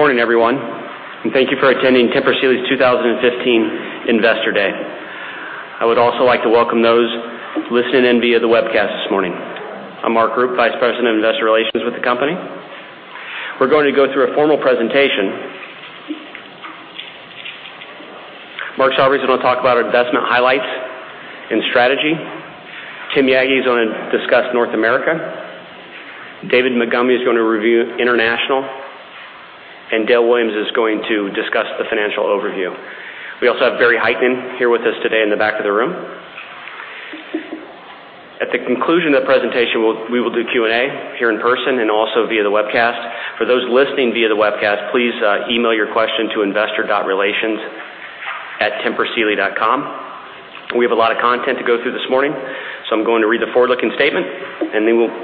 Good morning, everyone, thank you for attending Tempur Sealy's 2015 Investor Day. I would also like to welcome those listening in via the webcast this morning. I'm Mark Roop, Vice President of Investor Relations with the company. We're going to go through a formal presentation. Mark Sarvary's going to talk about our investment highlights and strategy. Tim Yaggi is going to discuss North America. David Montgomery is going to review international, Dale Williams is going to discuss the financial overview. We also have Barry Hytinen here with us today in the back of the room. At the conclusion of the presentation, we will do Q&A here in person and also via the webcast. For those listening via the webcast, please email your question to investor.relations@tempursealy.com. We have a lot of content to go through this morning, I'm going to read the forward-looking statement,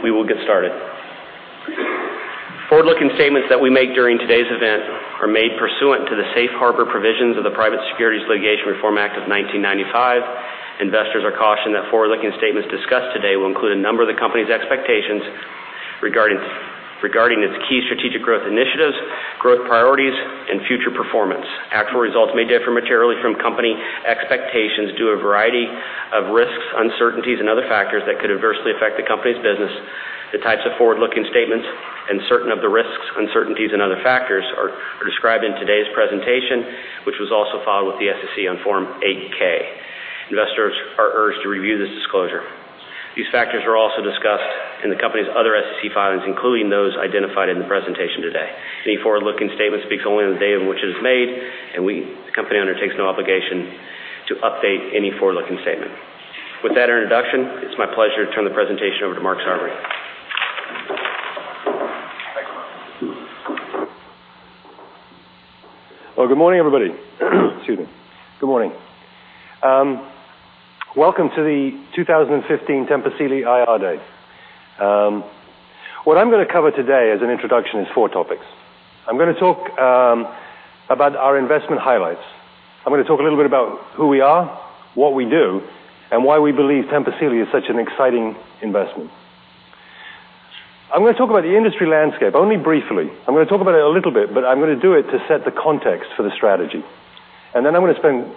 we will get started. Forward-looking statements that we make during today's event are made pursuant to the Safe Harbor Provisions of the Private Securities Litigation Reform Act of 1995. Investors are cautioned that forward-looking statements discussed today will include a number of the company's expectations regarding its key strategic growth initiatives, growth priorities, and future performance. Actual results may differ materially from company expectations due to a variety of risks, uncertainties, and other factors that could adversely affect the company's business. The types of forward-looking statements and certain of the risks, uncertainties, and other factors are described in today's presentation, which was also filed with the SEC on Form 8-K. Investors are urged to review this disclosure. These factors are also discussed in the company's other SEC filings, including those identified in the presentation today. Any forward-looking statement speaks only on the day on which it is made, the company undertakes no obligation to update any forward-looking statement. With that introduction, it's my pleasure to turn the presentation over to Mark Sarvary. Thanks, Mark. Good morning, everybody. Excuse me. Good morning. Welcome to the 2015 Tempur Sealy IR Day. What I'm going to cover today as an introduction is four topics. I'm going to talk about our investment highlights. I'm going to talk a little bit about who we are, what we do, why we believe Tempur Sealy is such an exciting investment. I'm going to talk about the industry landscape only briefly. I'm going to talk about it a little bit, I'm going to do it to set the context for the strategy. I'm going to spend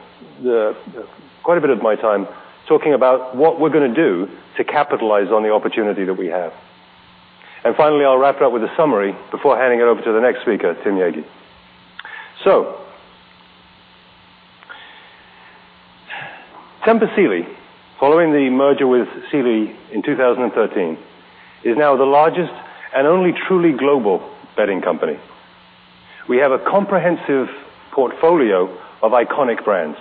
quite a bit of my time talking about what we're going to do to capitalize on the opportunity that we have. Finally, I'll wrap it up with a summary before handing it over to the next speaker, Tim Yagi. Tempur Sealy, following the merger with Sealy in 2013, is now the largest and only truly global bedding company. We have a comprehensive portfolio of iconic brands,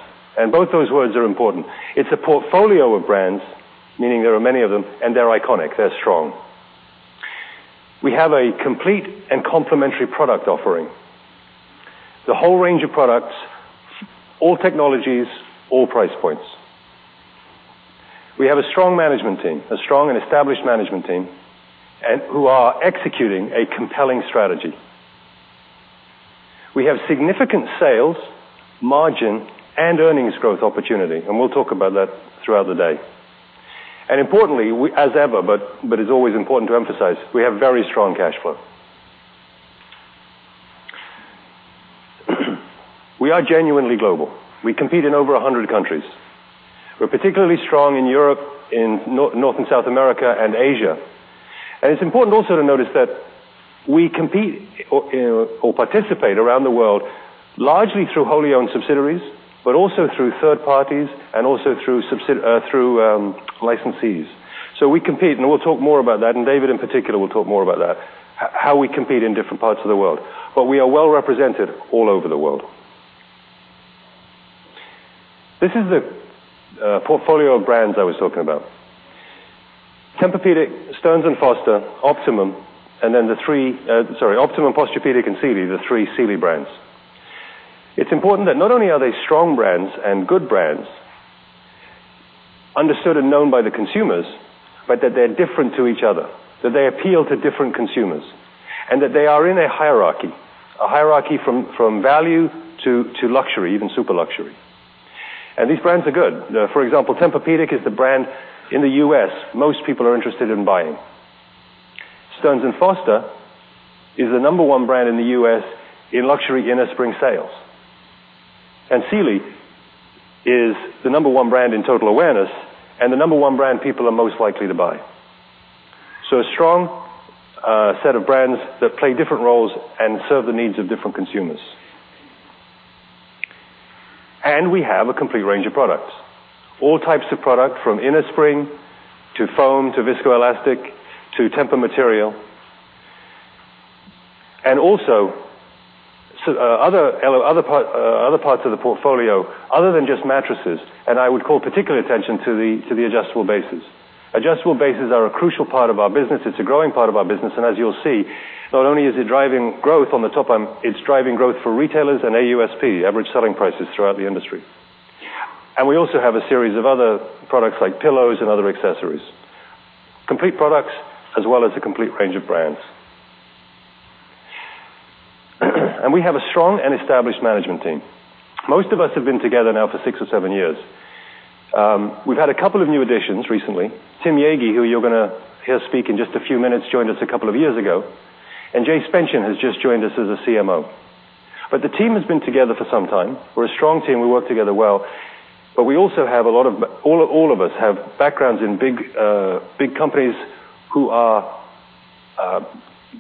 both those words are important. It's a portfolio of brands, meaning there are many of them, they're iconic. They're strong. We have a complete and complementary product offering. The whole range of products, all technologies, all price points. We have a strong management team, a strong and established management team who are executing a compelling strategy. We have significant sales, margin, and earnings growth opportunity, we'll talk about that throughout the day. Importantly, as ever, it's always important to emphasize, we have very strong cash flow. We are genuinely global. We compete in over 100 countries. We're particularly strong in Europe, in North and South America, and Asia. It's important also to notice that we compete or participate around the world largely through wholly-owned subsidiaries, but also through third parties and also through licensees. We compete, we'll talk more about that, David in particular will talk more about that, how we compete in different parts of the world. We are well-represented all over the world. This is the portfolio of brands I was talking about. Tempur-Pedic, Stearns & Foster, Optimum, Posturepedic, and Sealy, the three Sealy brands. It's important that not only are they strong brands and good brands, understood and known by the consumers, that they're different to each other, that they appeal to different consumers, that they are in a hierarchy. A hierarchy from value to luxury, even super luxury. These brands are good. For example, Tempur-Pedic is the brand in the U.S. most people are interested in buying. Stearns & Foster is the number one brand in the U.S. in luxury innerspring sales. Sealy is the number one brand in total awareness and the number one brand people are most likely to buy. A strong set of brands that play different roles and serve the needs of different consumers. We have a complete range of products. All types of product from innerspring to foam to viscoelastic to TEMPUR-Material. Also other parts of the portfolio other than just mattresses, I would call particular attention to the adjustable bases. Adjustable bases are a crucial part of our business. It's a growing part of our business. As you'll see, not only is it driving growth on the top line, it's driving growth for retailers and AUSP, Average Selling Prices, throughout the industry. We also have a series of other products like pillows and other accessories. Complete products as well as a complete range of brands. We have a strong and established management team. Most of us have been together now for six or seven years. We've had a couple of new additions recently. Tim Yaggi, who you're going to hear speak in just a few minutes, joined us a couple of years ago, Jay Spenchian has just joined us as a CMO. The team has been together for some time. We're a strong team. We work together well. All of us have backgrounds in big companies who are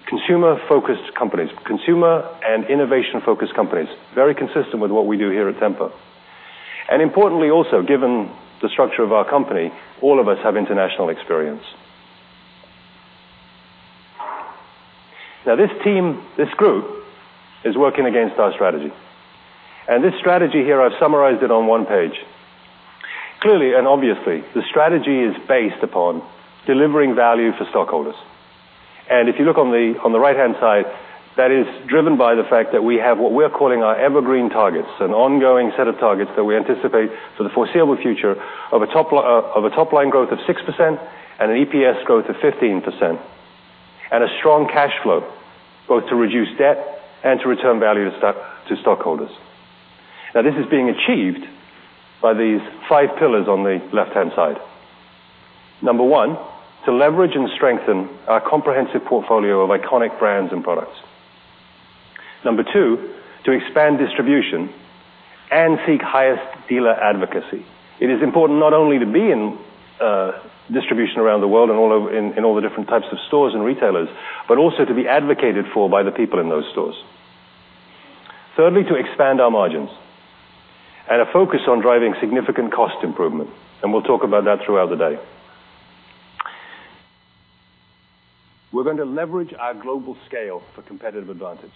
consumer-focused companies, consumer and innovation-focused companies, very consistent with what we do here at Tempur. Importantly, also, given the structure of our company, all of us have international experience. This team, this group, is working against our strategy. This strategy here, I've summarized it on one page. Clearly and obviously, the strategy is based upon delivering value for stockholders. If you look on the right-hand side, that is driven by the fact that we have what we're calling our evergreen targets, an ongoing set of targets that we anticipate for the foreseeable future of a top-line growth of 6% and an EPS growth of 15%, and a strong cash flow, both to reduce debt and to return value to stockholders. This is being achieved by these five pillars on the left-hand side. Number 1, to leverage and strengthen our comprehensive portfolio of iconic brands and products. Number 2, to expand distribution and seek highest dealer advocacy. It is important not only to be in distribution around the world and in all the different types of stores and retailers, but also to be advocated for by the people in those stores. Thirdly, to expand our margins and a focus on driving significant cost improvement. We'll talk about that throughout the day. We're going to leverage our global scale for competitive advantage.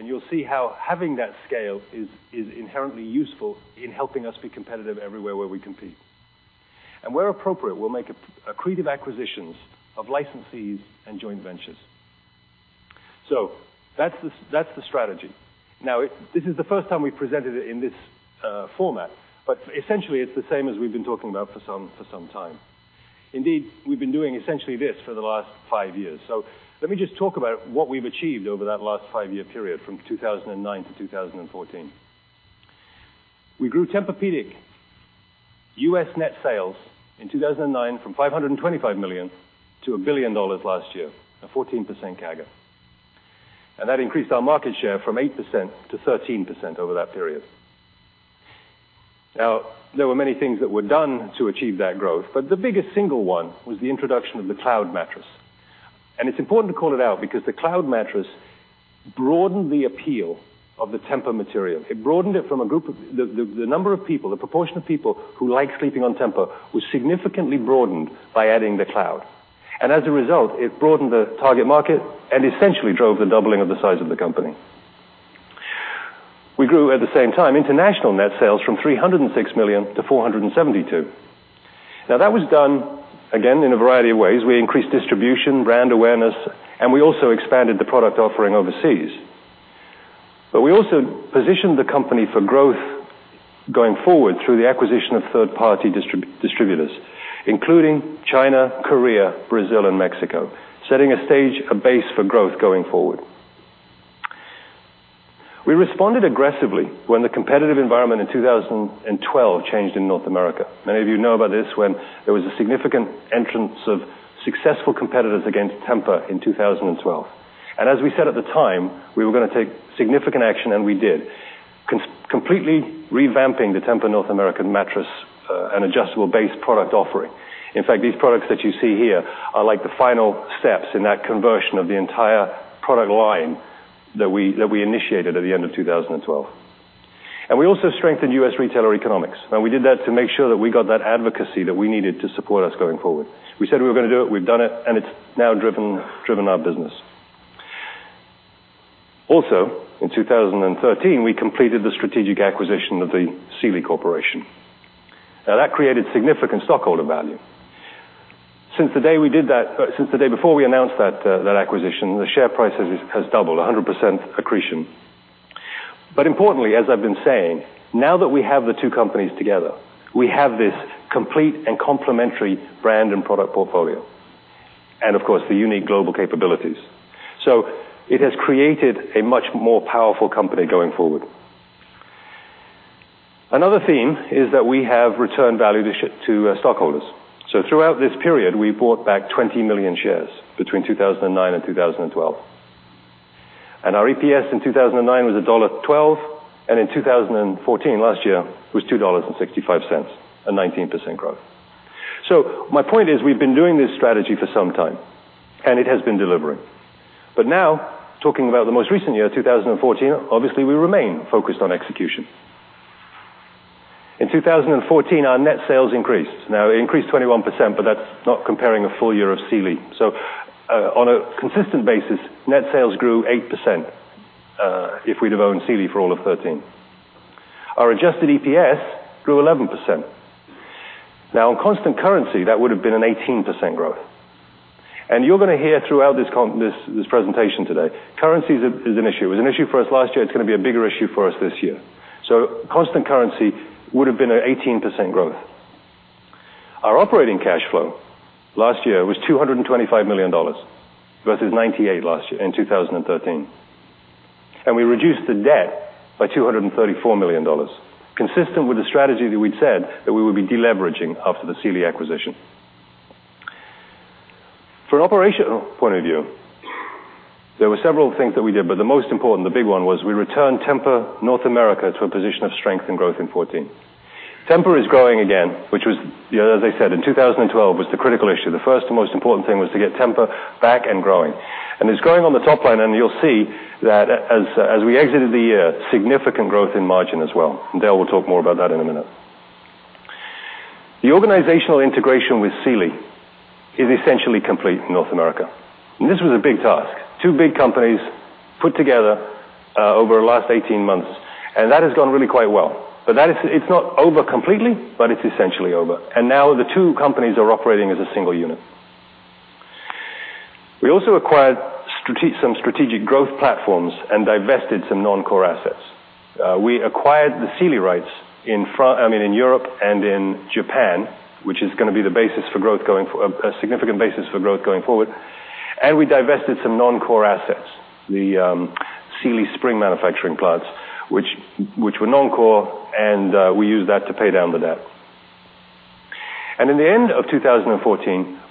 You'll see how having that scale is inherently useful in helping us be competitive everywhere where we compete. Where appropriate, we'll make accretive acquisitions of licensees and joint ventures. That's the strategy. This is the first time we've presented it in this format, essentially it's the same as we've been talking about for some time. Indeed, we've been doing essentially this for the last five years. Let me just talk about what we've achieved over that last five-year period from 2009 to 2014. We grew Tempur-Pedic U.S. net sales in 2009 from $525 million to $1 billion last year, a 14% CAGR. That increased our market share from 8% to 13% over that period. There were many things that were done to achieve that growth, the biggest single one was the introduction of the Cloud mattress. It's important to call it out because the Cloud mattress broadened the appeal of the TEMPUR-Material. The number of people, the proportion of people who like sleeping on Tempur was significantly broadened by adding the Cloud. As a result, it broadened the target market and essentially drove the doubling of the size of the company. We grew, at the same time, international net sales from $306 million to $472 million. That was done, again, in a variety of ways. We increased distribution, brand awareness, we also expanded the product offering overseas. We also positioned the company for growth going forward through the acquisition of third-party distributors, including China, Korea, Brazil, and Mexico, setting a base for growth going forward. We responded aggressively when the competitive environment in 2012 changed in North America. Many of you know about this when there was a significant entrance of successful competitors against Tempur in 2012. As we said at the time, we were going to take significant action, and we did. Completely revamping the Tempur North American mattress and adjustable base product offering. In fact, these products that you see here are like the final steps in that conversion of the entire product line that we initiated at the end of 2012. We also strengthened U.S. retailer economics, and we did that to make sure that we got that advocacy that we needed to support us going forward. We said we were going to do it, we've done it, and it's now driven our business. Also, in 2013, we completed the strategic acquisition of the Sealy Corporation. That created significant stockholder value. Since the day before we announced that acquisition, the share price has doubled, 100% accretion. Importantly, as I've been saying, now that we have the two companies together, we have this complete and complementary brand and product portfolio. Of course, the unique global capabilities. It has created a much more powerful company going forward. Another theme is that we have returned value to stockholders. Throughout this period, we bought back 20 million shares between 2009 and 2012. Our EPS in 2009 was $1.12, and in 2014, last year, it was $2.65, a 19% growth. My point is, we've been doing this strategy for some time, and it has been delivering. Now, talking about the most recent year, 2014, obviously, we remain focused on execution. In 2014, our net sales increased. It increased 21%, but that's not comparing a full year of Sealy. On a consistent basis, net sales grew 8% if we'd have owned Sealy for all of 2013. Our adjusted EPS grew 11%. In constant currency, that would have been an 18% growth. You're going to hear throughout this presentation today, currency is an issue. It was an issue for us last year. It's going to be a bigger issue for us this year. Constant currency would have been an 18% growth. Our operating cash flow last year was $225 million versus $98 million in 2013. We reduced the debt by $234 million, consistent with the strategy that we'd said that we would be deleveraging after the Sealy acquisition. From an operational point of view, there were several things that we did, but the most important, the big one, was we returned Tempur North America to a position of strength and growth in 2014. Tempur is growing again, which, as I said, in 2012, was the critical issue. The first and most important thing was to get Tempur back and growing. It's growing on the top line, and you'll see that as we exited the year, significant growth in margin as well. Dale will talk more about that in a minute. The organizational integration with Sealy is essentially complete in North America, this was a big task. Two big companies put together over the last 18 months, that has gone really quite well. It's not over completely, but it's essentially over. Now the two companies are operating as a single unit. We also acquired some strategic growth platforms and divested some non-core assets. We acquired the Sealy rights in Europe and in Japan, which is going to be a significant basis for growth going forward. We divested some non-core assets, the Sealy spring manufacturing plants, which were non-core, and we used that to pay down the debt. In the end of 2014,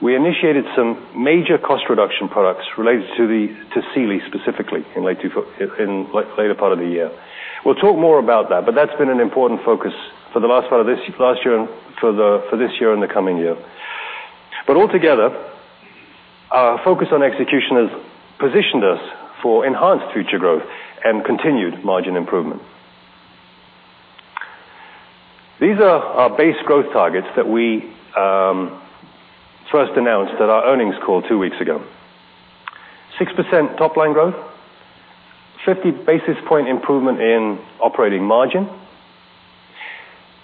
we initiated some major cost reduction projects related to Sealy specifically in later part of the year. We'll talk more about that, but that's been an important focus for the last part of last year and for this year and the coming year. Altogether, our focus on execution has positioned us for enhanced future growth and continued margin improvement. These are our base growth targets that we first announced at our earnings call two weeks ago. 6% top-line growth, 50 basis point improvement in operating margin,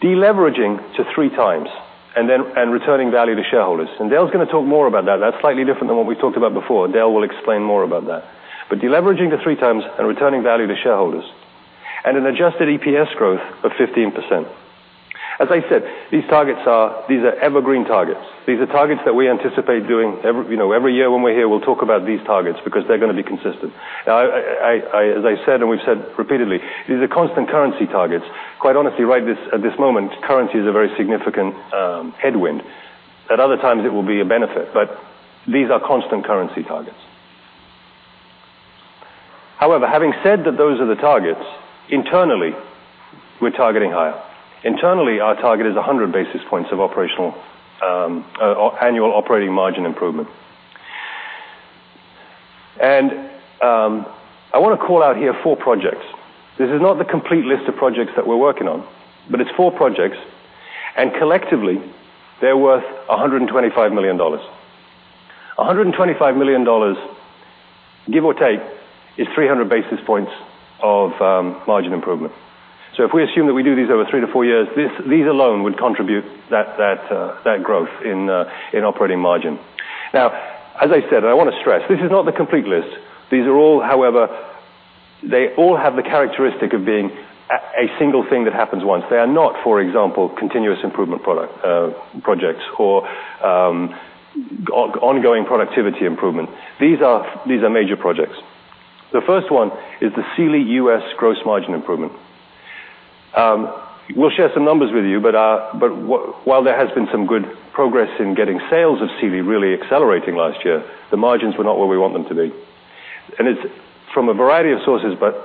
deleveraging to 3 times, and returning value to shareholders. Dale's going to talk more about that. That's slightly different than what we talked about before. Dale will explain more about that. Deleveraging to 3 times and returning value to shareholders, and an adjusted EPS growth of 15%. As I said, these are evergreen targets. These are targets that we anticipate doing every year when we're here, we'll talk about these targets because they're going to be consistent. As I said, we've said repeatedly, these are constant currency targets. Quite honestly, right at this moment, currency is a very significant headwind. At other times, it will be a benefit, these are constant currency targets. However, having said that those are the targets, internally, we're targeting higher. Internally, our target is 100 basis points of annual operating margin improvement. I want to call out here four projects. This is not the complete list of projects that we're working on, but it's four projects, and collectively, they're worth $125 million. $125 million, give or take, is 300 basis points of margin improvement. If we assume that we do these over three to four years, these alone would contribute that growth in operating margin. As I said, I want to stress, this is not the complete list. These are all, however, they all have the characteristic of being a single thing that happens once. They are not, for example, continuous improvement projects or ongoing productivity improvement. These are major projects. The first one is the Sealy U.S. gross margin improvement. We'll share some numbers with you, while there has been some good progress in getting sales of Sealy really accelerating last year, the margins were not where we want them to be. It's from a variety of sources, but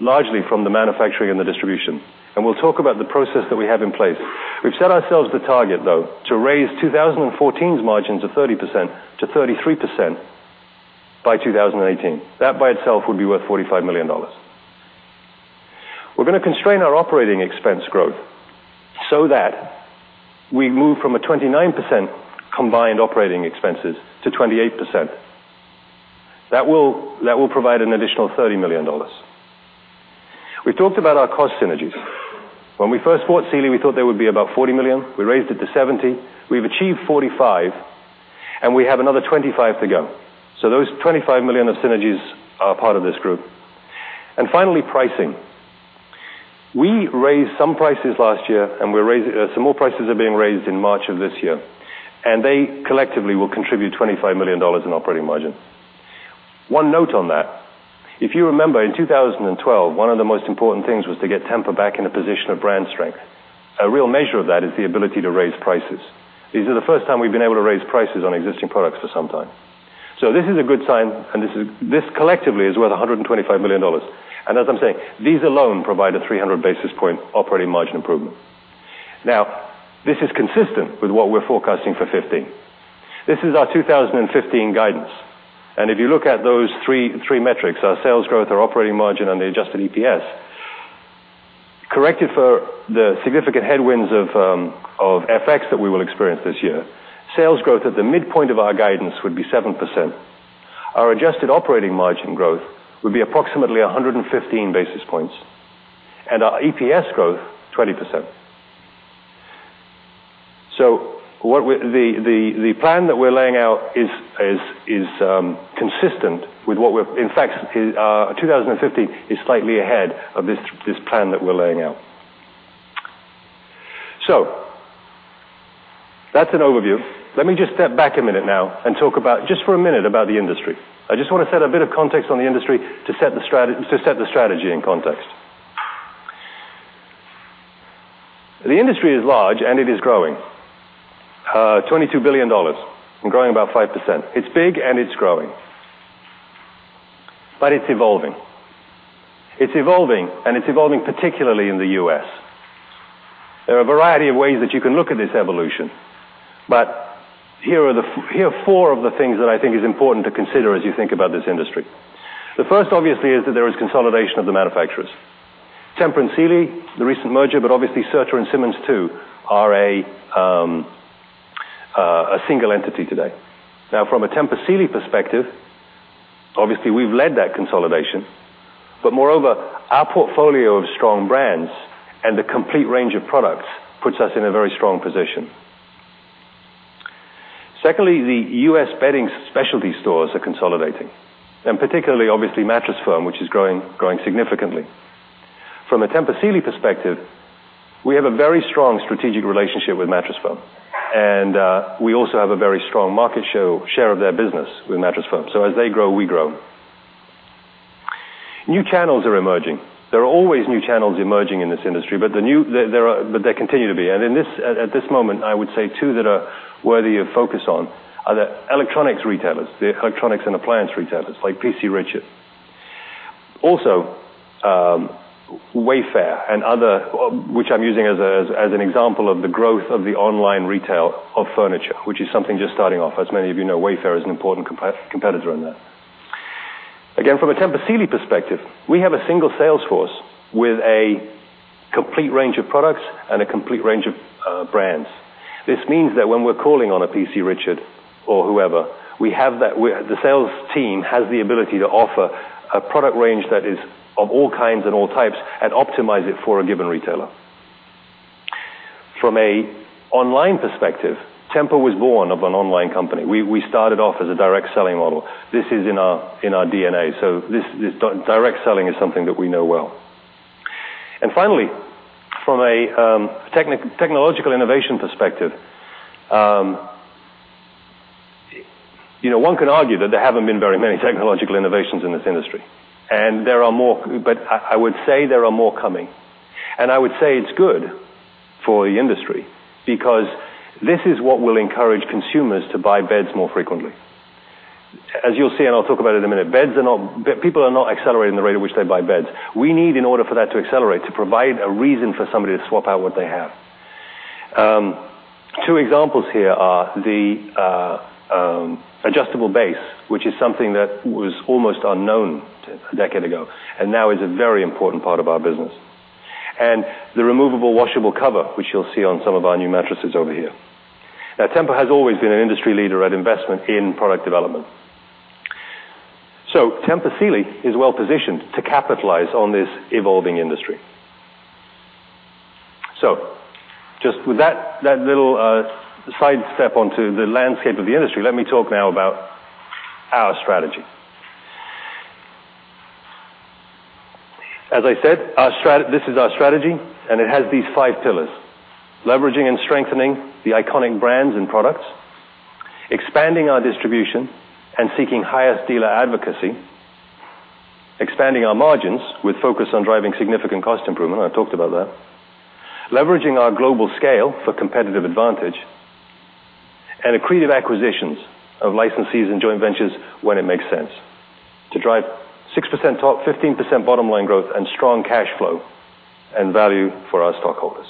largely from the manufacturing and the distribution. We'll talk about the process that we have in place. We've set ourselves the target, though, to raise 2014's margins of 30%-33% by 2018. That by itself would be worth $45 million. We're going to constrain our operating expense growth so that we move from a 29% combined operating expenses to 28%. That will provide an additional $30 million. We talked about our cost synergies. When we first bought Sealy, we thought there would be about $40 million. We raised it to $70. We've achieved $45, and we have another $25 to go. Those $25 million of synergies are part of this group. Finally, pricing. We raised some prices last year, some more prices are being raised in March of this year. They collectively will contribute $25 million in operating margin. One note on that. If you remember, in 2012, one of the most important things was to get Tempur back in a position of brand strength. A real measure of that is the ability to raise prices. This is the first time we've been able to raise prices on existing products for some time. This is a good sign, and this collectively is worth $125 million. As I'm saying, these alone provide a 300 basis point operating margin improvement. This is consistent with what we're forecasting for 2015. This is our 2015 guidance. If you look at those three metrics, our sales growth, our operating margin, and the adjusted EPS, corrected for the significant headwinds of FX that we will experience this year, sales growth at the midpoint of our guidance would be 7%. Our adjusted operating margin growth would be approximately 115 basis points, and our EPS growth, 20%. The plan that we're laying out is consistent with. In fact, 2015 is slightly ahead of this plan that we're laying out. That's an overview. Let me just step back a minute now and talk about, just for a minute, about the industry. I just want to set a bit of context on the industry to set the strategy in context. The industry is large, and it is growing. $22 billion and growing about 5%. It's big, and it's growing. It's evolving. It's evolving, and it's evolving particularly in the U.S. There are a variety of ways that you can look at this evolution. Here are four of the things that I think is important to consider as you think about this industry. The first, obviously, is that there is consolidation of the manufacturers. Tempur and Sealy, the recent merger, but obviously Serta and Simmons too are a single entity today. From a Tempur Sealy perspective, obviously, we've led that consolidation. Moreover, our portfolio of strong brands and the complete range of products puts us in a very strong position. Secondly, the U.S. bedding specialty stores are consolidating, and particularly, obviously, Mattress Firm, which is growing significantly. From a Tempur Sealy perspective, we have a very strong strategic relationship with Mattress Firm, and we also have a very strong market share of their business with Mattress Firm. As they grow, we grow. New channels are emerging. There are always new channels emerging in this industry, but they continue to be. At this moment, I would say two that are worthy of focus on are the electronics retailers. The electronics and appliance retailers like P.C. Richard. Also, Wayfair and other, which I'm using as an example of the growth of the online retail of furniture, which is something just starting off. As many of you know, Wayfair is an important competitor in that. From a Tempur Sealy perspective, we have a single sales force with a complete range of products and a complete range of brands. This means that when we're calling on a P.C. Richard or whoever, the sales team has the ability to offer a product range that is of all kinds and all types and optimize it for a given retailer. From an online perspective, Tempur was born of an online company. We started off as a direct selling model. This is in our DNA. This direct selling is something that we know well. Finally, from a technological innovation perspective. One can argue that there haven't been very many technological innovations in this industry, and there are more. I would say there are more coming. I would say it's good for the industry because this is what will encourage consumers to buy beds more frequently. As you'll see, I'll talk about it in a minute. People are not accelerating the rate at which they buy beds. We need in order for that to accelerate, to provide a reason for somebody to swap out what they have. Two examples here are the adjustable base, which is something that was almost unknown a decade ago and now is a very important part of our business. The removable washable cover, which you'll see on some of our new mattresses over here. Tempur has always been an industry leader at investment in product development. Tempur Sealy is well-positioned to capitalize on this evolving industry. Just with that little sidestep onto the landscape of the industry, let me talk now about our strategy. As I said, this is our strategy, and it has these five pillars. Leveraging and strengthening the iconic brands and products, expanding our distribution, and seeking highest dealer advocacy. Expanding our margins with focus on driving significant cost improvement. I talked about that. Leveraging our global scale for competitive advantage, accretive acquisitions of licensees and joint ventures when it makes sense to drive 6% top, 15% bottom line growth and strong cash flow and value for our stockholders.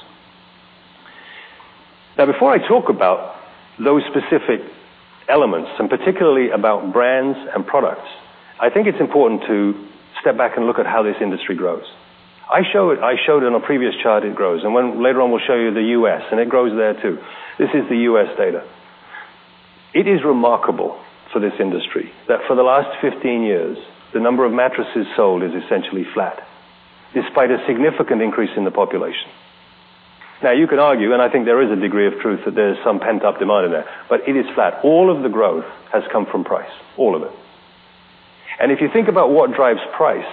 Before I talk about those specific elements, and particularly about brands and products, I think it's important to step back and look at how this industry grows. I showed on a previous chart it grows, later on, we'll show you the U.S., and it grows there, too. This is the U.S. data. It is remarkable for this industry that for the last 15 years, the number of mattresses sold is essentially flat despite a significant increase in the population. You can argue, and I think there is a degree of truth that there is some pent-up demand in there, but it is flat. All of the growth has come from price, all of it. If you think about what drives price,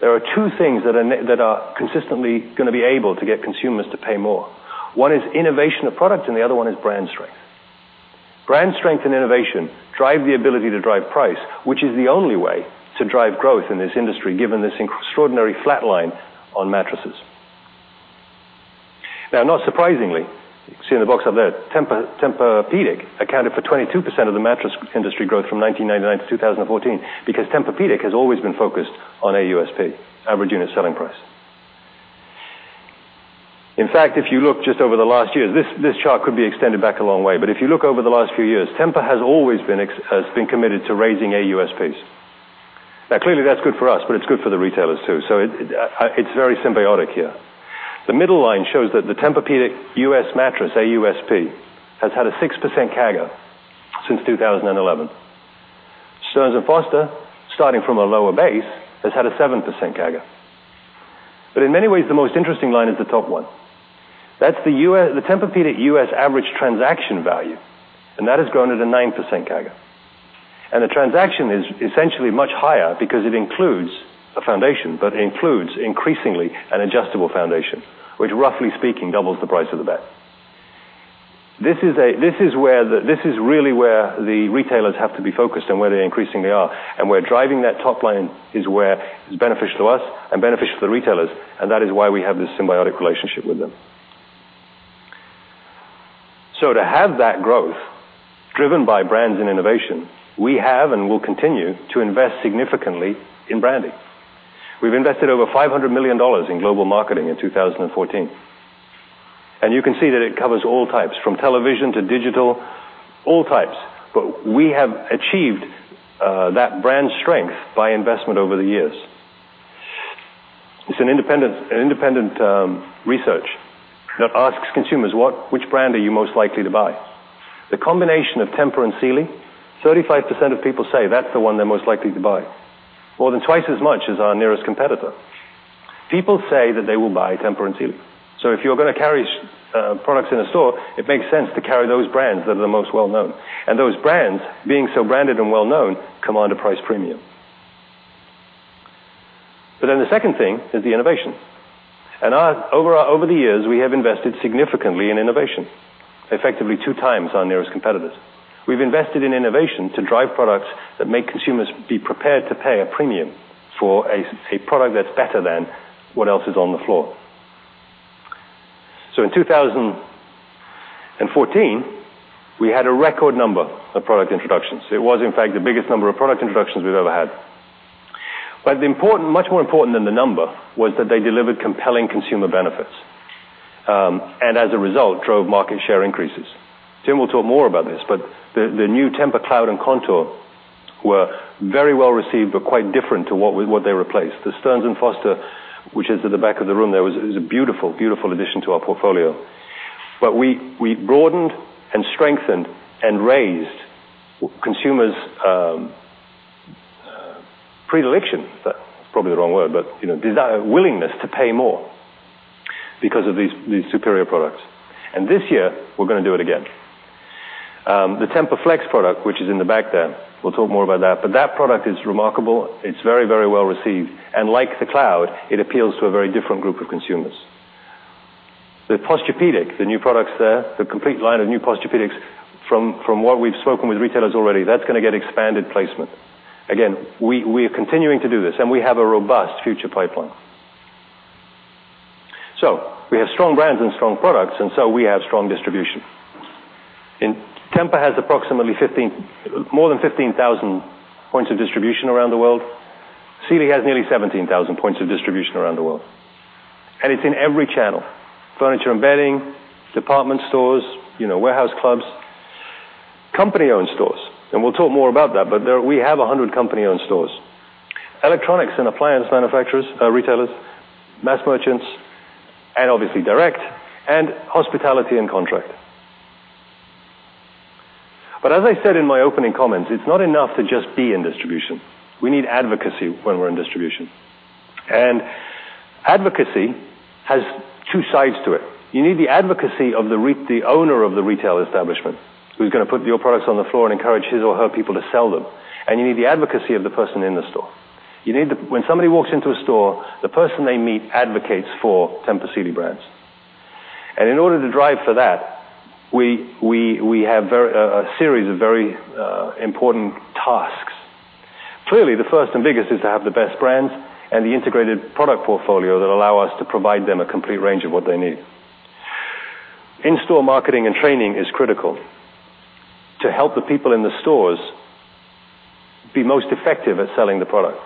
there are two things that are consistently going to be able to get consumers to pay more. One is innovation of product, and the other one is brand strength. Brand strength and innovation drive the ability to drive price, which is the only way to drive growth in this industry given this extraordinary flatline on mattresses. Not surprisingly, you can see in the box up there, Tempur-Pedic accounted for 22% of the mattress industry growth from 1999 to 2014 because Tempur-Pedic has always been focused on AUSP, average unit selling price. In fact, if you look just over the last years, this chart could be extended back a long way. If you look over the last few years, Tempur has always been committed to raising AUSPs. Clearly, that's good for us, but it's good for the retailers, too. It's very symbiotic here. The middle line shows that the Tempur-Pedic U.S. mattress AUSP has had a 6% CAGR since 2011. Stearns & Foster, starting from a lower base, has had a 7% CAGR. In many ways, the most interesting line is the top one. That's the Tempur-Pedic U.S. average transaction value, and that has grown at a 9% CAGR. The transaction is essentially much higher because it includes a foundation, but includes increasingly an adjustable foundation, which roughly speaking, doubles the price of the bed. This is really where the retailers have to be focused and where they increasingly are. We're driving that top line is where it's beneficial to us and beneficial to the retailers, and that is why we have this symbiotic relationship with them. To have that growth driven by brands and innovation, we have and will continue to invest significantly in branding. We've invested over $500 million in global marketing in 2014. You can see that it covers all types, from television to digital, all types. We have achieved that brand strength by investment over the years. It's an independent research that asks consumers which brand are you most likely to buy. The combination of Tempur and Sealy, 35% of people say that's the one they're most likely to buy, more than twice as much as our nearest competitor. People say that they will buy Tempur and Sealy. If you're going to carry products in a store, it makes sense to carry those brands that are the most well-known. Those brands, being so branded and well-known, command a price premium. The second thing is the innovation. Over the years, we have invested significantly in innovation, effectively two times our nearest competitors. We've invested in innovation to drive products that make consumers be prepared to pay a premium for a product that's better than what else is on the floor. In 2014, we had a record number of product introductions. It was in fact the biggest number of product introductions we've ever had. Much more important than the number was that they delivered compelling consumer benefits. As a result, drove market share increases. Tim will talk more about this, the new TEMPUR-Cloud and TEMPUR-Contour were very well received, but quite different to what they replaced. The Stearns & Foster, which is at the back of the room there, is a beautiful addition to our portfolio. We broadened and strengthened and raised consumers' predilection. That's probably the wrong word, but willingness to pay more because of these superior products. This year, we're going to do it again. The TEMPUR-Flex product, which is in the back there, we'll talk more about that, but that product is remarkable. It's very well received, and like the TEMPUR-Cloud, it appeals to a very different group of consumers. The Posturepedic, the new products there, the complete line of new Posturepedics, from what we've spoken with retailers already, that's going to get expanded placement. Again, we are continuing to do this. We have a robust future pipeline. We have strong brands and strong products. We have strong distribution. Tempur has approximately more than 15,000 points of distribution around the world. Sealy has nearly 17,000 points of distribution around the world. It's in every channel, furniture and bedding, department stores, warehouse clubs. Company-owned stores, and we'll talk more about that, but we have 100 company-owned stores. Electronics and appliance retailers, mass merchants, and obviously direct, and hospitality and contract. As I said in my opening comments, it's not enough to just be in distribution. We need advocacy when we're in distribution. Advocacy has two sides to it. You need the advocacy of the owner of the retail establishment, who's going to put your products on the floor and encourage his or her people to sell them. You need the advocacy of the person in the store. When somebody walks into a store, the person they meet advocates for Tempur Sealy brands. In order to drive for that, we have a series of very important tasks. Clearly, the first and biggest is to have the best brands and the integrated product portfolio that allow us to provide them a complete range of what they need. In-store marketing and training is critical to help the people in the stores be most effective at selling the product.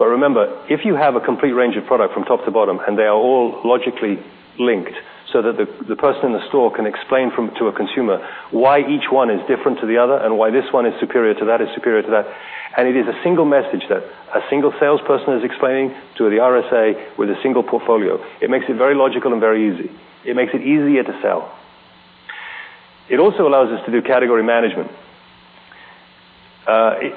Remember, if you have a complete range of product from top to bottom, and they are all logically linked so that the person in the store can explain to a consumer why each one is different to the other and why this one is superior to that is superior to that, and it is a single message that a single salesperson is explaining to the RSA with a single portfolio. It makes it very logical and very easy. It makes it easier to sell. It also allows us to do category management.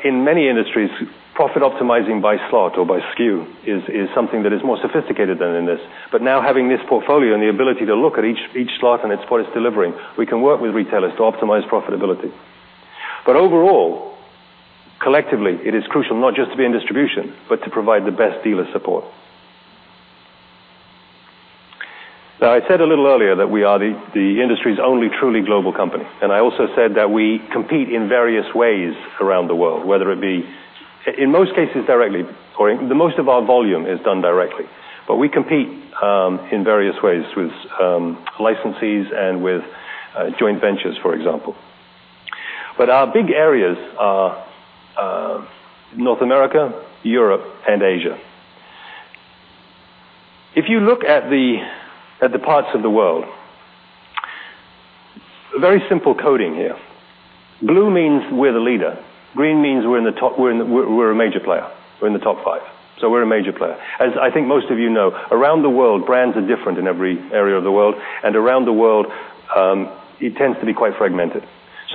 In many industries, profit optimizing by slot or by SKU is something that is more sophisticated than in this. Now having this portfolio and the ability to look at each slot and what it's delivering, we can work with retailers to optimize profitability. Overall, collectively, it is crucial not just to be in distribution, but to provide the best dealer support. I said a little earlier that we are the industry's only truly global company, and I also said that we compete in various ways around the world, in most cases directly. Most of our volume is done directly, but we compete in various ways with licensees and with joint ventures, for example. Our big areas are North America, Europe, and Asia. If you look at the parts of the world, very simple coding here. Blue means we're the leader. Green means we're a major player. We're in the top five. We're a major player. As I think most of you know, around the world, brands are different in every area of the world, and around the world, it tends to be quite fragmented.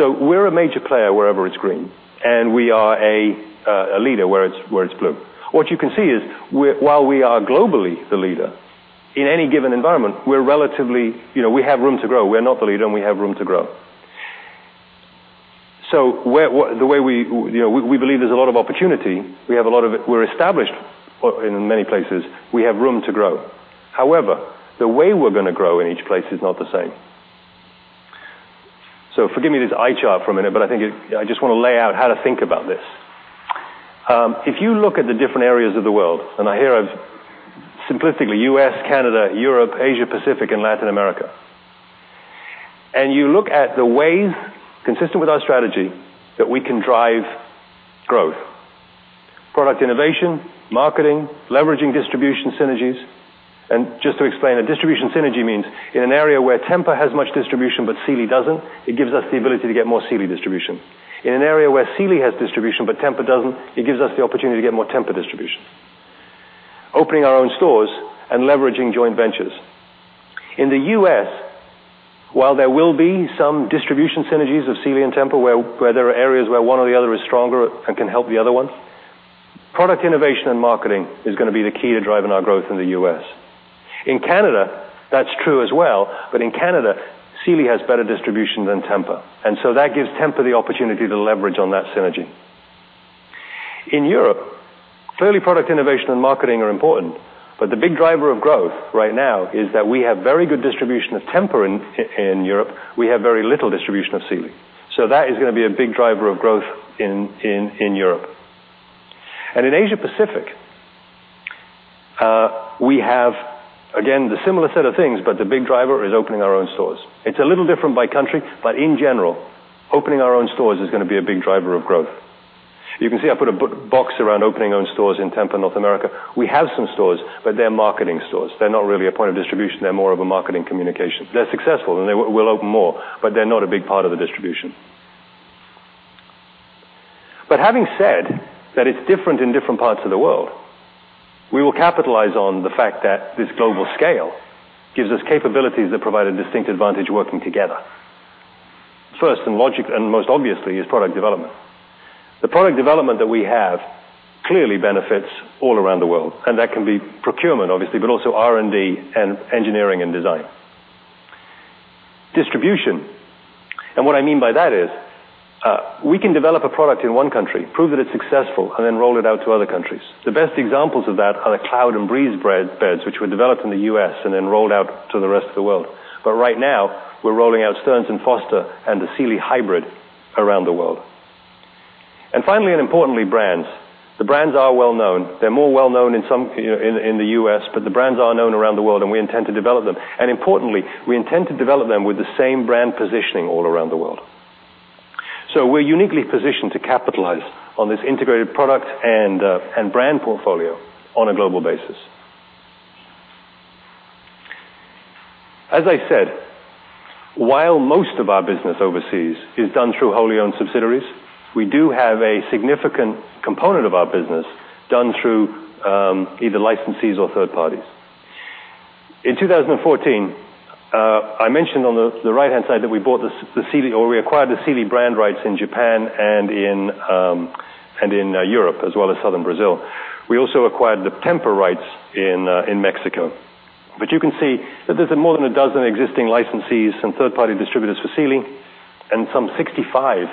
We're a major player wherever it's green, and we are a leader where it's blue. What you can see is while we are globally the leader in any given environment, we have room to grow. We're not the leader, and we have room to grow. We believe there's a lot of opportunity. We're established in many places. We have room to grow. The way we're going to grow in each place is not the same. Forgive me this eye chart for a minute, but I just want to lay out how to think about this. If you look at the different areas of the world, and here I've, simplistically, U.S., Canada, Europe, Asia Pacific, and Latin America. You look at the ways consistent with our strategy that we can drive growth. Product innovation, marketing, leveraging distribution synergies. Just to explain, a distribution synergy means in an area where Tempur has much distribution but Sealy doesn't, it gives us the ability to get more Sealy distribution. In an area where Sealy has distribution but Tempur doesn't, it gives us the opportunity to get more Tempur distribution. Opening our own stores and leveraging joint ventures. In the U.S., while there will be some distribution synergies of Sealy and Tempur where there are areas where one or the other is stronger and can help the other one, product innovation and marketing is going to be the key to driving our growth in the U.S. In Canada, that's true as well, but in Canada, Sealy has better distribution than Tempur. That gives Tempur the opportunity to leverage on that synergy. In Europe, clearly product innovation and marketing are important, but the big driver of growth right now is that we have very good distribution of Tempur in Europe. We have very little distribution of Sealy. That is going to be a big driver of growth in Europe. In Asia Pacific, we have, again, the similar set of things, but the big driver is opening our own stores. It's a little different by country, but in general, opening our own stores is going to be a big driver of growth. You can see I put a box around opening own stores in Tempur North America. We have some stores, but they're marketing stores. They're not really a point of distribution. They're more of a marketing communication. They're successful, and we'll open more, but they're not a big part of the distribution. Having said that it's different in different parts of the world, we will capitalize on the fact that this global scale gives us capabilities that provide a distinct advantage working together. First, and most obviously, is product development. The product development that we have clearly benefits all around the world, and that can be procurement, obviously, but also R&D and engineering and design. Distribution. What I mean by that is we can develop a product in one country, prove that it's successful, and then roll it out to other countries. The best examples of that are the Cloud and Breeze beds, which were developed in the U.S. and then rolled out to the rest of the world. Right now, we're rolling out Stearns & Foster and the Sealy Hybrid around the world. Finally, and importantly, brands. The brands are well-known. They're more well-known in the U.S., but the brands are known around the world, and we intend to develop them. Importantly, we intend to develop them with the same brand positioning all around the world. We're uniquely positioned to capitalize on this integrated product and brand portfolio on a global basis. As I said, while most of our business overseas is done through wholly owned subsidiaries, we do have a significant component of our business done through either licensees or third parties. In 2014, I mentioned on the right-hand side that we acquired the Sealy brand rights in Japan and in Europe, as well as Southern Brazil. We also acquired the Tempur rights in Mexico. You can see that there's more than a dozen existing licensees and third-party distributors for Sealy and some 65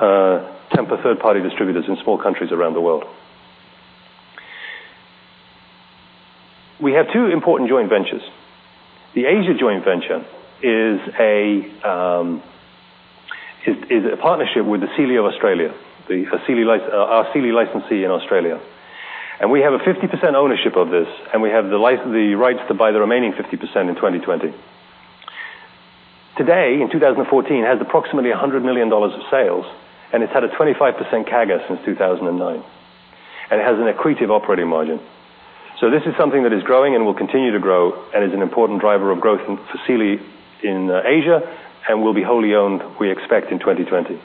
Tempur third-party distributors in small countries around the world. We have two important joint ventures. The Asia joint venture is a partnership with the Sealy of Australia, our Sealy licensee in Australia. We have a 50% ownership of this, and we have the rights to buy the remaining 50% in 2020. Today, in 2014, it has approximately $100 million of sales. It's had a 25% CAGR since 2009. It has an accretive operating margin. This is something that is growing and will continue to grow and is an important driver of growth for Sealy in Asia and will be wholly owned, we expect, in 2020.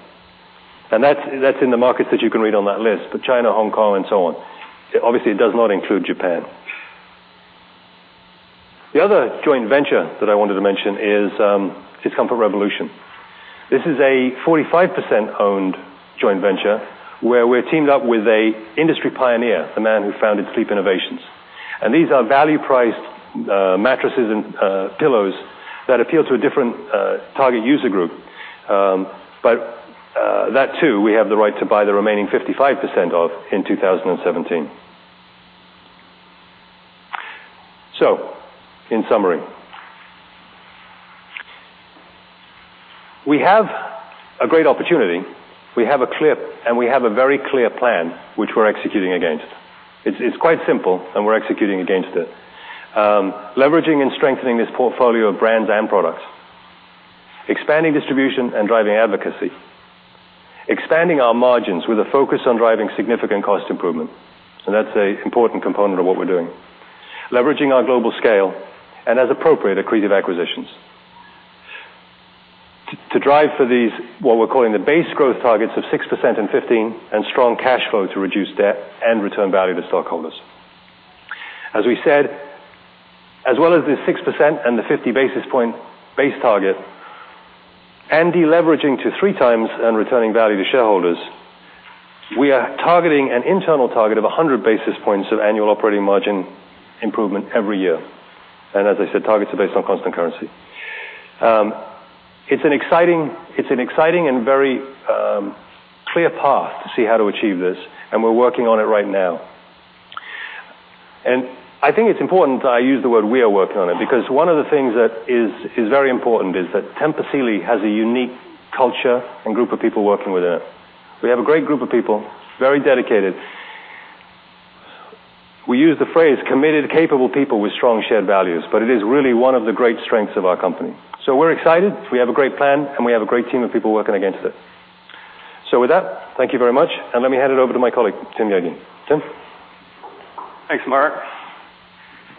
That's in the markets that you can read on that list, but China, Hong Kong, and so on. Obviously, it does not include Japan. The other joint venture that I wanted to mention is Comfort Revolution. This is a 45%-owned joint venture where we've teamed up with an industry pioneer, the man who founded Sleep Innovations. These are value-priced mattresses and pillows that appeal to a different target user group. That too, we have the right to buy the remaining 55% of in 2017. In summary. We have a great opportunity, and we have a very clear plan which we're executing against. It's quite simple, and we're executing against it. Leveraging and strengthening this portfolio of brands and products. Expanding distribution and driving advocacy. Expanding our margins with a focus on driving significant cost improvement. That's an important component of what we're doing. Leveraging our global scale and as appropriate, accretive acquisitions. To drive for these, what we're calling the base growth targets of 6% and 15 and strong cash flow to reduce debt and return value to stockholders. As we said, as well as the 6% and the 50 basis point base target. Deleveraging to three times and returning value to shareholders. We are targeting an internal target of 100 basis points of annual operating margin improvement every year. As I said, targets are based on constant currency. It's an exciting and very clear path to see how to achieve this, and we're working on it right now. I think it's important that I use the word we are working on it, because one of the things that is very important is that Tempur Sealy has a unique culture and group of people working within it. We have a great group of people, very dedicated. We use the phrase committed, capable people with strong shared values, but it is really one of the great strengths of our company. We're excited, we have a great plan, and we have a great team of people working against it. With that, thank you very much, and let me hand it over to my colleague, Tim Yaggi. Tim? Thanks, Mark.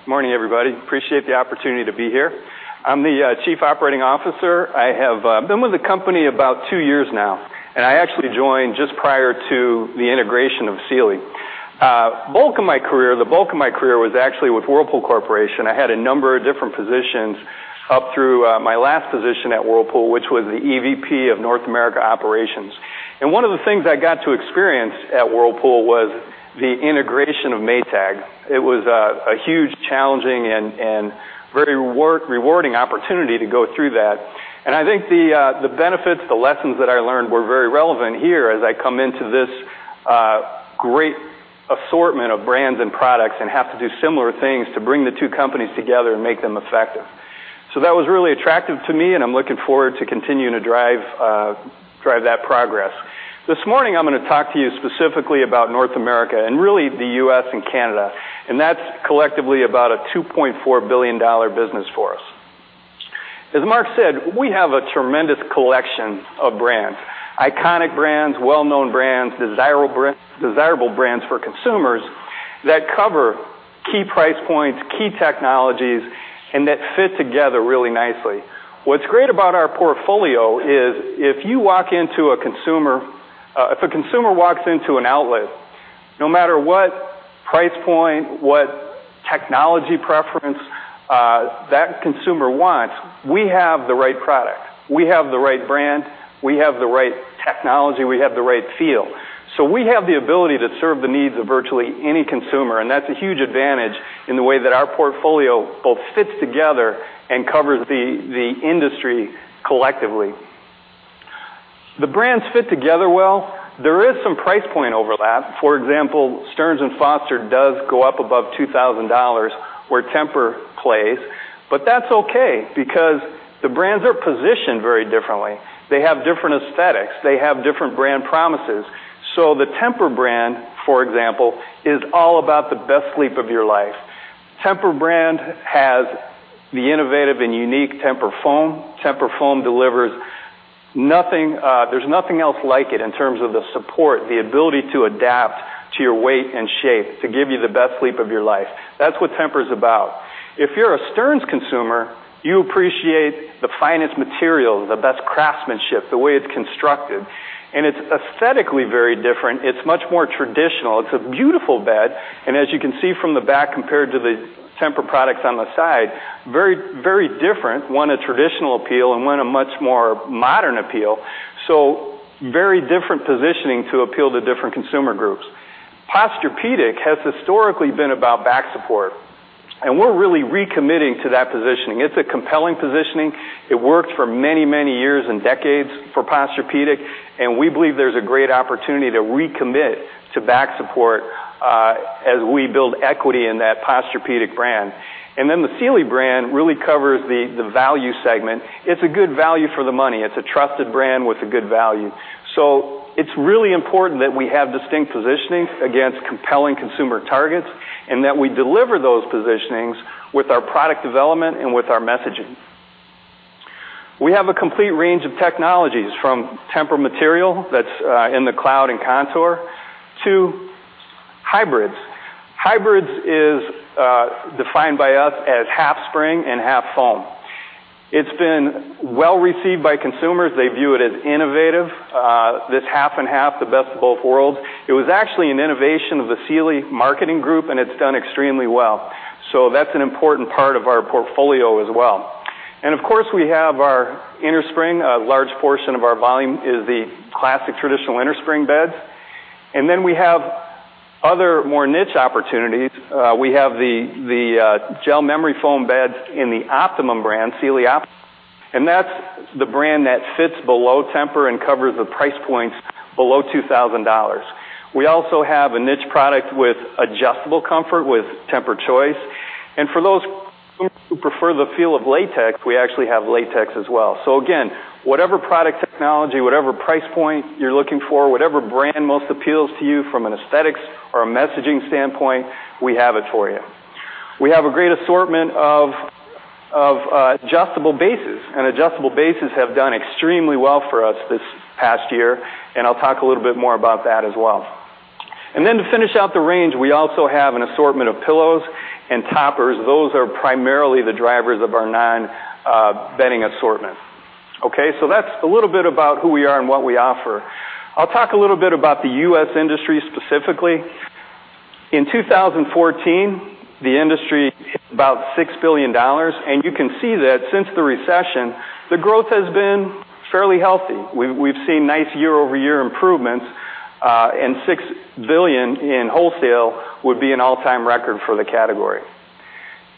Morning, everybody. Appreciate the opportunity to be here. I'm the Chief Operating Officer. I have been with the company about two years now, and I actually joined just prior to the integration of Sealy. The bulk of my career was actually with Whirlpool Corporation. I had a number of different positions up through my last position at Whirlpool, which was the EVP of North America Operations. One of the things I got to experience at Whirlpool was the integration of Maytag. It was a huge, challenging, and very rewarding opportunity to go through that. I think the benefits, the lessons that I learned were very relevant here as I come into this great assortment of brands and products and have to do similar things to bring the two companies together and make them effective. That was really attractive to me, and I'm looking forward to continuing to drive that progress. This morning, I'm going to talk to you specifically about North America and really the U.S. and Canada, that's collectively about a $2.4 billion business for us. As Mark said, we have a tremendous collection of brands, iconic brands, well-known brands, desirable brands for consumers that cover key price points, key technologies, that fit together really nicely. What's great about our portfolio is if a consumer walks into an outlet, no matter what price point, what technology preference that consumer wants, we have the right product. We have the right brand, we have the right technology, we have the right feel. We have the ability to serve the needs of virtually any consumer, and that's a huge advantage in the way that our portfolio both fits together and covers the industry collectively. The brands fit together well. There is some price point overlap. For example, Stearns & Foster does go up above $2,000 where Tempur plays, That's okay because the brands are positioned very differently. They have different aesthetics. They have different brand promises. The Tempur brand, for example, is all about the best sleep of your life. Tempur brand has the innovative and unique Tempur Foam. Tempur Foam delivers. There's nothing else like it in terms of the support, the ability to adapt to your weight and shape to give you the best sleep of your life. That's what Tempur is about. If you're a Stearns consumer, you appreciate the finest materials, the best craftsmanship, the way it's constructed, it's aesthetically very different. It's much more traditional. It's a beautiful bed, as you can see from the back compared to the Tempur products on the side, very different. One, a traditional appeal, and one, a much more modern appeal. Very different positioning to appeal to different consumer groups. Posturepedic has historically been about back support, we're really recommitting to that positioning. It's a compelling positioning. It worked for many, many years and decades for Posturepedic, we believe there's a great opportunity to recommit to back support as we build equity in that Posturepedic brand. The Sealy brand really covers the value segment. It's a good value for the money. It's a trusted brand with a good value. It's really important that we have distinct positioning against compelling consumer targets and that we deliver those positionings with our product development and with our messaging. We have a complete range of technologies, from TEMPUR-Material that's in the TEMPUR-Cloud and TEMPUR-Contour to hybrids. Hybrids is defined by us as half spring and half foam. It's been well-received by consumers. They view it as innovative, this half and half, the best of both worlds. It was actually an innovation of the Sealy marketing group, and it's done extremely well. That's an important part of our portfolio as well. Of course, we have our innerspring. A large portion of our volume is the classic traditional innerspring beds. Then we have other more niche opportunities. We have the gel memory foam beds in the Optimum brand, Sealy Optimum, and that's the brand that sits below Tempur and covers the price points below $2,000. We also have a niche product with adjustable comfort with TEMPUR-Choice. For those consumers who prefer the feel of latex, we actually have latex as well. Again, whatever product technology, whatever price point you're looking for, whatever brand most appeals to you from an aesthetics or a messaging standpoint, we have it for you. We have a great assortment of adjustable bases, and adjustable bases have done extremely well for us this past year, and I'll talk a little bit more about that as well. Then to finish out the range, we also have an assortment of pillows and toppers. Those are primarily the drivers of our non-bedding assortment. That's a little bit about who we are and what we offer. I'll talk a little bit about the U.S. industry specifically. In 2014, the industry hit about $6 billion, and you can see that since the recession, the growth has been fairly healthy. We've seen nice year-over-year improvements, and $6 billion in wholesale would be an all-time record for the category.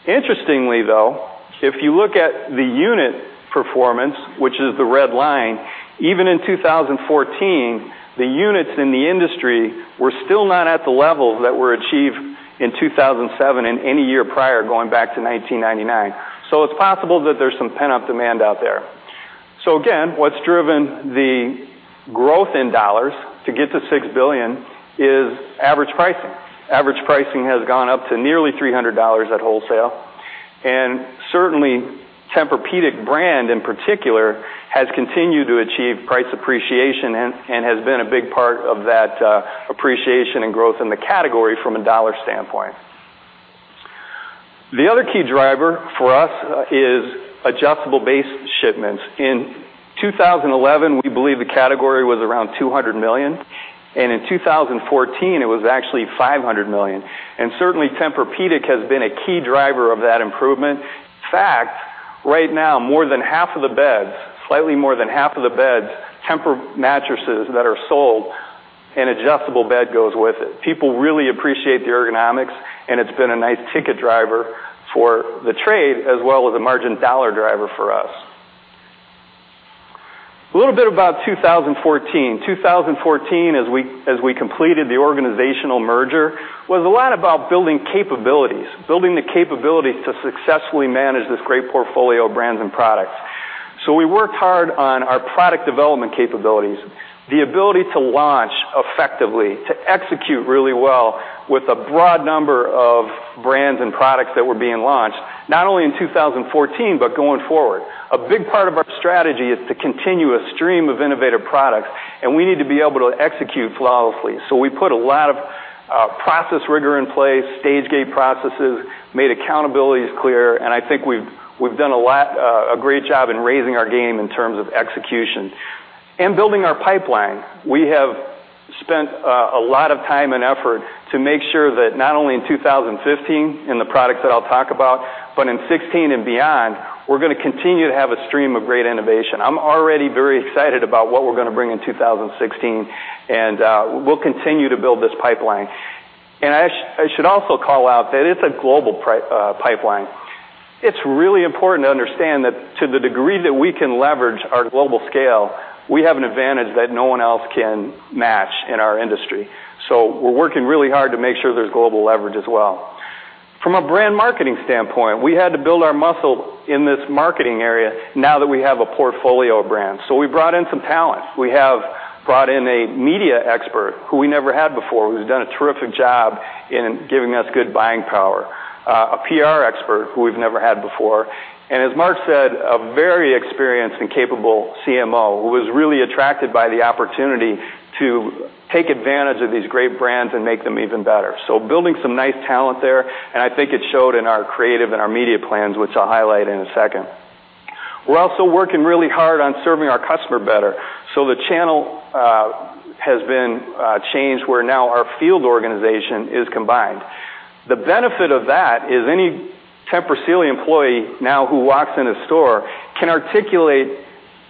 Interestingly though, if you look at the unit performance, which is the red line, even in 2014, the units in the industry were still not at the levels that were achieved in 2007 and any year prior, going back to 1999. It's possible that there's some pent-up demand out there. Again, what's driven the growth in dollars to get to $6 billion is average pricing. Average pricing has gone up to nearly $300 at wholesale, and certainly, Tempur-Pedic brand in particular, has continued to achieve price appreciation and has been a big part of that appreciation and growth in the category from a dollar standpoint. The other key driver for us is adjustable base shipments. In 2011, we believe the category was around $200 million, and in 2014, it was actually $500 million. Certainly Tempur-Pedic has been a key driver of that improvement. In fact, right now more than half of the beds, slightly more than half of the beds, Tempur mattresses that are sold, an adjustable bed goes with it. People really appreciate the ergonomics and it's been a nice ticket driver for the trade as well as a margin dollar driver for us. A little bit about 2014. 2014, as we completed the organizational merger, was a lot about building capabilities. Building the capabilities to successfully manage this great portfolio of brands and products. We worked hard on our product development capabilities, the ability to launch effectively, to execute really well with a broad number of brands and products that were being launched, not only in 2014, but going forward. A big part of our strategy is the continuous stream of innovative products. We need to be able to execute flawlessly. We put a lot of process rigor in place, stage gate processes, made accountabilities clear, and I think we've done a great job in raising our game in terms of execution. Building our pipeline. We have spent a lot of time and effort to make sure that not only in 2015, in the products that I'll talk about, but in 2016 and beyond, we're going to continue to have a stream of great innovation. I'm already very excited about what we're going to bring in 2016. We'll continue to build this pipeline. I should also call out that it's a global pipeline. It's really important to understand that to the degree that we can leverage our global scale, we have an advantage that no one else can match in our industry. We're working really hard to make sure there's global leverage as well. From a brand marketing standpoint, we had to build our muscle in this marketing area now that we have a portfolio of brands. We brought in some talent. We have brought in a media expert who we never had before, who's done a terrific job in giving us good buying power. A PR expert who we've never had before. As Mark Roop said, a very experienced and capable CMO who was really attracted by the opportunity to take advantage of these great brands and make them even better. Building some nice talent there. I think it showed in our creative and our media plans, which I'll highlight in a second. We're also working really hard on serving our customer better. The channel has been changed, where now our field organization is combined. The benefit of that is any Tempur Sealy employee now who walks in a store can articulate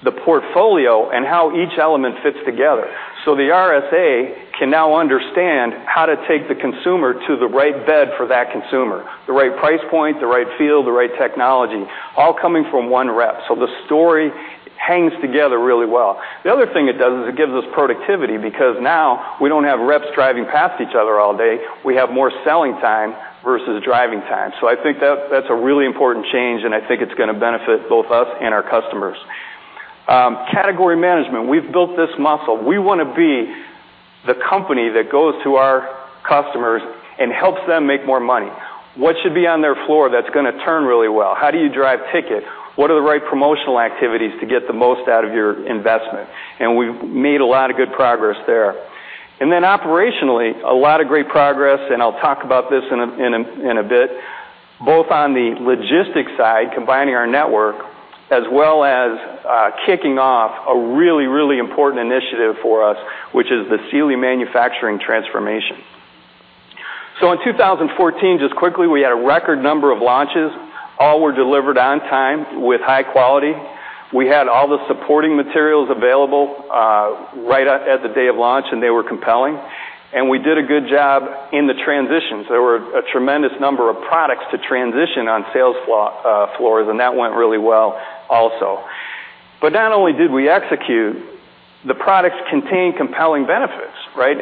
the portfolio and how each element fits together. The RSA can now understand how to take the consumer to the right bed for that consumer, the right price point, the right feel, the right technology, all coming from one rep. The story hangs together really well. The other thing it does is it gives us productivity because now we don't have reps driving past each other all day. We have more selling time versus driving time. I think that's a really important change. I think it's going to benefit both us and our customers. Category management. We've built this muscle. We want to be the company that goes to our customers and helps them make more money. What should be on their floor that's going to turn really well? How do you drive ticket? What are the right promotional activities to get the most out of your investment? We've made a lot of good progress there. Operationally, a lot of great progress, I'll talk about this in a bit, both on the logistics side, combining our network, as well as kicking off a really, really important initiative for us, which is the Sealy Manufacturing Transformation. In 2014, just quickly, we had a record number of launches. All were delivered on time with high quality. We had all the supporting materials available right at the day of launch, and they were compelling. We did a good job in the transitions. There were a tremendous number of products to transition on sales floors, and that went really well also. Not only did we execute, the products contained compelling benefits, right?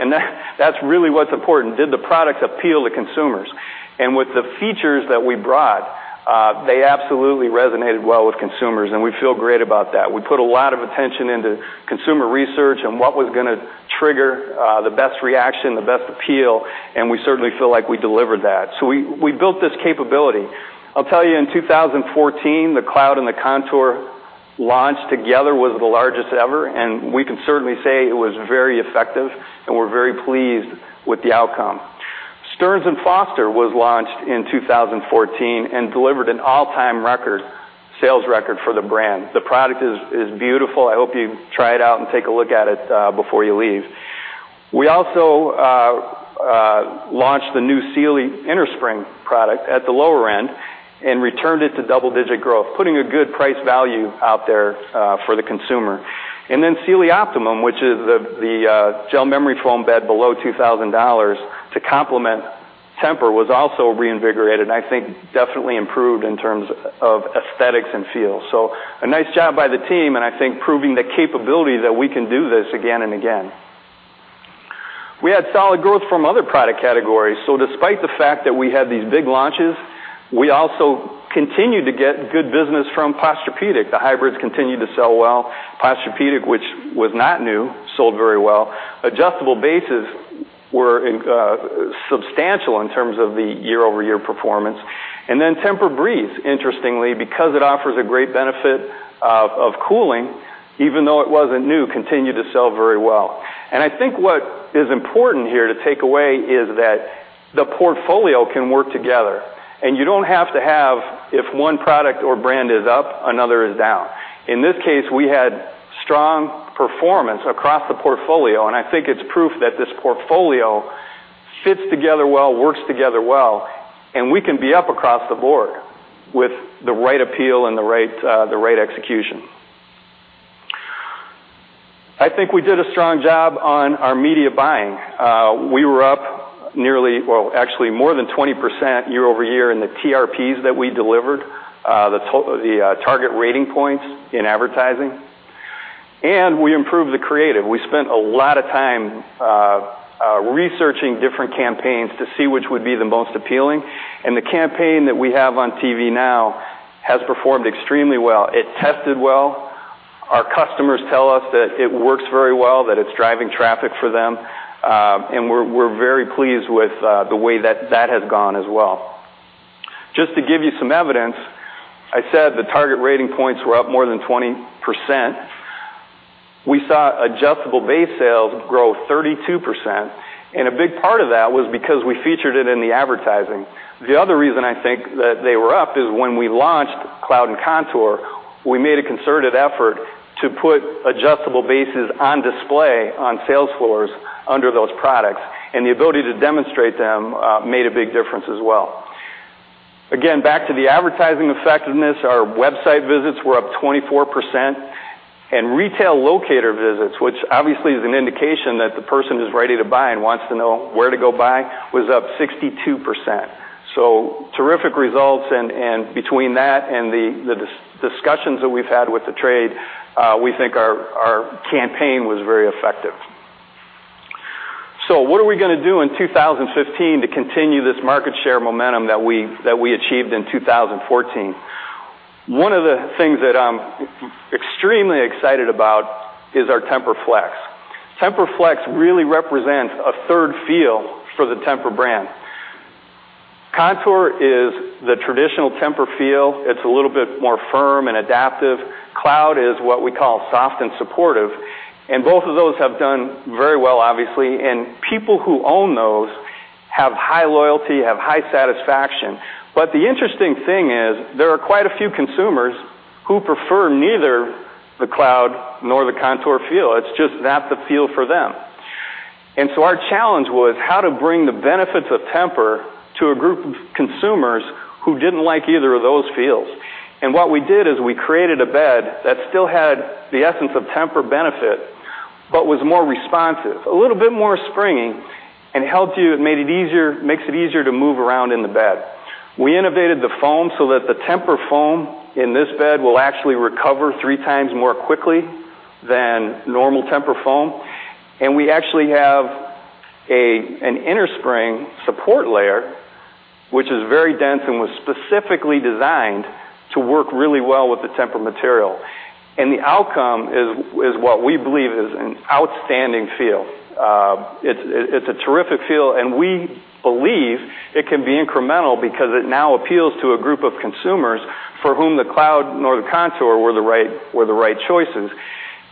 That's really what's important. Did the products appeal to consumers? With the features that we brought, they absolutely resonated well with consumers, and we feel great about that. We put a lot of attention into consumer research and what was going to trigger the best reaction, the best appeal, and we certainly feel like we delivered that. We built this capability. I'll tell you, in 2014, the TEMPUR-Cloud and the TEMPUR-Contour launch together was the largest ever, and we can certainly say it was very effective, and we're very pleased with the outcome. Stearns & Foster was launched in 2014 and delivered an all-time record sales record for the brand. The product is beautiful. I hope you try it out and take a look at it before you leave. We also launched the new Sealy innerspring product at the lower end and returned it to double-digit growth, putting a good price value out there for the consumer. Sealy Optimum, which is the gel memory foam bed below $2,000 to complement Tempur, was also reinvigorated and I think definitely improved in terms of aesthetics and feel. A nice job by the team, and I think proving the capability that we can do this again and again. We had solid growth from other product categories. Despite the fact that we had these big launches, we also continued to get good business from Posturepedic. The hybrids continued to sell well. Posturepedic, which was not new, sold very well. Adjustable bases were substantial in terms of the year-over-year performance. TEMPUR-breeze, interestingly, because it offers a great benefit of cooling, even though it wasn't new, continued to sell very well. I think what is important here to take away is that the portfolio can work together, and you don't have to have if one product or brand is up, another is down. In this case, we had strong performance across the portfolio, I think it's proof that this portfolio fits together well, works together well, and we can be up across the board with the right appeal and the right execution. I think we did a strong job on our media buying. We were up actually more than 20% year-over-year in the TRPs that we delivered, the Target Rating Points in advertising. We improved the creative. We spent a lot of time researching different campaigns to see which would be the most appealing, and the campaign that we have on TV now has performed extremely well. It tested well. Our customers tell us that it works very well, that it's driving traffic for them. We're very pleased with the way that has gone as well. Just to give you some evidence, I said the target rating points were up more than 20%. We saw adjustable base sales grow 32%, a big part of that was because we featured it in the advertising. The other reason I think that they were up is when we launched TEMPUR-Cloud and TEMPUR-Contour, we made a concerted effort to put adjustable bases on display on sales floors under those products, the ability to demonstrate them made a big difference as well. Again, back to the advertising effectiveness, our website visits were up 24%, retail locator visits, which obviously is an indication that the person is ready to buy and wants to know where to go buy, was up 62%. Terrific results, between that and the discussions that we've had with the trade, we think our campaign was very effective. What are we going to do in 2015 to continue this market share momentum that we achieved in 2014? One of the things that I'm extremely excited about is our TEMPUR-Flex. TEMPUR-Flex really represents a third feel for the TEMPUR brand. TEMPUR-Contour is the traditional TEMPUR feel. It's a little bit more firm and adaptive. TEMPUR-Cloud is what we call soft and supportive, both of those have done very well, obviously, people who own those have high loyalty, have high satisfaction. The interesting thing is there are quite a few consumers who prefer neither the TEMPUR-Cloud nor the TEMPUR-Contour feel. It's just not the feel for them. Our challenge was how to bring the benefits of TEMPUR to a group of consumers who didn't like either of those feels. What we did is we created a bed that still had the essence of TEMPUR benefit, but was more responsive, a little bit more springy, makes it easier to move around in the bed. We innovated the foam so that the TEMPUR foam in this bed will actually recover three times more quickly than normal TEMPUR foam, we actually have an innerspring support layer, which is very dense and was specifically designed to work really well with the TEMPUR-Material. The outcome is what we believe is an outstanding feel. It's a terrific feel, we believe it can be incremental because it now appeals to a group of consumers for whom the TEMPUR-Cloud nor the TEMPUR-Contour were the right choices.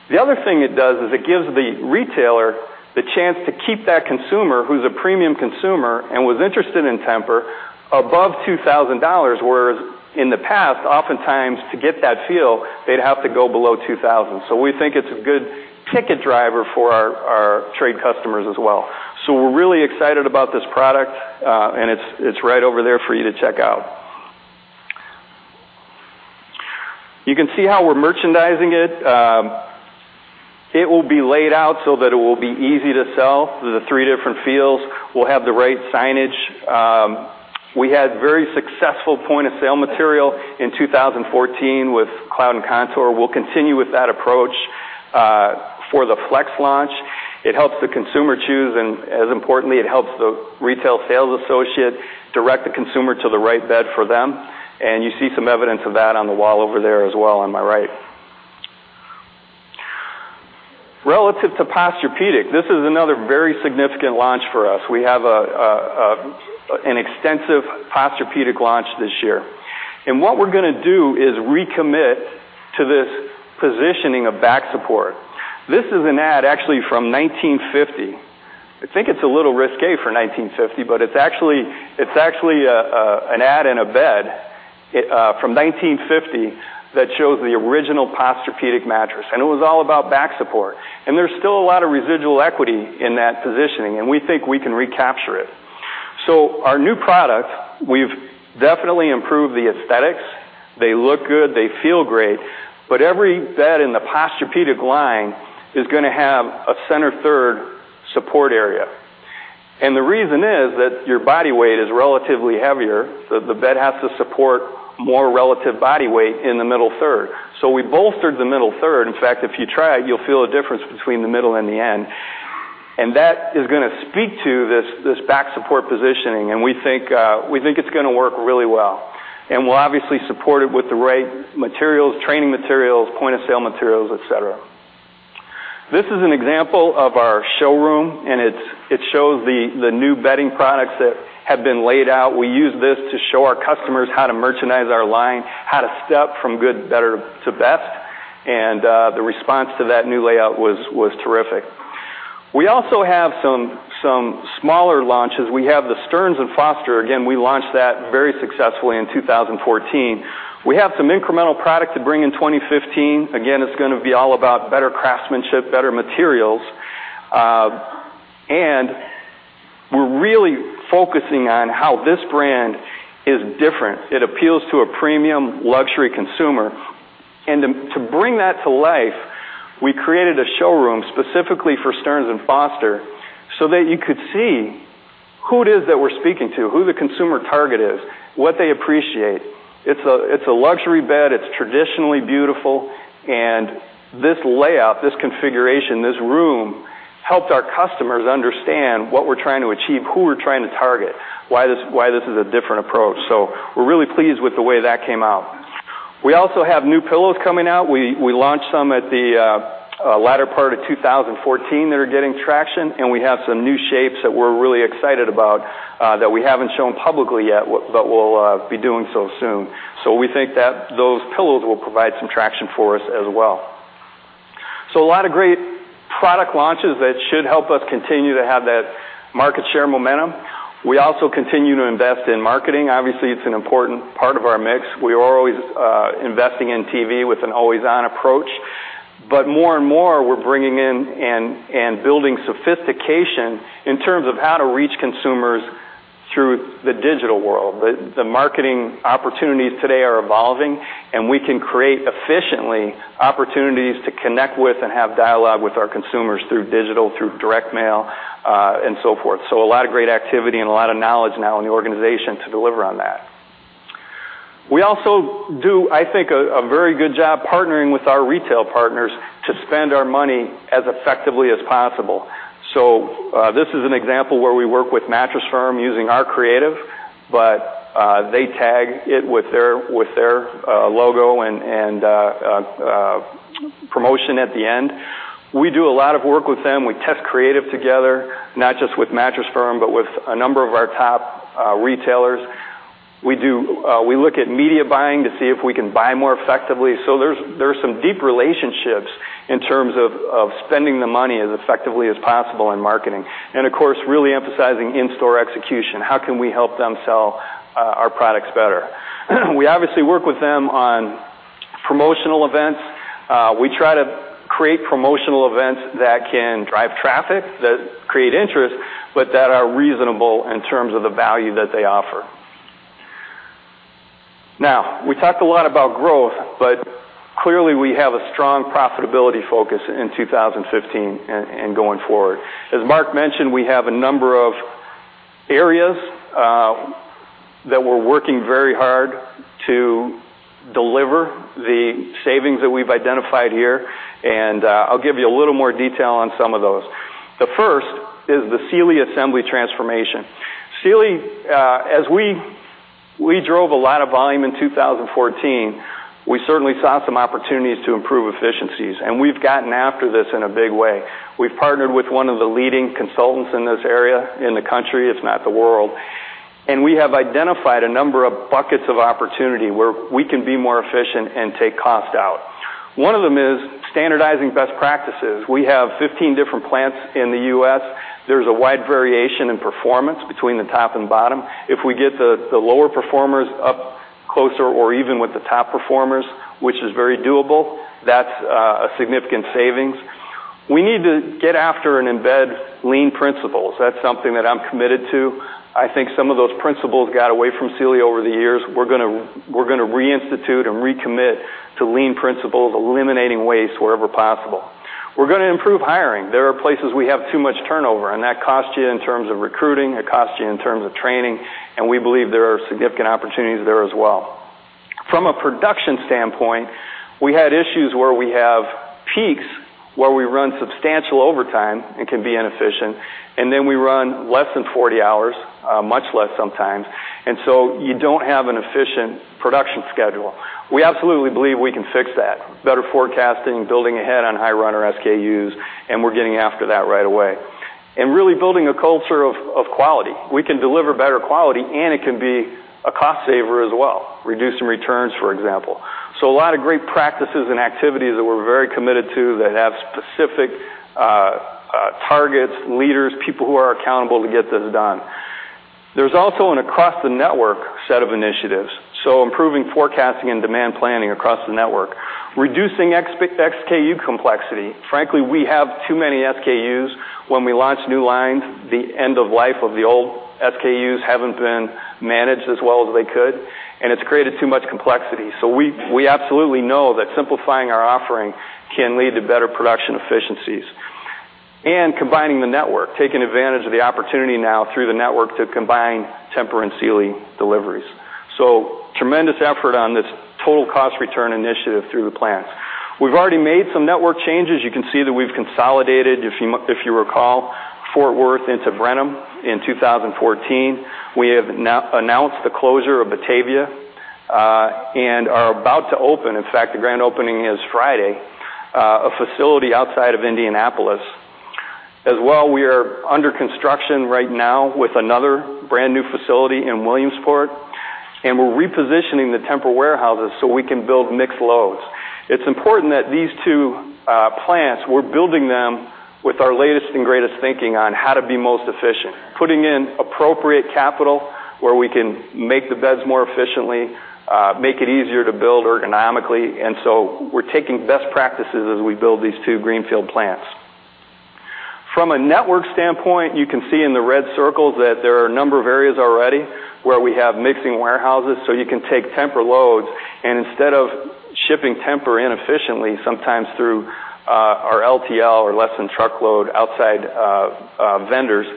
The other thing it does is it gives the retailer the chance to keep that consumer who's a premium consumer and was interested in TEMPUR above $2,000, whereas in the past, oftentimes to get that feel, they'd have to go below $2,000. We think it's a good ticket driver for our trade customers as well. We're really excited about this product, it's right over there for you to check out. You can see how we're merchandising it. It will be laid out so that it will be easy to sell the three different feels. We'll have the right signage. We had very successful point-of-sale material in 2014 with TEMPUR-Cloud and TEMPUR-Contour. We'll continue with that approach for the TEMPUR-Flex launch. It helps the consumer choose. As importantly, it helps the retail sales associate direct the consumer to the right bed for them. You see some evidence of that on the wall over there as well on my right. Relative to Posturepedic, this is another very significant launch for us. We have an extensive Posturepedic launch this year. What we're going to do is recommit to this positioning of back support. This is an ad actually from 1950. I think it's a little risque for 1950, but it's actually an ad and a bed from 1950 that shows the original Posturepedic mattress, and it was all about back support. There's still a lot of residual equity in that positioning, and we think we can recapture it. Our new product, we've definitely improved the aesthetics. They look good, they feel great. Every bed in the Posturepedic line is going to have a center third support area. The reason is that your body weight is relatively heavier, so the bed has to support more relative body weight in the middle third. We bolstered the middle third. In fact, if you try it, you'll feel a difference between the middle and the end. That is going to speak to this back support positioning, and we think it's going to work really well. We'll obviously support it with the right materials, training materials, point-of-sale materials, et cetera. This is an example of our showroom, and it shows the new bedding products that have been laid out. We use this to show our customers how to merchandise our line, how to step from good, better, to best. The response to that new layout was terrific. We also have some smaller launches. We have the Stearns & Foster. Again, we launched that very successfully in 2014. We have some incremental product to bring in 2015. Again, it's going to be all about better craftsmanship, better materials. We're really focusing on how this brand is different. It appeals to a premium luxury consumer. To bring that to life, we created a showroom specifically for Stearns & Foster so that you could see who it is that we're speaking to, who the consumer target is, what they appreciate. It's a luxury bed. It's traditionally beautiful, and this layout, this configuration, this room, helped our customers understand what we're trying to achieve, who we're trying to target, why this is a different approach. We're really pleased with the way that came out. We also have new pillows coming out. We launched some at the latter part of 2014 that are getting traction, and we have some new shapes that we're really excited about that we haven't shown publicly yet, but we'll be doing so soon. We think that those pillows will provide some traction for us as well. A lot of great product launches that should help us continue to have that market share momentum. We also continue to invest in marketing. Obviously, it's an important part of our mix. We are always investing in TV with an always-on approach. More and more, we're bringing in and building sophistication in terms of how to reach consumers through the digital world. The marketing opportunities today are evolving, and we can create efficiently opportunities to connect with and have dialogue with our consumers through digital, through direct mail, and so forth. A lot of great activity and a lot of knowledge now in the organization to deliver on that. We also do, I think, a very good job partnering with our retail partners to spend our money as effectively as possible. This is an example where we work with Mattress Firm using our creative, they tag it with their logo and promotion at the end. We do a lot of work with them. We test creative together, not just with Mattress Firm, but with a number of our top retailers. We look at media buying to see if we can buy more effectively. There's some deep relationships in terms of spending the money as effectively as possible in marketing. Of course, really emphasizing in-store execution. How can we help them sell our products better? We obviously work with them on promotional events. We try to create promotional events that can drive traffic, that create interest, that are reasonable in terms of the value that they offer. We talked a lot about growth, clearly, we have a strong profitability focus in 2015 and going forward. As Mark mentioned, we have a number of areas that we're working very hard to deliver the savings that we've identified here, I'll give you a little more detail on some of those. The first is the Sealy assembly transformation. Sealy, as we drove a lot of volume in 2014, we certainly saw some opportunities to improve efficiencies, we've gotten after this in a big way. We've partnered with one of the leading consultants in this area in the country, if not the world, we have identified a number of buckets of opportunity where we can be more efficient and take cost out. One of them is standardizing best practices. We have 15 different plants in the U.S. There's a wide variation in performance between the top and bottom. If we get the lower performers up closer or even with the top performers, which is very doable, that's a significant savings. We need to get after and embed lean principles. That's something that I'm committed to. I think some of those principles got away from Sealy over the years. We're going to reinstitute and recommit to lean principles, eliminating waste wherever possible. We're going to improve hiring. There are places we have too much turnover, that costs you in terms of recruiting, it costs you in terms of training, we believe there are significant opportunities there as well. From a production standpoint, we had issues where we have peaks where we run substantial overtime and can be inefficient, we run less than 40 hours, much less sometimes. You don't have an efficient production schedule. We absolutely believe we can fix that. Better forecasting, building ahead on high-runner SKUs, we're getting after that right away. Really building a culture of quality. We can deliver better quality, it can be a cost saver as well. Reduce some returns, for example. A lot of great practices and activities that we're very committed to that have specific targets, leaders, people who are accountable to get this done. There's also an across-the-network set of initiatives, so improving forecasting and demand planning across the network. Reducing SKU complexity. Frankly, we have too many SKUs. When we launch new lines, the end of life of the old SKUs haven't been managed as well as they could, and it's created too much complexity. We absolutely know that simplifying our offering can lead to better production efficiencies. Combining the network, taking advantage of the opportunity now through the network to combine Tempur and Sealy deliveries. Tremendous effort on this total cost return initiative through the plants. We've already made some network changes. You can see that we've consolidated, if you recall, Fort Worth into Brenham in 2014. We have announced the closure of Batavia and are about to open, in fact, the grand opening is Friday, a facility outside of Indianapolis. We are under construction right now with another brand-new facility in Williamsport, and we're repositioning the Tempur warehouses so we can build mixed loads. It's important that these two plants, we're building them with our latest and greatest thinking on how to be most efficient, putting in appropriate capital where we can make the beds more efficiently, make it easier to build ergonomically. We're taking best practices as we build these two greenfield plants. You can see in the red circles that there are a number of areas already where we have mixing warehouses, so you can take Tempur loads, and instead of shipping Tempur inefficiently, sometimes through our LTL or less than truckload outside vendors,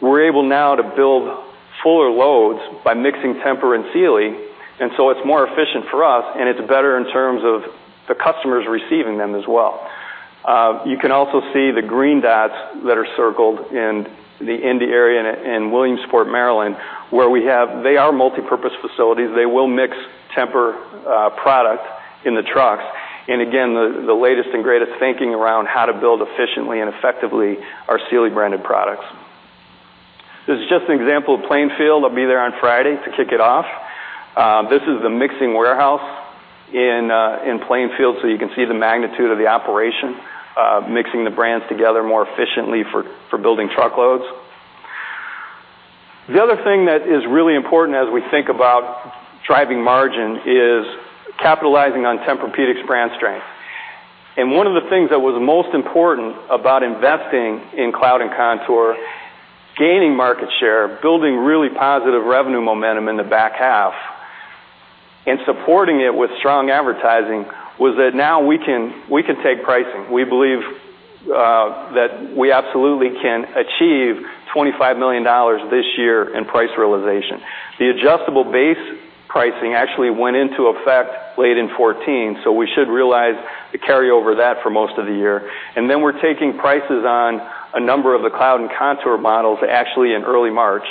we're able now to build fuller loads by mixing Tempur and Sealy, and it's more efficient for us, and it's better in terms of the customers receiving them as well. You can also see the green dots that are circled in the Indy area and Williamsport, Maryland, where we have multipurpose facilities. They will mix Tempur product in the trucks. Again, the latest and greatest thinking around how to build efficiently and effectively our Sealy branded products. This is just an example of Plainfield. I'll be there on Friday to kick it off. This is the mixing warehouse in Plainfield, so you can see the magnitude of the operation, mixing the brands together more efficiently for building truckloads. The other thing that is really important as we think about driving margin is capitalizing on Tempur-Pedic's brand strength. One of the things that was most important about investing in Cloud and Contour, gaining market share, building really positive revenue momentum in the back half, and supporting it with strong advertising, was that now we can take pricing. We believe that we absolutely can achieve $25 million this year in price realization. The adjustable base pricing actually went into effect late in 2014, so we should realize the carryover of that for most of the year. Then we're taking prices on a number of the Cloud and Contour models actually in early March.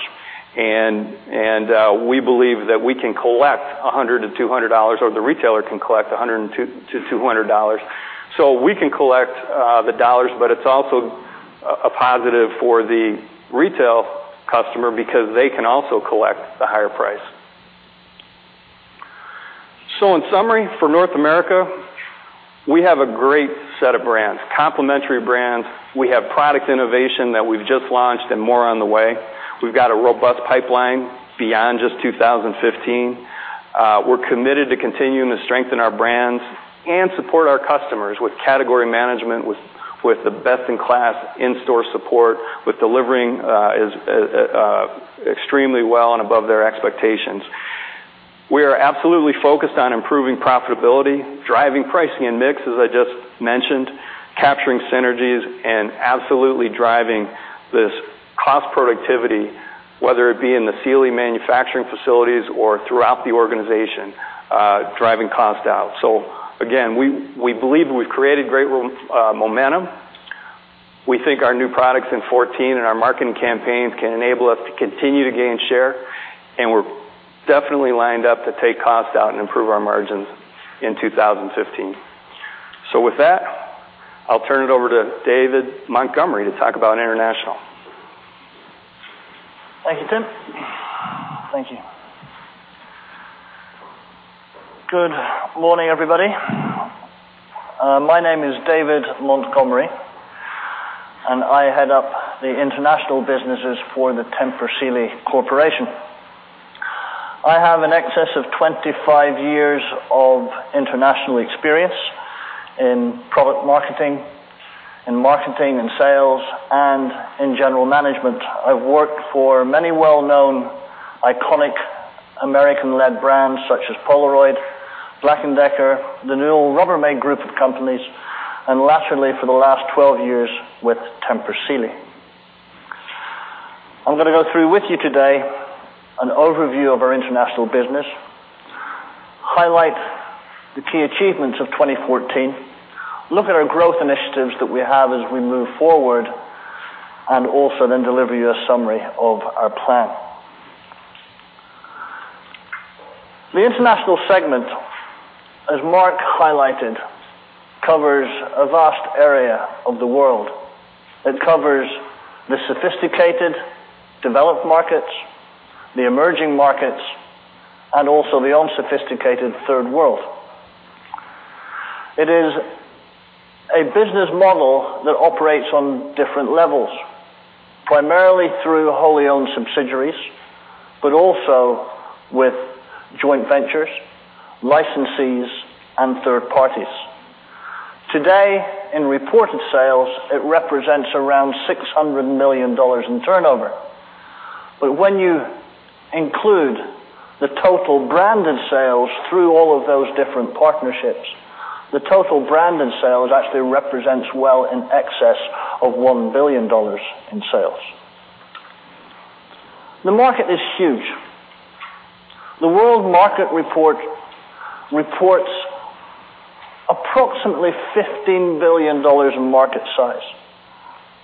We believe that we can collect $100-$200, or the retailer can collect $100-$200. We can collect the dollars, it's also a positive for the retail customer because they can also collect the higher price. In summary, for North America, we have a great set of brands, complementary brands. We have product innovation that we've just launched and more on the way. We've got a robust pipeline beyond just 2015. We're committed to continuing to strengthen our brands and support our customers with category management, with the best-in-class in-store support, with delivering extremely well and above their expectations. We are absolutely focused on improving profitability, driving pricing and mix, as I just mentioned, capturing synergies, and absolutely driving this cost productivity, whether it be in the Sealy manufacturing facilities or throughout the organization, driving cost out. Again, we believe we've created great momentum. We think our new products in 2014 and our marketing campaigns can enable us to continue to gain share, and we're definitely lined up to take cost out and improve our margins in 2015. With that, I'll turn it over to David Montgomery to talk about international. Thank you, Tim. Thank you. Good morning, everybody. My name is David Montgomery, and I head up the international businesses for Somnigroup International Inc. I have in excess of 25 years of international experience in product marketing, in marketing and sales, and in general management. I've worked for many well-known, iconic American-led brands such as Polaroid, Black & Decker, the Newell Rubbermaid group of companies, and latterly for the last 12 years with Somnigroup International. I'm going to go through with you today an overview of our international business, highlight the key achievements of 2014, look at our growth initiatives that we have as we move forward, and also then deliver you a summary of our plan. The international segment, as Mark highlighted covers a vast area of the world. It covers the sophisticated developed markets, the emerging markets, and also the unsophisticated third world. It is a business model that operates on different levels, primarily through wholly owned subsidiaries, also with joint ventures, licensees, and third parties. Today, in reported sales, it represents around $600 million in turnover. When you include the total branded sales through all of those different partnerships, the total branded sales actually represents well in excess of $1 billion in sales. The market is huge. The World Market Report reports approximately $15 billion in market size.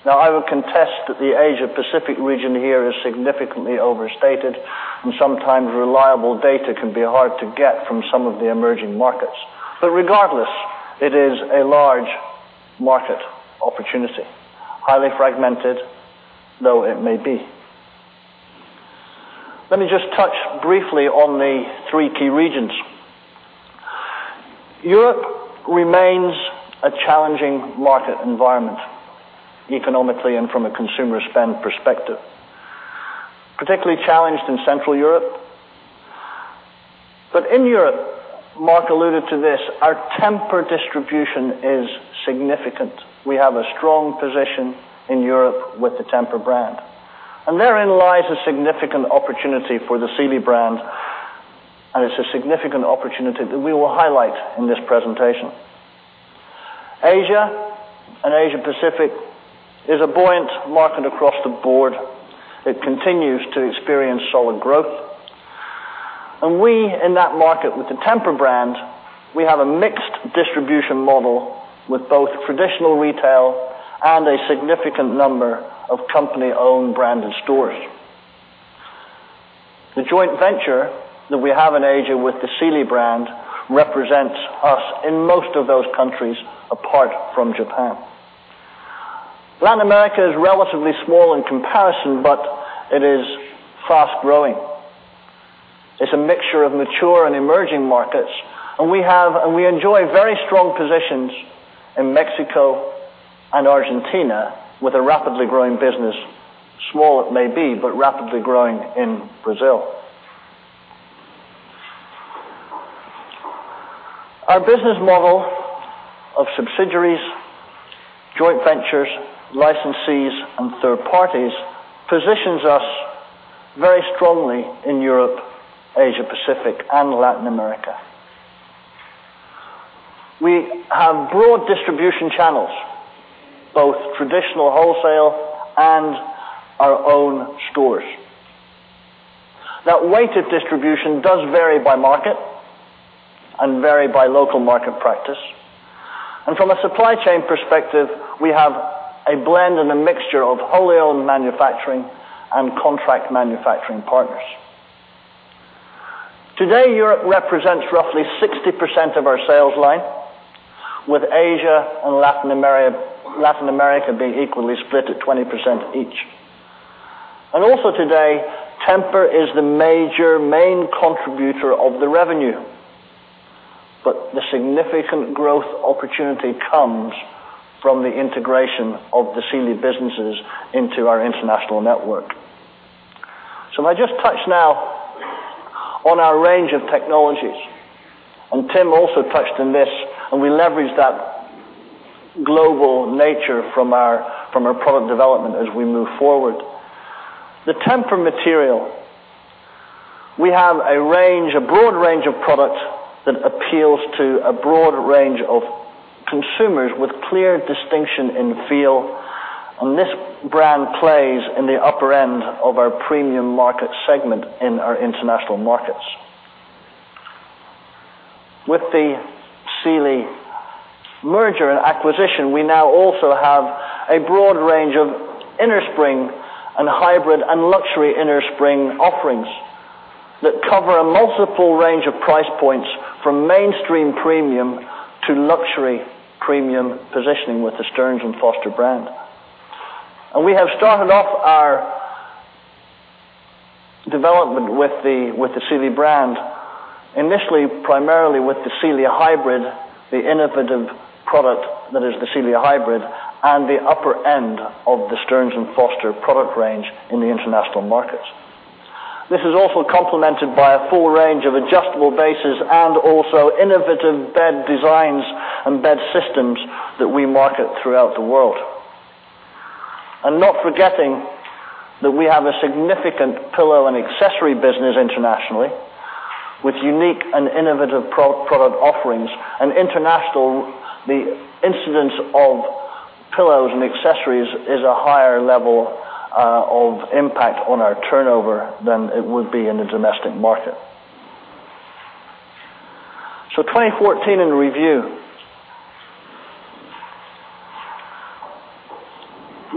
I would contest that the Asia Pacific region here is significantly overstated, sometimes reliable data can be hard to get from some of the emerging markets. Regardless, it is a large market opportunity. Highly fragmented, though it may be. Let me just touch briefly on the three key regions. Europe remains a challenging market environment economically and from a consumer spend perspective. Particularly challenged in Central Europe. In Europe, Marc alluded to this, our Tempur distribution is significant. We have a strong position in Europe with the Tempur brand, and therein lies a significant opportunity for the Sealy brand, and it's a significant opportunity that we will highlight in this presentation. Asia and Asia Pacific is a buoyant market across the board. It continues to experience solid growth. We, in that market with the Tempur brand, we have a mixed distribution model with both traditional retail and a significant number of company-owned branded stores. The joint venture that we have in Asia with the Sealy brand represents us in most of those countries, apart from Japan. Latin America is relatively small in comparison, but it is fast-growing. It's a mixture of mature and emerging markets, and we enjoy very strong positions in Mexico and Argentina with a rapidly growing business. Small it may be, rapidly growing in Brazil. Our business model of subsidiaries, joint ventures, licensees, and third parties positions us very strongly in Europe, Asia Pacific, and Latin America. We have broad distribution channels, both traditional wholesale and our own stores. That weighted distribution does vary by market and vary by local market practice. From a supply chain perspective, we have a blend and a mixture of wholly owned manufacturing and contract manufacturing partners. Today, Europe represents roughly 60% of our sales line, with Asia and Latin America being equally split at 20% each. Also today, Tempur is the major main contributor of the revenue. The significant growth opportunity comes from the integration of the Sealy businesses into our international network. I just touch now on our range of technologies, Tim also touched on this, and we leverage that global nature from our product development as we move forward. The TEMPUR-Material, we have a broad range of products that appeals to a broad range of consumers with clear distinction in feel, and this brand plays in the upper end of our premium market segment in our international markets. With the Sealy merger and acquisition, we now also have a broad range of innerspring and hybrid and luxury innerspring offerings that cover a multiple range of price points from mainstream premium to luxury premium positioning with the Stearns & Foster brand. We have started off our development with the Sealy brand initially, primarily with the Sealy Hybrid, the innovative product that is the Sealy Hybrid, and the upper end of the Stearns & Foster product range in the international markets. This is also complemented by a full range of adjustable bases and also innovative bed designs and bed systems that we market throughout the world. Not forgetting that we have a significant pillow and accessory business internationally with unique and innovative product offerings. International, the incidence of pillows and accessories is a higher level of impact on our turnover than it would be in the domestic market. 2014 in review.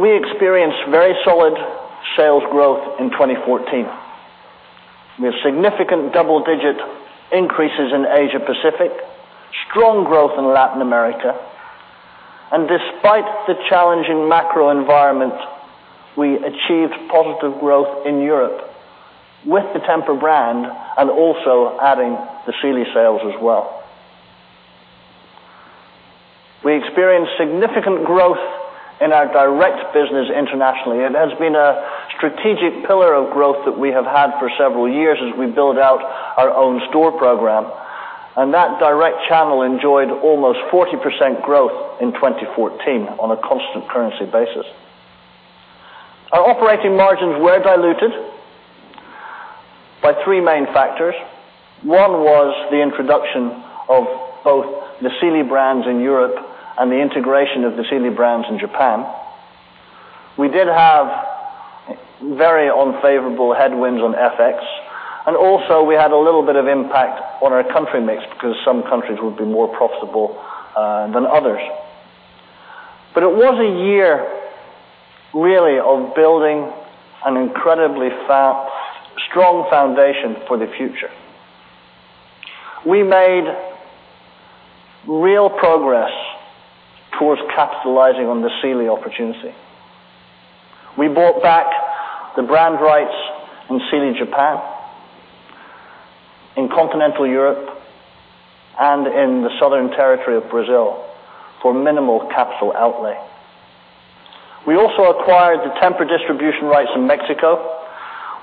We experienced very solid sales growth in 2014. We have significant double-digit increases in Asia Pacific, strong growth in Latin America, and despite the challenging macro environment, we achieved positive growth in Europe with the Tempur brand and also adding the Sealy sales as well. We experienced significant growth in our direct business internationally. It has been a strategic pillar of growth that we have had for several years as we build out our own store program. That direct channel enjoyed almost 40% growth in 2014 on a constant currency basis. Our operating margins were diluted by three main factors. One was the introduction of both the Sealy brands in Europe and the integration of the Sealy brands in Japan. We did have very unfavorable headwinds on FX, also we had a little bit of impact on our country mix because some countries would be more profitable than others. It was a year really of building an incredibly strong foundation for the future. We made real progress towards capitalizing on the Sealy opportunity. We bought back the brand rights in Sealy Japan, in continental Europe, and in the southern territory of Brazil for minimal capital outlay. We also acquired the Tempur distribution rights in Mexico.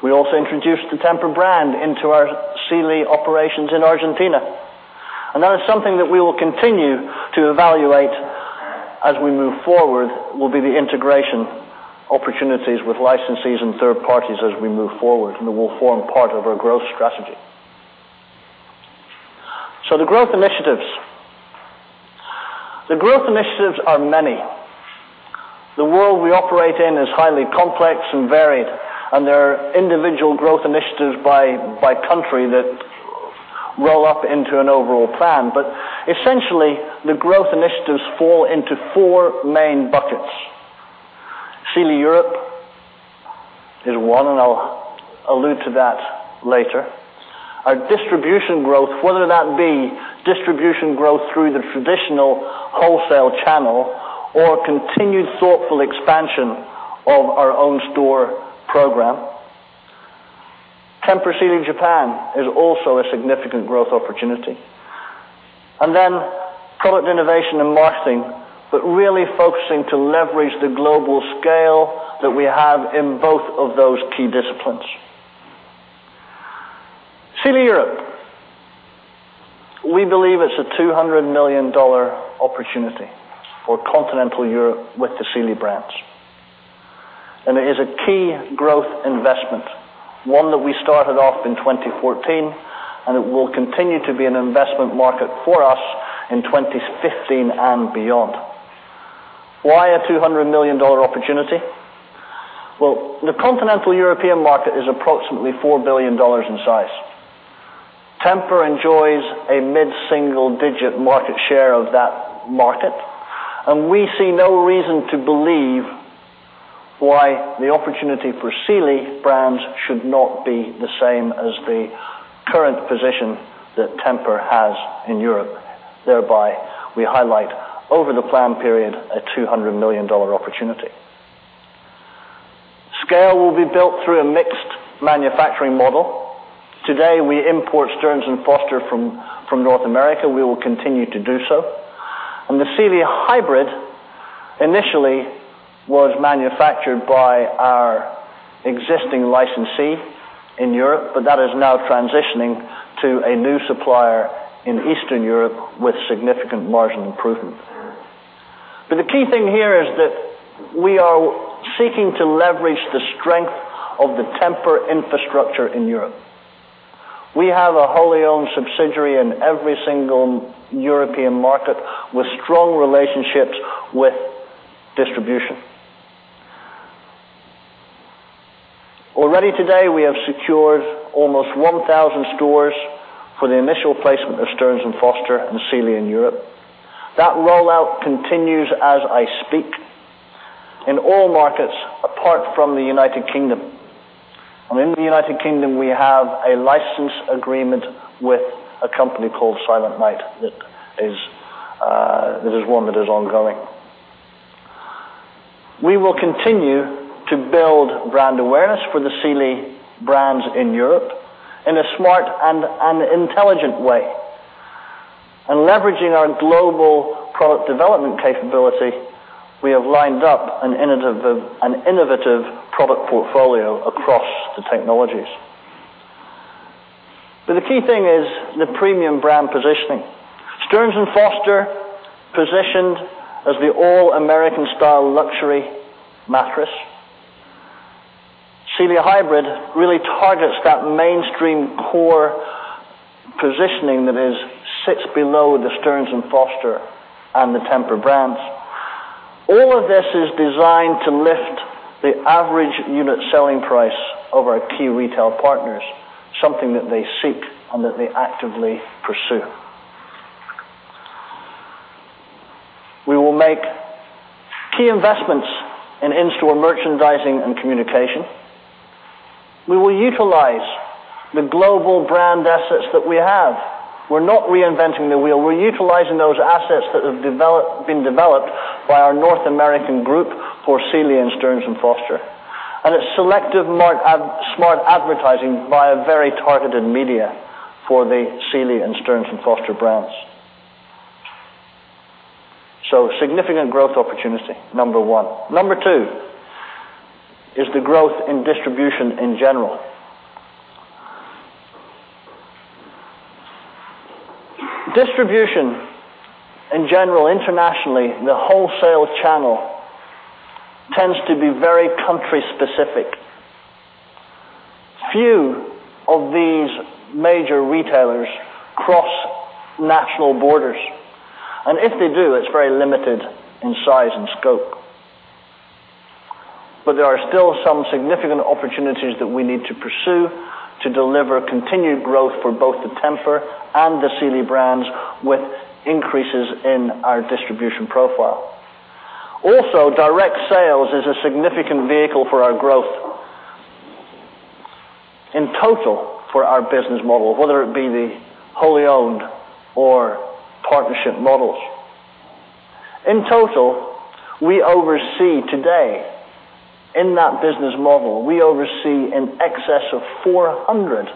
We also introduced the Tempur brand into our Sealy operations in Argentina. That is something that we will continue to evaluate as we move forward, will be the integration opportunities with licensees and third parties as we move forward, and that will form part of our growth strategy. The growth initiatives. The growth initiatives are many. The world we operate in is highly complex and varied, and there are individual growth initiatives by country that roll up into an overall plan. Essentially, the growth initiatives fall into four main buckets. Sealy Europe is one, I'll allude to that later. Our distribution growth, whether that be distribution growth through the traditional wholesale channel or continued thoughtful expansion of our own store program. Tempur Sealy in Japan is also a significant growth opportunity. Product innovation and marketing, but really focusing to leverage the global scale that we have in both of those key disciplines. Sealy Europe. We believe it's a $200 million opportunity for continental Europe with the Sealy brands. It is a key growth investment, one that we started off in 2014, and it will continue to be an investment market for us in 2015 and beyond. Why a $200 million opportunity? Well, the continental European market is approximately $4 billion in size. Tempur enjoys a mid-single-digit market share of that market, we see no reason to believe why the opportunity for Sealy brands should not be the same as the current position that Tempur has in Europe. Thereby, we highlight over the plan period a $200 million opportunity. Scale will be built through a mixed manufacturing model. Today, we import Stearns & Foster from North America. We will continue to do so. The Sealy Hybrid initially was manufactured by our existing licensee in Europe, but that is now transitioning to a new supplier in Eastern Europe with significant margin improvement. The key thing here is that we are seeking to leverage the strength of the Tempur infrastructure in Europe. We have a wholly owned subsidiary in every single European market with strong relationships with distribution. Already today, we have secured almost 1,000 stores for the initial placement of Stearns & Foster and Sealy in Europe. That rollout continues as I speak in all markets apart from the U.K. In the U.K., we have a license agreement with a company called Silentnight. That is one that is ongoing. We will continue to build brand awareness for the Sealy brands in Europe in a smart and an intelligent way. Leveraging our global product development capability, we have lined up an innovative product portfolio across the technologies. The key thing is the premium brand positioning. Stearns & Foster positioned as the all-American style luxury mattress. Sealy Hybrid really targets that mainstream core positioning that sits below the Stearns & Foster and the Tempur brands. All of this is designed to lift the average unit selling price of our key retail partners, something that they seek and that they actively pursue. We will make key investments in in-store merchandising and communication. We will utilize the global brand assets that we have. We're not reinventing the wheel. We're utilizing those assets that have been developed by our North American group for Sealy and Stearns & Foster. It's selective smart advertising via very targeted media for the Sealy and Stearns & Foster brands. Significant growth opportunity, number 1. Number 2 is the growth in distribution in general. Distribution in general, internationally, the wholesale channel tends to be very country-specific. Few of these major retailers cross national borders, and if they do, it's very limited in size and scope. There are still some significant opportunities that we need to pursue to deliver continued growth for both the Tempur and the Sealy brands with increases in our distribution profile. Also, direct sales is a significant vehicle for our growth. In total, for our business model, whether it be the wholly owned or partnership models. In total, we oversee today in that business model, we oversee in excess of 400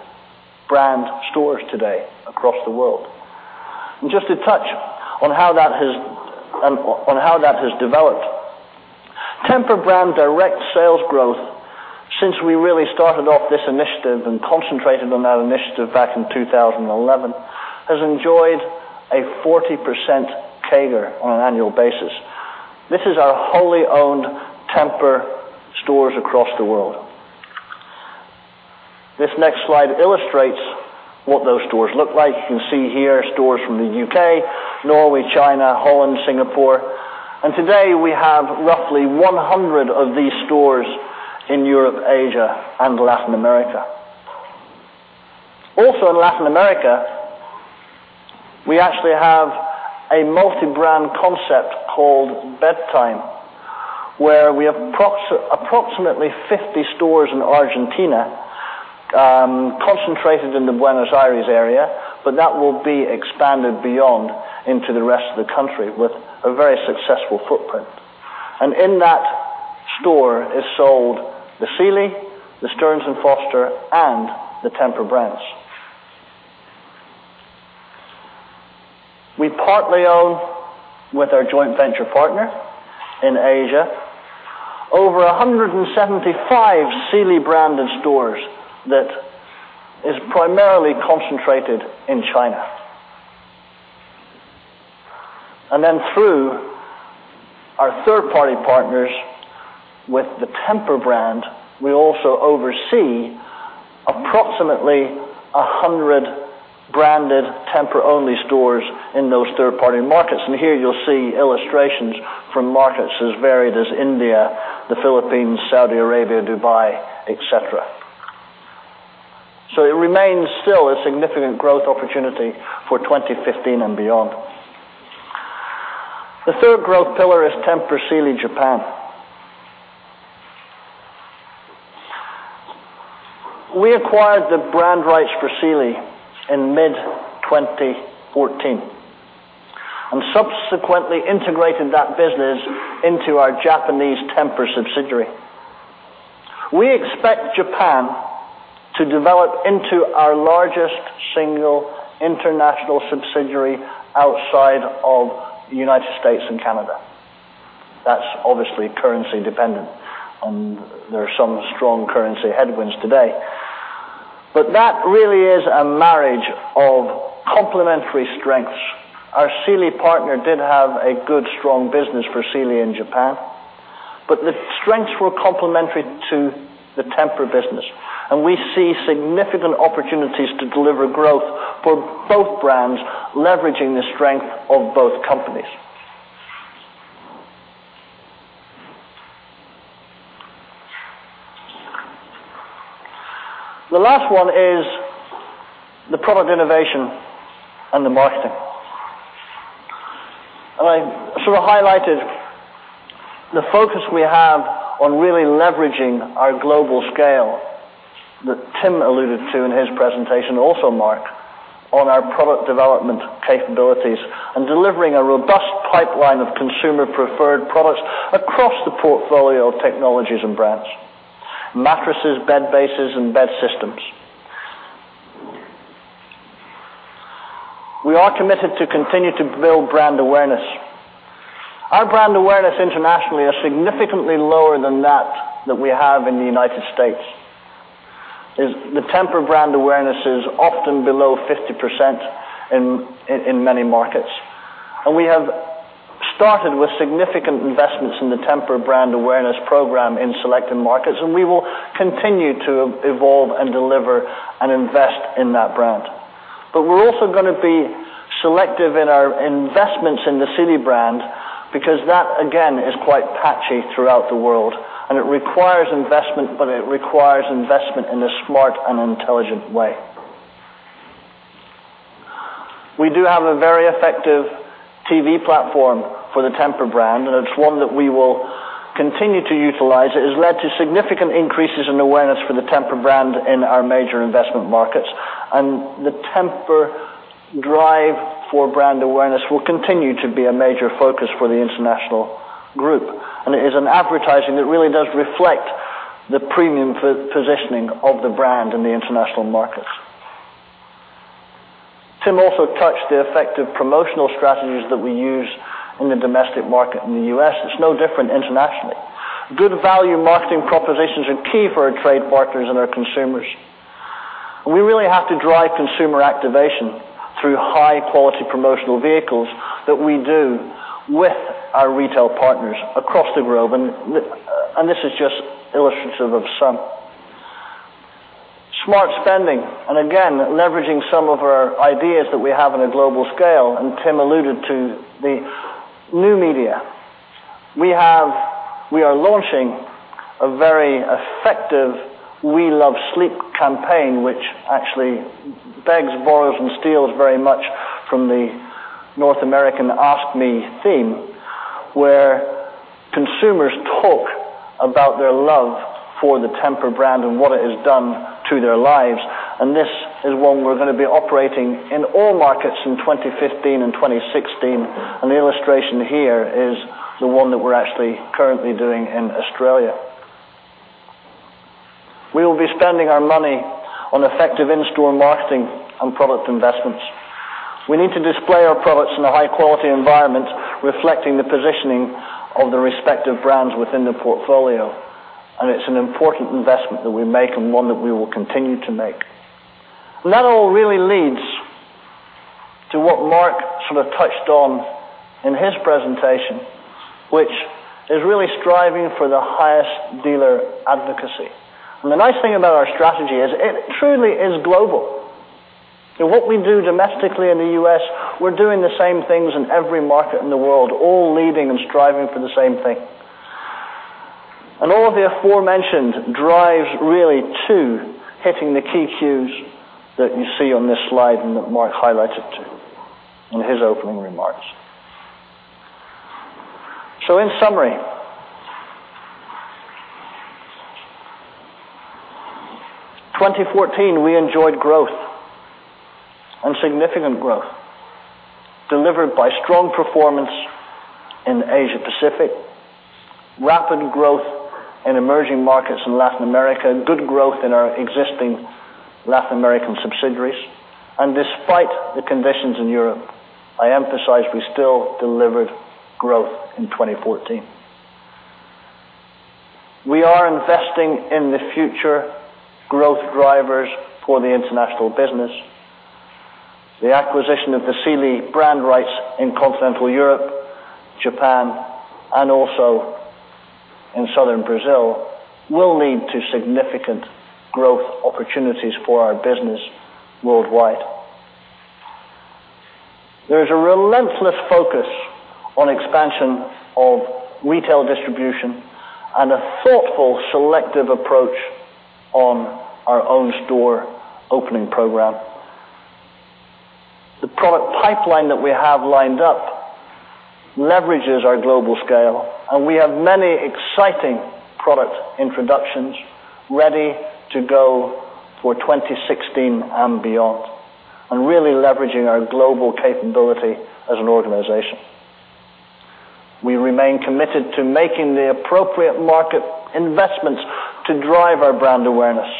brand stores today across the world. Just to touch on how that has developed. Tempur brand direct sales growth, since we really started off this initiative and concentrated on that initiative back in 2011, has enjoyed a 40% CAGR on an annual basis. This is our wholly owned Tempur stores across the world. This next slide illustrates what those stores look like. You can see here stores from the U.K., Norway, China, Holland, Singapore. Today, we have roughly 100 of these stores in Europe, Asia, and Latin America. Also, in Latin America, we actually have a multi-brand concept called Bedtime, where we have approximately 50 stores in Argentina, concentrated in the Buenos Aires area. That will be expanded beyond into the rest of the country with a very successful footprint. In that store is sold the Sealy, the Stearns & Foster, and the Tempur brands. We partly own, with our joint venture partner in Asia, over 175 Sealy-branded stores that is primarily concentrated in China. Through our third-party partners with the Tempur brand, we also oversee approximately 100 branded Tempur-only stores in those third-party markets. Here you'll see illustrations from markets as varied as India, the Philippines, Saudi Arabia, Dubai, et cetera. It remains still a significant growth opportunity for 2015 and beyond. The third growth pillar is Tempur Sealy Japan. We acquired the brand rights for Sealy in mid-2014 and subsequently integrated that business into our Japanese Tempur subsidiary. We expect Japan to develop into our largest single international subsidiary outside of the U.S. and Canada. That's obviously currency dependent, and there are some strong currency headwinds today. That really is a marriage of complementary strengths. Our Sealy partner did have a good, strong business for Sealy in Japan, but the strengths were complementary to the Tempur business, and we see significant opportunities to deliver growth for both brands, leveraging the strength of both companies. The last one is the product innovation and the marketing. I sort of highlighted the focus we have on really leveraging our global scale that Tim alluded to in his presentation, also Mark, on our product development capabilities and delivering a robust pipeline of consumer-preferred products across the portfolio of technologies and brands, mattresses, bed bases, and bed systems. We are committed to continue to build brand awareness. Our brand awareness internationally is significantly lower than that we have in the U.S. The Tempur brand awareness is often below 50% in many markets. We have started with significant investments in the Tempur brand awareness program in selected markets, and we will continue to evolve and deliver and invest in that brand. We're also going to be selective in our investments in the Sealy because that, again, is quite patchy throughout the world, and it requires investment, but it requires investment in a smart and intelligent way. We do have a very effective TV platform for the Tempur brand, and it's one that we will continue to utilize. It has led to significant increases in awareness for the Tempur brand in our major investment markets. The Tempur drive for brand awareness will continue to be a major focus for the international group. It is an advertising that really does reflect the premium positioning of the brand in the international markets. Tim also touched the effective promotional strategies that we use in the domestic market in the U.S. It's no different internationally. Good value marketing propositions are key for our trade partners and our consumers. We really have to drive consumer activation through high-quality promotional vehicles that we do with our retail partners across the globe, and this is just illustrative of some. Smart spending, again, leveraging some of our ideas that we have on a global scale, Tim alluded to the new media. We are launching a very effective We Love Sleep campaign, which actually begs, borrows, and steals very much from the North American Ask Me theme, where consumers talk about their love for the Tempur brand and what it has done to their lives. This is one we're going to be operating in all markets in 2015 and 2016, and the illustration here is the one that we're actually currently doing in Australia. We will be spending our money on effective in-store marketing and product investments. We need to display our products in a high-quality environment reflecting the positioning of the respective brands within the portfolio. It is an important investment that we make and one that we will continue to make. That all really leads to what Mark sort of touched on in his presentation, which is really striving for the highest dealer advocacy. The nice thing about our strategy is it truly is global. What we do domestically in the U.S., we are doing the same things in every market in the world, all leading and striving for the same thing. All of the aforementioned drives really to hitting the key cues that you see on this slide and that Mark highlighted, too, in his opening remarks. In summary, 2014, we enjoyed growth and significant growth delivered by strong performance in Asia-Pacific, rapid growth in emerging markets in Latin America, good growth in our existing Latin American subsidiaries. Despite the conditions in Europe, I emphasize we still delivered growth in 2014. We are investing in the future growth drivers for the international business. The acquisition of the Sealy brand rights in continental Europe, Japan, and also in southern Brazil will lead to significant growth opportunities for our business worldwide. There is a relentless focus on expansion of retail distribution and a thoughtful selective approach on our own store opening program. The product pipeline that we have lined up leverages our global scale, and we have many exciting product introductions ready to go for 2016 and beyond and really leveraging our global capability as an organization. We remain committed to making the appropriate market investments to drive our brand awareness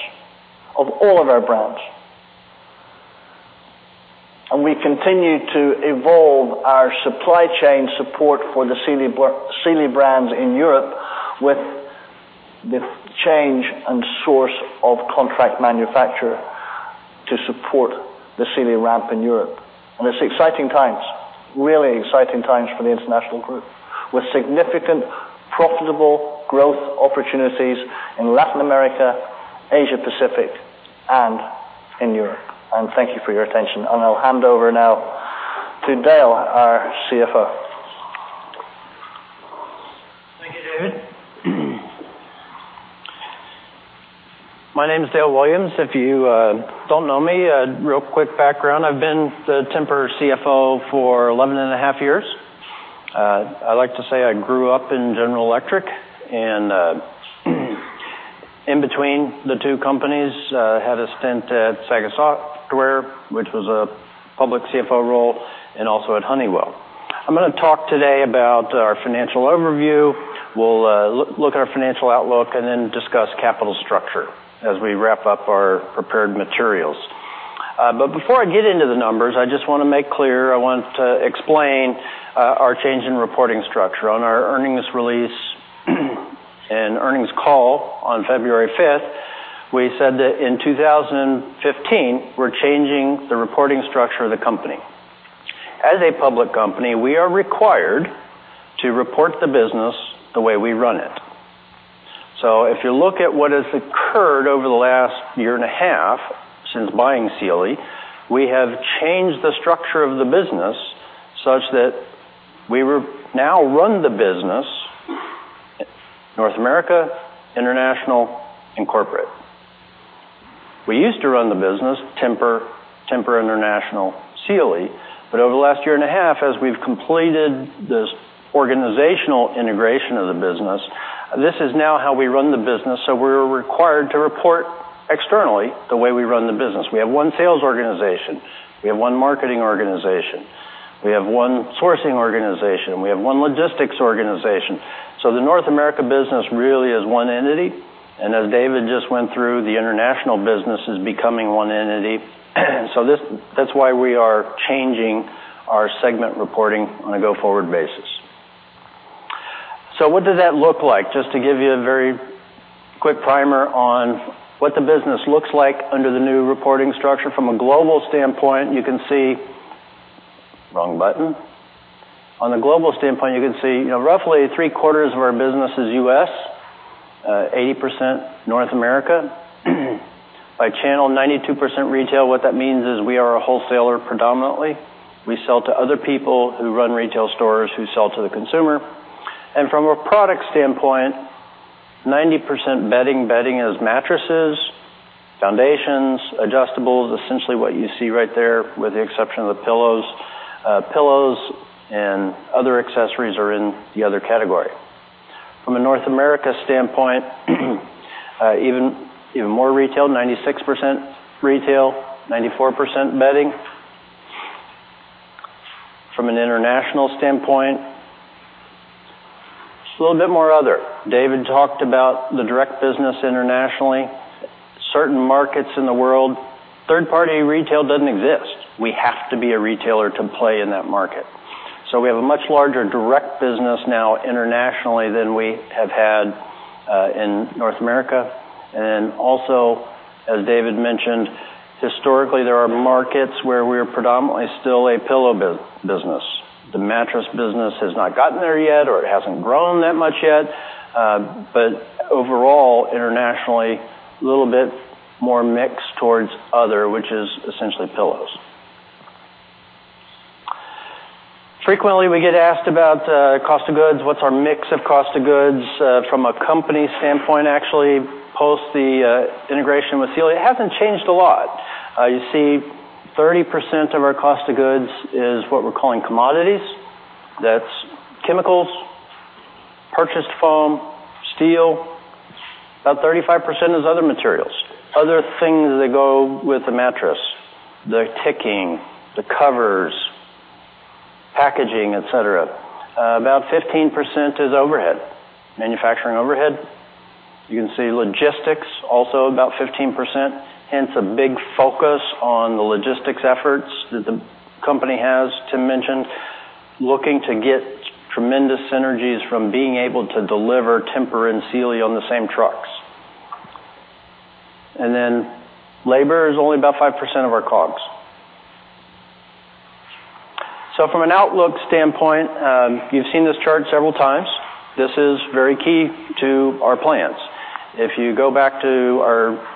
of all of our brands. We continue to evolve our supply chain support for the Sealy brands in Europe with the change and source of contract manufacturer to support the Sealy ramp in Europe. It is exciting times, really exciting times for the international group, with significant profitable growth opportunities in Latin America, Asia-Pacific, and in Europe. Thank you for your attention. I will hand over now to Dale, our CFO. Thank you, David. My name is Dale Williams. If you do not know me, a real quick background. I have been the Tempur CFO for 11 and a half years. I like to say I grew up in General Electric, and in between the two companies, I had a stint at Saga Software, which was a public CFO role, and also at Honeywell. I am going to talk today about our financial overview. We will look at our financial outlook and then discuss capital structure as we wrap up our prepared materials. Before I get into the numbers, I just want to make clear, I want to explain our change in reporting structure. On our earnings release and earnings call on February fifth, we said that in 2015, we are changing the reporting structure of the company. As a public company, we are required to report the business the way we run it. If you look at what has occurred over the last year and a half since buying Sealy, we have changed the structure of the business such that we now run the business North America, International, and Corporate. We used to run the business Tempur International, Sealy. But over the last year and a half, as we've completed this organizational integration of the business, this is now how we run the business. We're required to report externally the way we run the business. We have one sales organization. We have one marketing organization. We have one sourcing organization. We have one logistics organization. The North America business really is one entity, and as David just went through, the International business is becoming one entity. That's why we are changing our segment reporting on a go-forward basis. What does that look like? Just to give you a very quick primer on what the business looks like under the new reporting structure. From a global standpoint, you can see Wrong button. On the global standpoint, you can see roughly three-quarters of our business is U.S., 80% North America. By channel, 92% retail. What that means is we are a wholesaler predominantly. We sell to other people who run retail stores who sell to the consumer. And from a product standpoint, 90% bedding. Bedding is mattresses, foundations, adjustables, essentially what you see right there, with the exception of the pillows. Pillows and other accessories are in the other category. From a North America standpoint, even more retail, 96% retail, 94% bedding. From an International standpoint, just a little bit more other. David talked about the direct business internationally. Certain markets in the world, third-party retail doesn't exist. We have to be a retailer to play in that market. We have a much larger direct business now internationally than we have had in North America. And also, as David mentioned, historically, there are markets where we're predominantly still a pillow business. The mattress business has not gotten there yet, or it hasn't grown that much yet. But overall, internationally, a little bit more mix towards other, which is essentially pillows. Frequently, we get asked about cost of goods. What's our mix of cost of goods from a company standpoint, actually, post the integration with Sealy? It hasn't changed a lot. You see 30% of our cost of goods is what we're calling commodities. That's chemicals, purchased foam, steel. About 35% is other materials, other things that go with the mattress, the ticking, the covers, packaging, et cetera. About 15% is overhead, manufacturing overhead. You can see logistics also about 15%, hence a big focus on the logistics efforts that the company has, Tim mentioned, looking to get tremendous synergies from being able to deliver Tempur and Sealy on the same trucks. And then labor is only about 5% of our COGS. From an outlook standpoint, you've seen this chart several times. This is very key to our plans. If you go back to our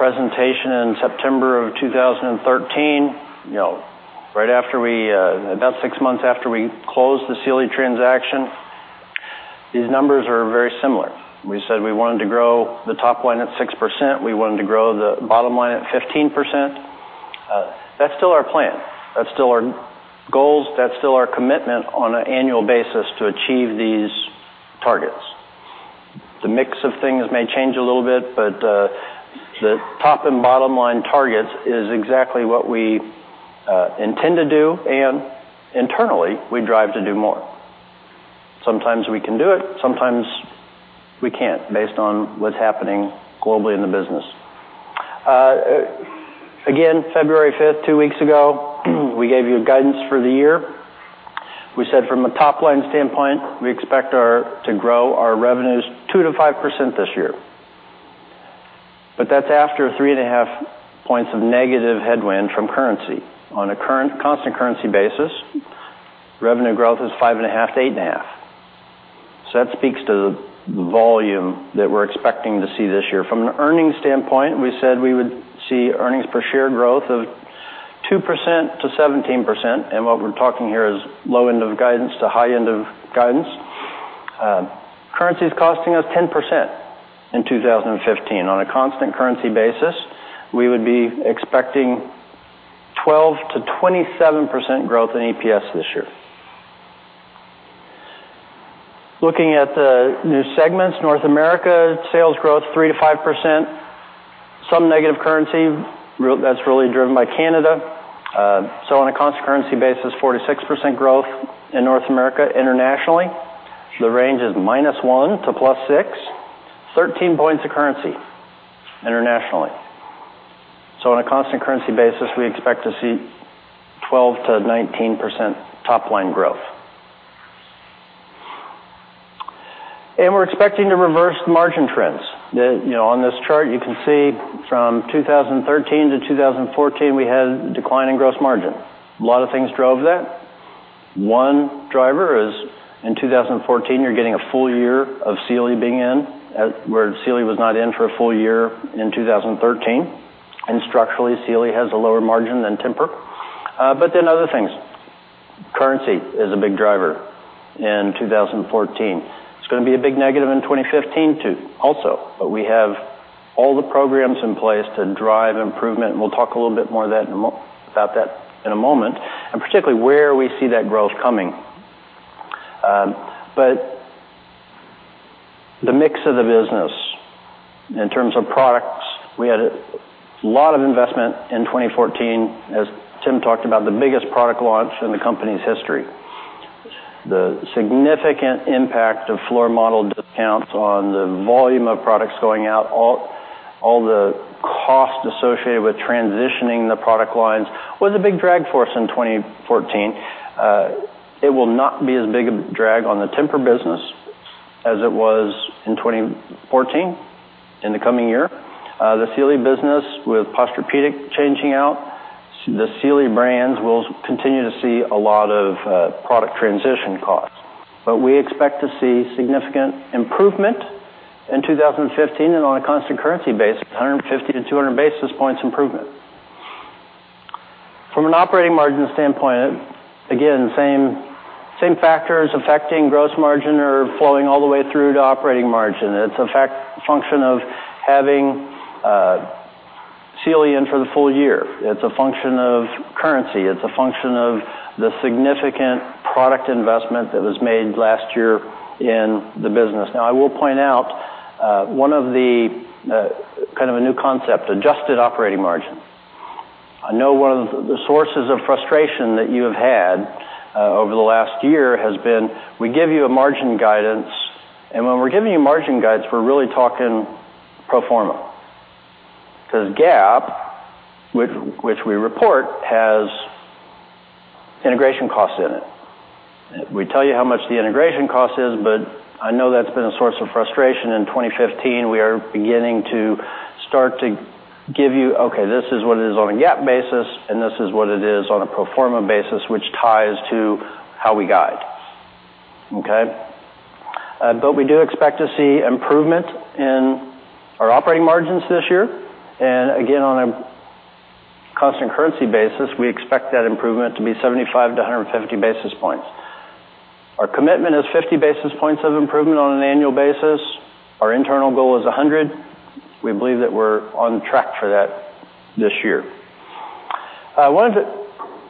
presentation in September of 2013, about six months after we closed the Sealy transaction, these numbers are very similar. We said we wanted to grow the top line at 6%. We wanted to grow the bottom line at 15%. That's still our plan. That's still our goals. That's still our commitment on an annual basis to achieve these targets. The mix of things may change a little bit, but the top and bottom line targets is exactly what we intend to do. Internally, we drive to do more. Sometimes we can do it, sometimes we can't based on what's happening globally in the business. Again, February 5th, two weeks ago, we gave you guidance for the year. We said from a top-line standpoint, we expect to grow our revenues 2%-5% this year. That's after three and a half points of negative headwind from currency. On a constant currency basis, revenue growth is 5.5%-8.5%. That speaks to the volume that we're expecting to see this year. From an earnings standpoint, we said we would see earnings per share growth of 2%-17%. What we're talking here is low end of guidance to high end of guidance. Currency is costing us 10% in 2015. On a constant currency basis, we would be expecting 12%-27% growth in EPS this year. Looking at the new segments, North America sales growth 3%-5%. Some negative currency that's really driven by Canada. On a constant currency basis, 46% growth in North America. Internationally, the range is -1% to +6%. 13 points of currency internationally. On a constant currency basis, we expect to see 12%-19% top-line growth. We're expecting to reverse margin trends. On this chart, you can see from 2013 to 2014, we had a decline in gross margin. A lot of things drove that. One driver is in 2014, you're getting a full year of Sealy being in, where Sealy was not in for a full year in 2013. Structurally, Sealy has a lower margin than Tempur. Other things. Currency is a big driver in 2014. It's going to be a big negative in 2015, too, also. We have all the programs in place to drive improvement, and we'll talk a little bit more about that in a moment, and particularly where we see that growth coming. The mix of the business in terms of products, we had a lot of investment in 2014. As Tim talked about, the biggest product launch in the company's history. The significant impact of floor model discounts on the volume of products going out, all the cost associated with transitioning the product lines was a big drag for us in 2014. It will not be as big a drag on the Tempur business as it was in 2014 in the coming year. The Sealy business with Posturepedic changing out, the Sealy brands will continue to see a lot of product transition costs. We expect to see significant improvement in 2015 and on a constant currency basis, 150-200 basis points improvement. From an operating margin standpoint, again, same factors affecting gross margin are flowing all the way through to operating margin. It's a function of having Sealy in for the full year. It's a function of currency. It's a function of the significant product investment that was made last year in the business. I will point out one of the kind of a new concept, adjusted operating margin. I know one of the sources of frustration that you have had over the last year has been we give you a margin guidance. When we're giving you margin guides, we're really talking pro forma because GAAP, which we report, has integration costs in it. We tell you how much the integration cost is, but I know that's been a source of frustration. In 2015, we are beginning to start to give you, okay, this is what it is on a GAAP basis, and this is what it is on a pro forma basis, which ties to how we guide. Okay? We do expect to see improvement in our operating margins this year. On a constant currency basis, we expect that improvement to be 75 to 150 basis points. Our commitment is 50 basis points of improvement on an annual basis. Our internal goal is 100. We believe that we're on track for that this year. I wanted to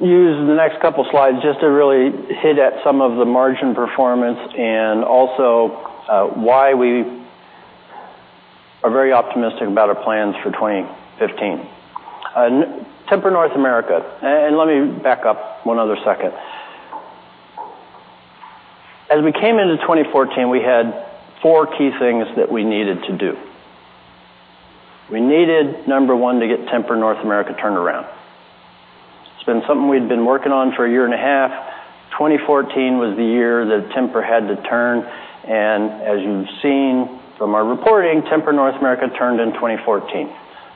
use the next couple slides just to really hit at some of the margin performance and also why we are very optimistic about our plans for 2015. Tempur North America. Let me back up one other second. As we came into 2014, we had four key things that we needed to do. We needed, number one, to get Tempur North America turned around. It's been something we'd been working on for a year and a half. 2014 was the year that Tempur had to turn, and as you've seen from our reporting, Tempur North America turned in 2014.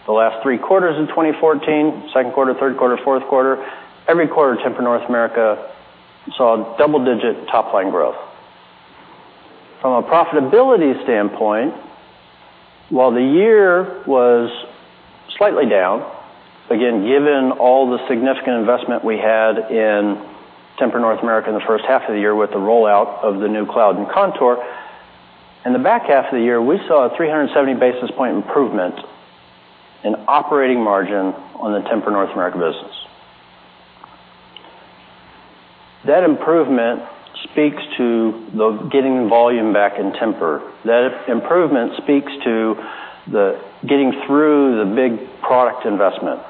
The last three quarters of 2014, second quarter, third quarter, fourth quarter, every quarter, Tempur North America saw double-digit top-line growth. From a profitability standpoint, while the year was slightly down, again, given all the significant investment we had in Tempur North America in the first half of the year with the rollout of the new Cloud and Contour. In the back half of the year, we saw a 370 basis point improvement in operating margin on the Tempur North America business. That improvement speaks to the getting volume back in Tempur. That improvement speaks to the getting through the big product investment.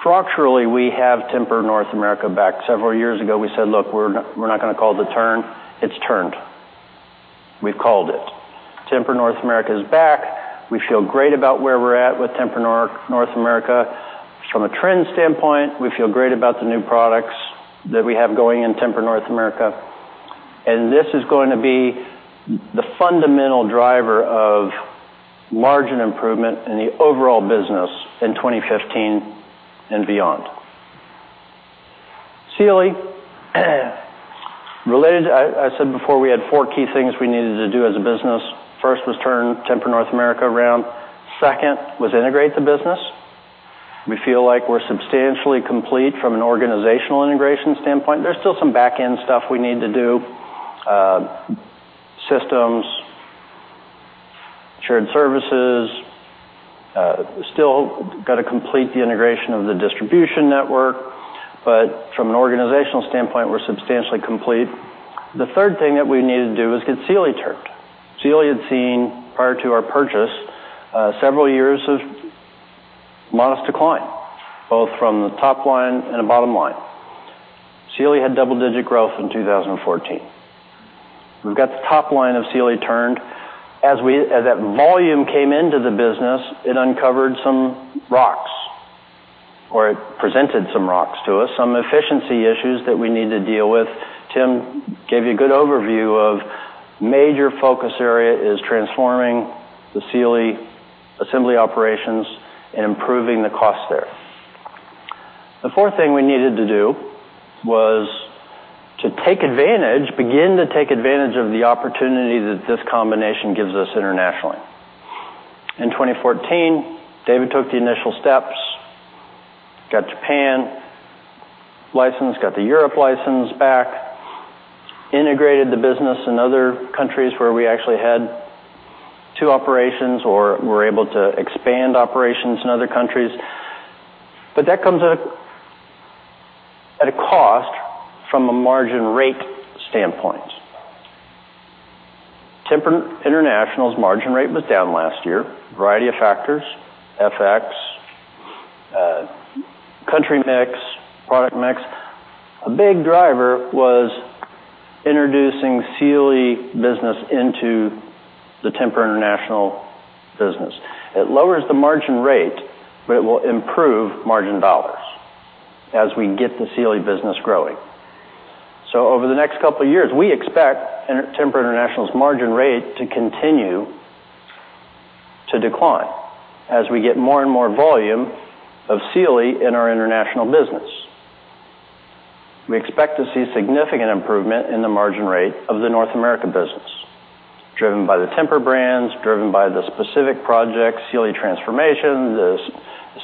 Structurally, we have Tempur North America back. Several years ago, we said, "Look, we're not going to call the turn." It's turned. We've called it. Tempur North America is back. We feel great about where we're at with Tempur North America. From a trend standpoint, we feel great about the new products that we have going in Tempur North America. This is going to be the fundamental driver of margin improvement in the overall business in 2015 and beyond. Sealy. Related, I said before, we had four key things we needed to do as a business. First was turn Tempur North America around. Second was integrate the business. We feel like we're substantially complete from an organizational integration standpoint. There's still some back-end stuff we need to do. Systems, shared services. Still got to complete the integration of the distribution network. From an organizational standpoint, we're substantially complete. The third thing that we needed to do was get Sealy turned. Sealy had seen, prior to our purchase, several years of modest decline, both from the top line and the bottom line. Sealy had double-digit growth in 2014. We've got the top line of Sealy turned. As that volume came into the business, it uncovered some rocks, or it presented some rocks to us, some efficiency issues that we need to deal with. Tim gave you a good overview of major focus area is transforming the Sealy Assembly operations and improving the cost there. The fourth thing we needed to do was to begin to take advantage of the opportunity that this combination gives us internationally. In 2014, David took the initial steps, got Japan license, got the Europe license back, integrated the business in other countries where we actually had two operations, or were able to expand operations in other countries. That comes at a cost from a margin rate standpoint. Tempur International's margin rate was down last year. Variety of factors, FX, country mix, product mix. A big driver was introducing Sealy business into the Tempur International business. It lowers the margin rate, but it will improve margin dollars as we get the Sealy business growing. Over the next couple of years, we expect Tempur International's margin rate to continue to decline as we get more and more volume of Sealy in our international business. We expect to see significant improvement in the margin rate of the North America business, driven by the Tempur brands, driven by the specific projects, Sealy transformations, the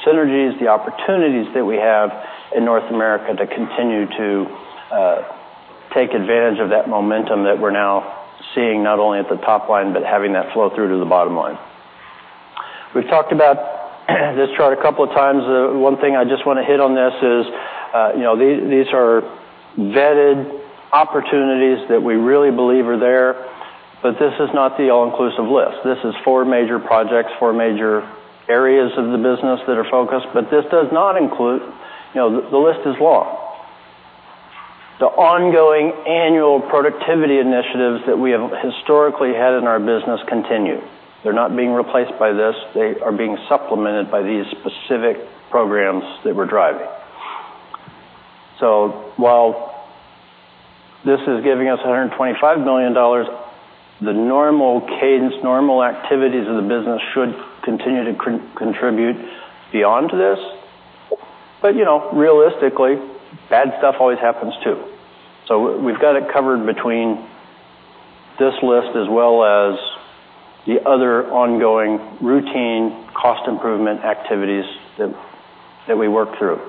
synergies, the opportunities that we have in North America to continue to take advantage of that momentum that we're now seeing, not only at the top line, but having that flow through to the bottom line. We've talked about this chart a couple of times. One thing I just want to hit on this is these are vetted opportunities that we really believe are there. This is not the all-inclusive list. This is four major projects, four major areas of the business that are focused. This does not include the list is long. The ongoing annual productivity initiatives that we have historically had in our business continue. They're not being replaced by this. They are being supplemented by these specific programs that we're driving. While this is giving us $125 million, the normal cadence, normal activities of the business should continue to contribute beyond this. Realistically, bad stuff always happens, too. We've got it covered between this list as well as the other ongoing routine cost improvement activities that we work through.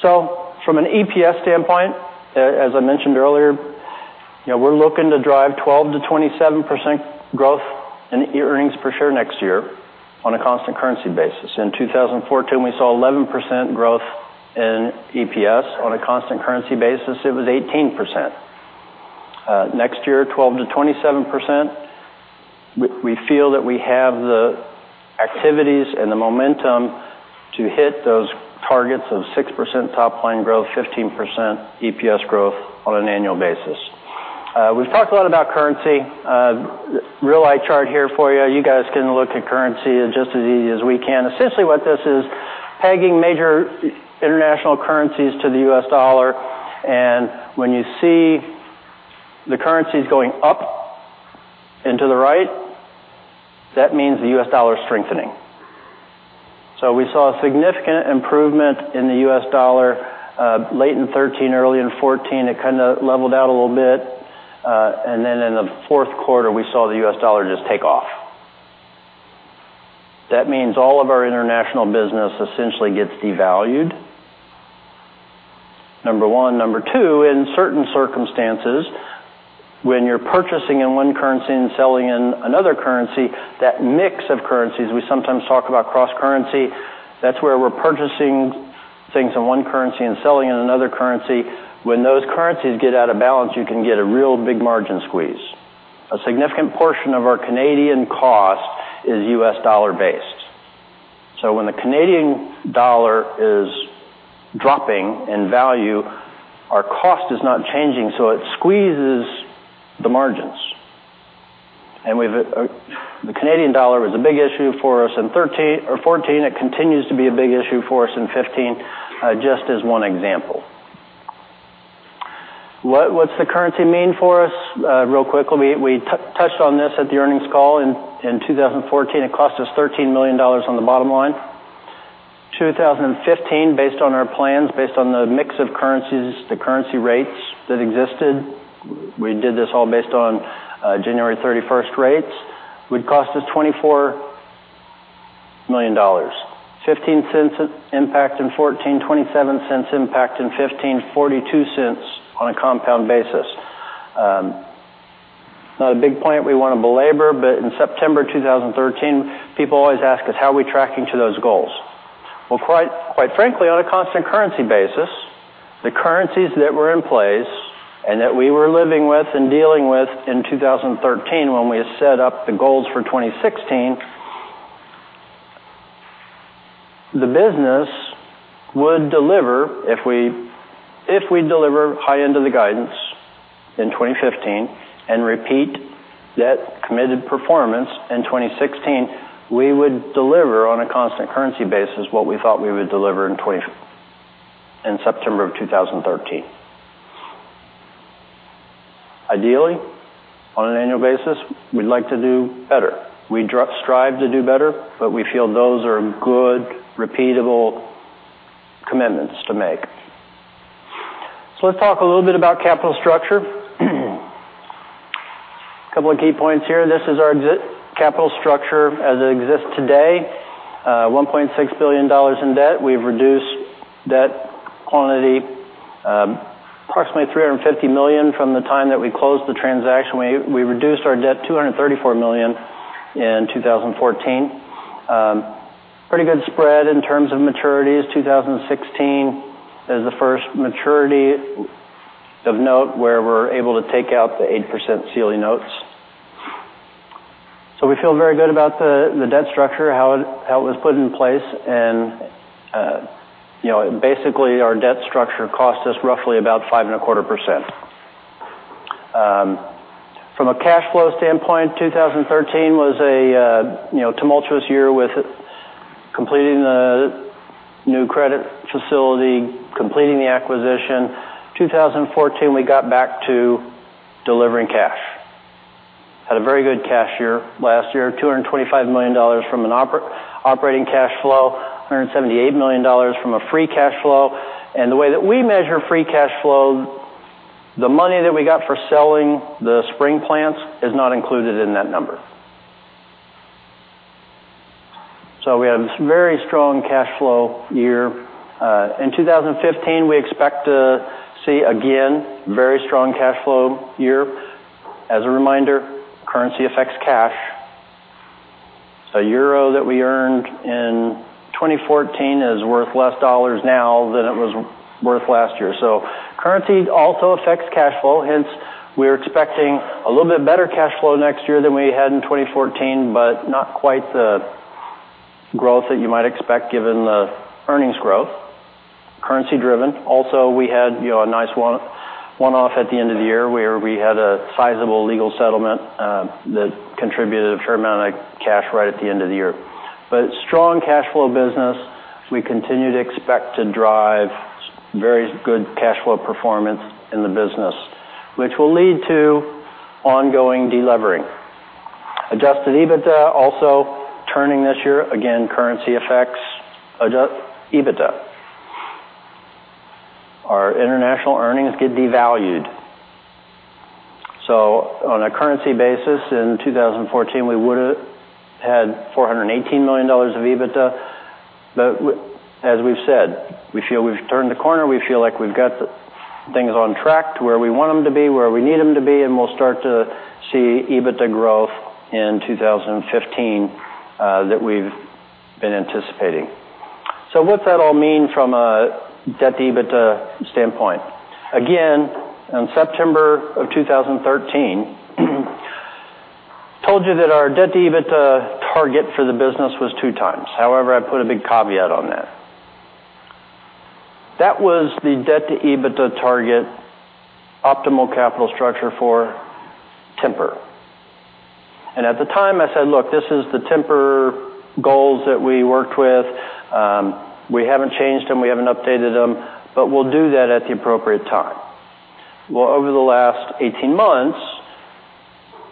From an EPS standpoint, as I mentioned earlier, we're looking to drive 12%-27% growth in earnings per share next year on a constant currency basis. In 2014, we saw 11% growth in EPS. On a constant currency basis, it was 18%. Next year, 12%-27%. We feel that we have the activities and the momentum to hit those targets of 6% top line growth, 15% EPS growth on an annual basis. We've talked a lot about currency. Real light chart here for you. You guys can look at currency just as easy as we can. Essentially, what this is pegging major international currencies to the U.S. dollar, and when you see the currencies going up and to the right, that means the U.S. dollar is strengthening. We saw a significant improvement in the U.S. dollar late in 2013, early in 2014. It kind of leveled out a little bit, and then in the fourth quarter, we saw the U.S. dollar just take off. That means all of our international business essentially gets devalued, number one. Number two, in certain circumstances, when you're purchasing in one currency and selling in another currency, that mix of currencies, we sometimes talk about cross-currency. That's where we're purchasing things in one currency and selling in another currency. When those currencies get out of balance, you can get a real big margin squeeze. A significant portion of our Canadian cost is U.S. dollar based. When the Canadian dollar is dropping in value, our cost is not changing, so it squeezes the margins. The Canadian dollar was a big issue for us in 2014. It continues to be a big issue for us in 2015, just as one example. What's the currency mean for us? Real quickly, we touched on this at the earnings call. In 2014, it cost us $13 million on the bottom line. 2015, based on our plans, based on the mix of currencies, the currency rates that existed, we did this all based on January 31st rates, would cost us $24 million. $0.15 impact in 2014, $0.27 impact in 2015, $0.42 on a compound basis. Not a big point we want to belabor. In September 2013, people always ask us, how are we tracking to those goals? Quite frankly, on a constant currency basis, the currencies that were in place and that we were living with and dealing with in 2013 when we set up the goals for 2016, the business would deliver if we deliver high end of the guidance in 2015 and repeat that committed performance in 2016, we would deliver on a constant currency basis what we thought we would deliver in September of 2013. Ideally, on an annual basis, we'd like to do better. We strive to do better. We feel those are good, repeatable commitments to make. Let's talk a little bit about capital structure. Couple of key points here. This is our capital structure as it exists today. $1.6 billion in debt. We've reduced debt quantity, approximately $350 million from the time that we closed the transaction. We reduced our debt $234 million in 2014. Pretty good spread in terms of maturities. 2016 is the first maturity of note, where we're able to take out the 8% CLN notes. We feel very good about the debt structure, how it was put in place, and basically, our debt structure costs us roughly about 5.25%. From a cash flow standpoint, 2013 was a tumultuous year with completing the new credit facility, completing the acquisition. 2014, we got back to delivering cash. Had a very good cash year last year, $225 million from an operating cash flow, $178 million from a free cash flow. The way that we measure free cash flow, the money that we got for selling the spring plants is not included in that number. We had a very strong cash flow year. In 2015, we expect to see, again, very strong cash flow year. As a reminder, currency affects cash. A EUR that we earned in 2014 is worth less U.S. dollars now than it was worth last year. Currency also affects cash flow. Hence, we're expecting a little bit better cash flow next year than we had in 2014, but not quite the growth that you might expect given the earnings growth, currency-driven. Also, we had a nice one-off at the end of the year where we had a sizable legal settlement that contributed a fair amount of cash right at the end of the year. Strong cash flow business, we continue to expect to drive very good cash flow performance in the business, which will lead to ongoing de-levering. Adjusted EBITDA also turning this year. Again, currency affects EBITDA. Our international earnings get devalued. On a currency basis in 2014, we would've had $418 million of EBITDA. As we've said, we feel we've turned the corner. We feel like we've got things on track to where we want them to be, where we need them to be, and we'll start to see EBITDA growth in 2015 that we've been anticipating. What's that all mean from a debt-to-EBITDA standpoint? Again, on September of 2013, told you that our debt-to-EBITDA target for the business was two times. However, I put a big caveat on that. That was the debt-to-EBITDA target optimal capital structure for Tempur. At the time, I said, "Look, this is the Tempur goals that we worked with. We haven't changed them, we haven't updated them, but we'll do that at the appropriate time." Well, over the last 18 months,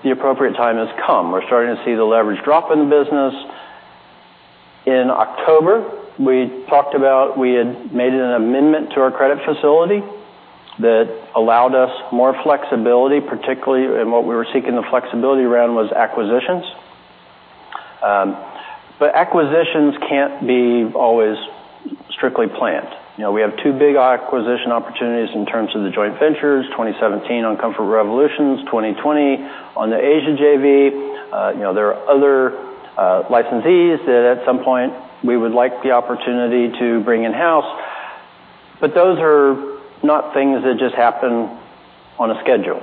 the appropriate time has come. We're starting to see the leverage drop in the business. In October, we talked about we had made an amendment to our credit facility that allowed us more flexibility, particularly in what we were seeking the flexibility around was acquisitions. Acquisitions can't be always strictly planned. We have two big acquisition opportunities in terms of the joint ventures, 2017 on Comfort Revolution, 2020 on the Asia JV. There are other licensees that at some point we would like the opportunity to bring in-house. Those are not things that just happen on a schedule.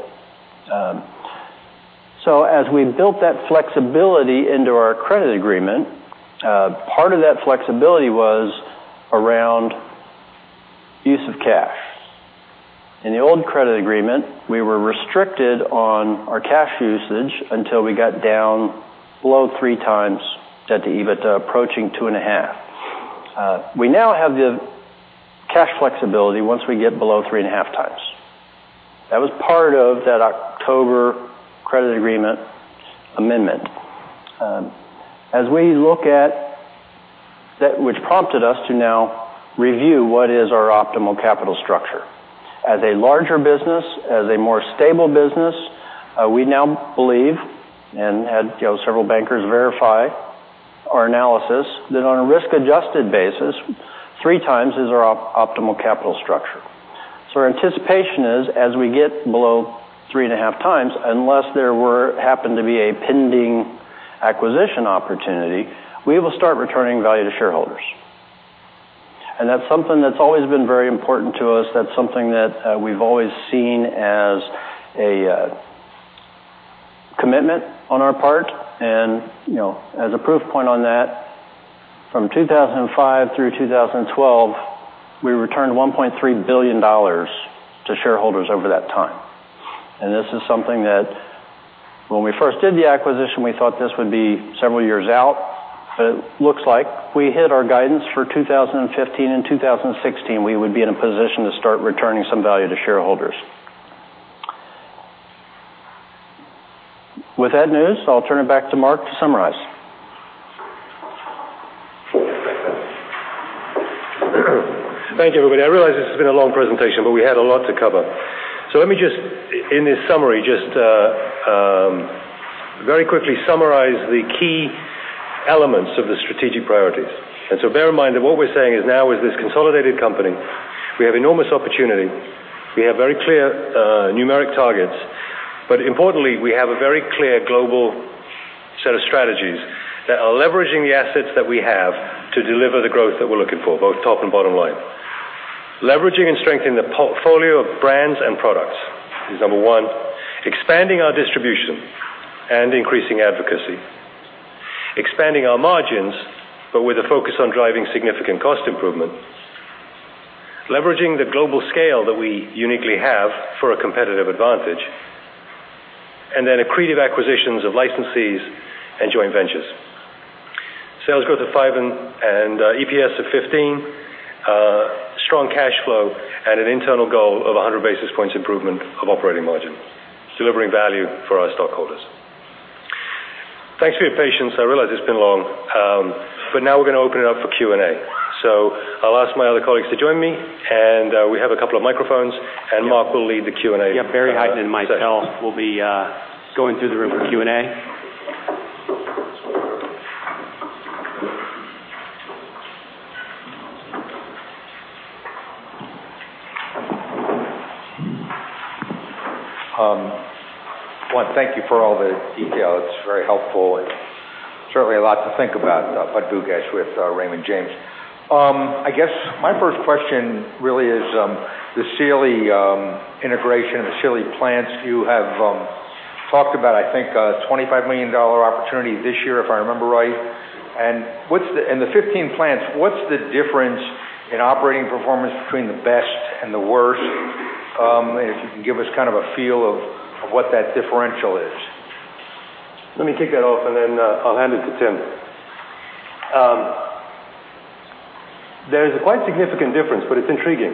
As we built that flexibility into our credit agreement, part of that flexibility was around use of cash. In the old credit agreement, we were restricted on our cash usage until we got down below three times debt to EBITDA, approaching two and a half. We now have the cash flexibility once we get below three and a half times. That was part of that October credit agreement amendment. Which prompted us to now review what is our optimal capital structure. As a larger business, as a more stable business, we now believe, and had several bankers verify our analysis, that on a risk-adjusted basis, three times is our optimal capital structure. Our anticipation is, as we get below three and a half times, unless there happened to be a pending acquisition opportunity, we will start returning value to shareholders. That's something that's always been very important to us. That's something that we've always seen as a commitment on our part. As a proof point on that, from 2005 through 2012, we returned $1.3 billion to shareholders over that time. When we first did the acquisition, we thought this would be several years out, but it looks like we hit our guidance for 2015 and 2016. We would be in a position to start returning some value to shareholders. With that news, I'll turn it back to Mark to summarize. Thank you, everybody. I realize this has been a long presentation, but we had a lot to cover. Let me, in this summary, just very quickly summarize the key elements of the strategic priorities. Bear in mind that what we're saying is now with this consolidated company, we have enormous opportunity. We have very clear numeric targets, but importantly, we have a very clear global set of strategies that are leveraging the assets that we have to deliver the growth that we're looking for, both top and bottom line. Leveraging and strengthening the portfolio of brands and products is number one. Expanding our distribution and increasing advocacy. Expanding our margins, but with a focus on driving significant cost improvement. Leveraging the global scale that we uniquely have for a competitive advantage. Accretive acquisitions of licensees and joint ventures. Sales growth at 6% and EPS at 15, strong cash flow, and an internal goal of 100 basis points improvement of operating margin, delivering value for our stockholders. Thanks for your patience. I realize it's been long, but now we're going to open it up for Q&A. I'll ask my other colleagues to join me, and we have a couple of microphones, and Mark will lead the Q&A. Barry Hytinen and myself will be going through the room for Q&A. I want to thank you for all the detail. It's very helpful. It's certainly a lot to think about. Budd Bugatch with Raymond James. My first question really is the Sealy integration and the Sealy plants. You have talked about, I think, a $25 million opportunity this year, if I remember right. The 15 plants, what's the difference in operating performance between the best and the worst? If you can give us kind of a feel of what that differential is. Let me kick that off, then I'll hand it to Tim. There is a quite significant difference, it's intriguing.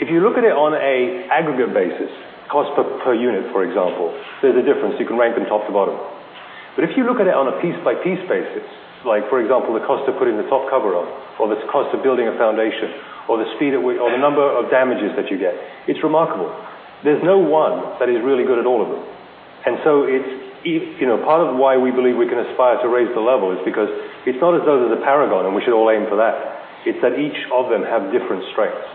If you look at it on an aggregate basis, cost per unit, for example, there's a difference. You can rank them top to bottom. If you look at it on a piece-by-piece basis, like for example, the cost of putting the top cover on, or the cost of building a foundation, or the speed at which, or the number of damages that you get, it's remarkable. There's no one that is really good at all of them. Part of why we believe we can aspire to raise the level is because it's not as though there's a paragon and we should all aim for that. It's that each of them have different strengths.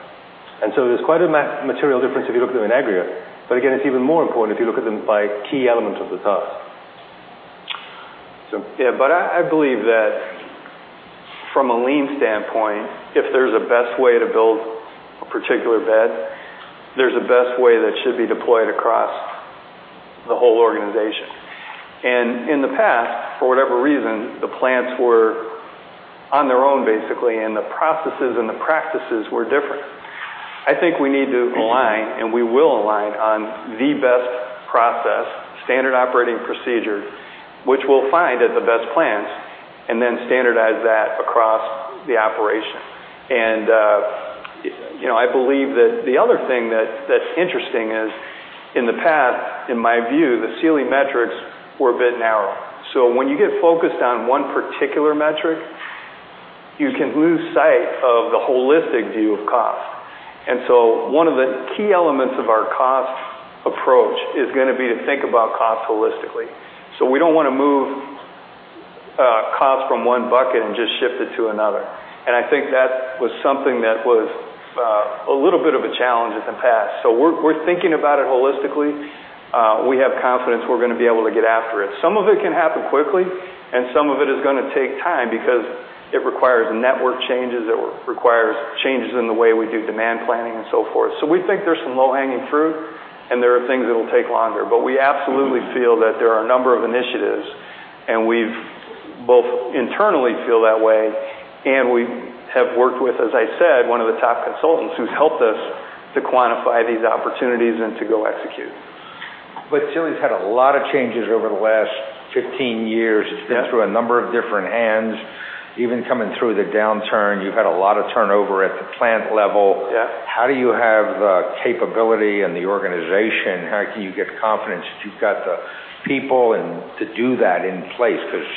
There's quite a material difference if you look at them in aggregate. Again, it's even more important if you look at them by key elements of the task. Yeah, I believe that from a lean standpoint, if there's a best way to build a particular bed, there's a best way that should be deployed across the whole organization. In the past, for whatever reason, the plants were on their own, basically, and the processes and the practices were different. I think we need to align, and we will align on the best process, standard operating procedure, which we'll find at the best plants, and then standardize that across the operation. I believe that the other thing that's interesting is in the past, in my view, the Sealy metrics were a bit narrow. When you get focused on one particular metric, you can lose sight of the holistic view of cost. One of the key elements of our cost approach is going to be to think about cost holistically. We don't want to move cost from one bucket and just shift it to another. I think that was something that was a little bit of a challenge in the past. We're thinking about it holistically. We have confidence we're going to be able to get after it. Some of it can happen quickly, and some of it is going to take time because it requires network changes, it requires changes in the way we do demand planning and so forth. We think there's some low-hanging fruit, and there are things that will take longer. We absolutely feel that there are a number of initiatives, and we both internally feel that way, and we have worked with, as I said, one of the top consultants who's helped us to quantify these opportunities and to go execute. Sealy's had a lot of changes over the last 15 years. Yeah. It's been through a number of different hands. Even coming through the downturn, you've had a lot of turnover at the plant level. Yeah. How do you have the capability and the organization, how can you get confidence that you've got the people to do that in place? Because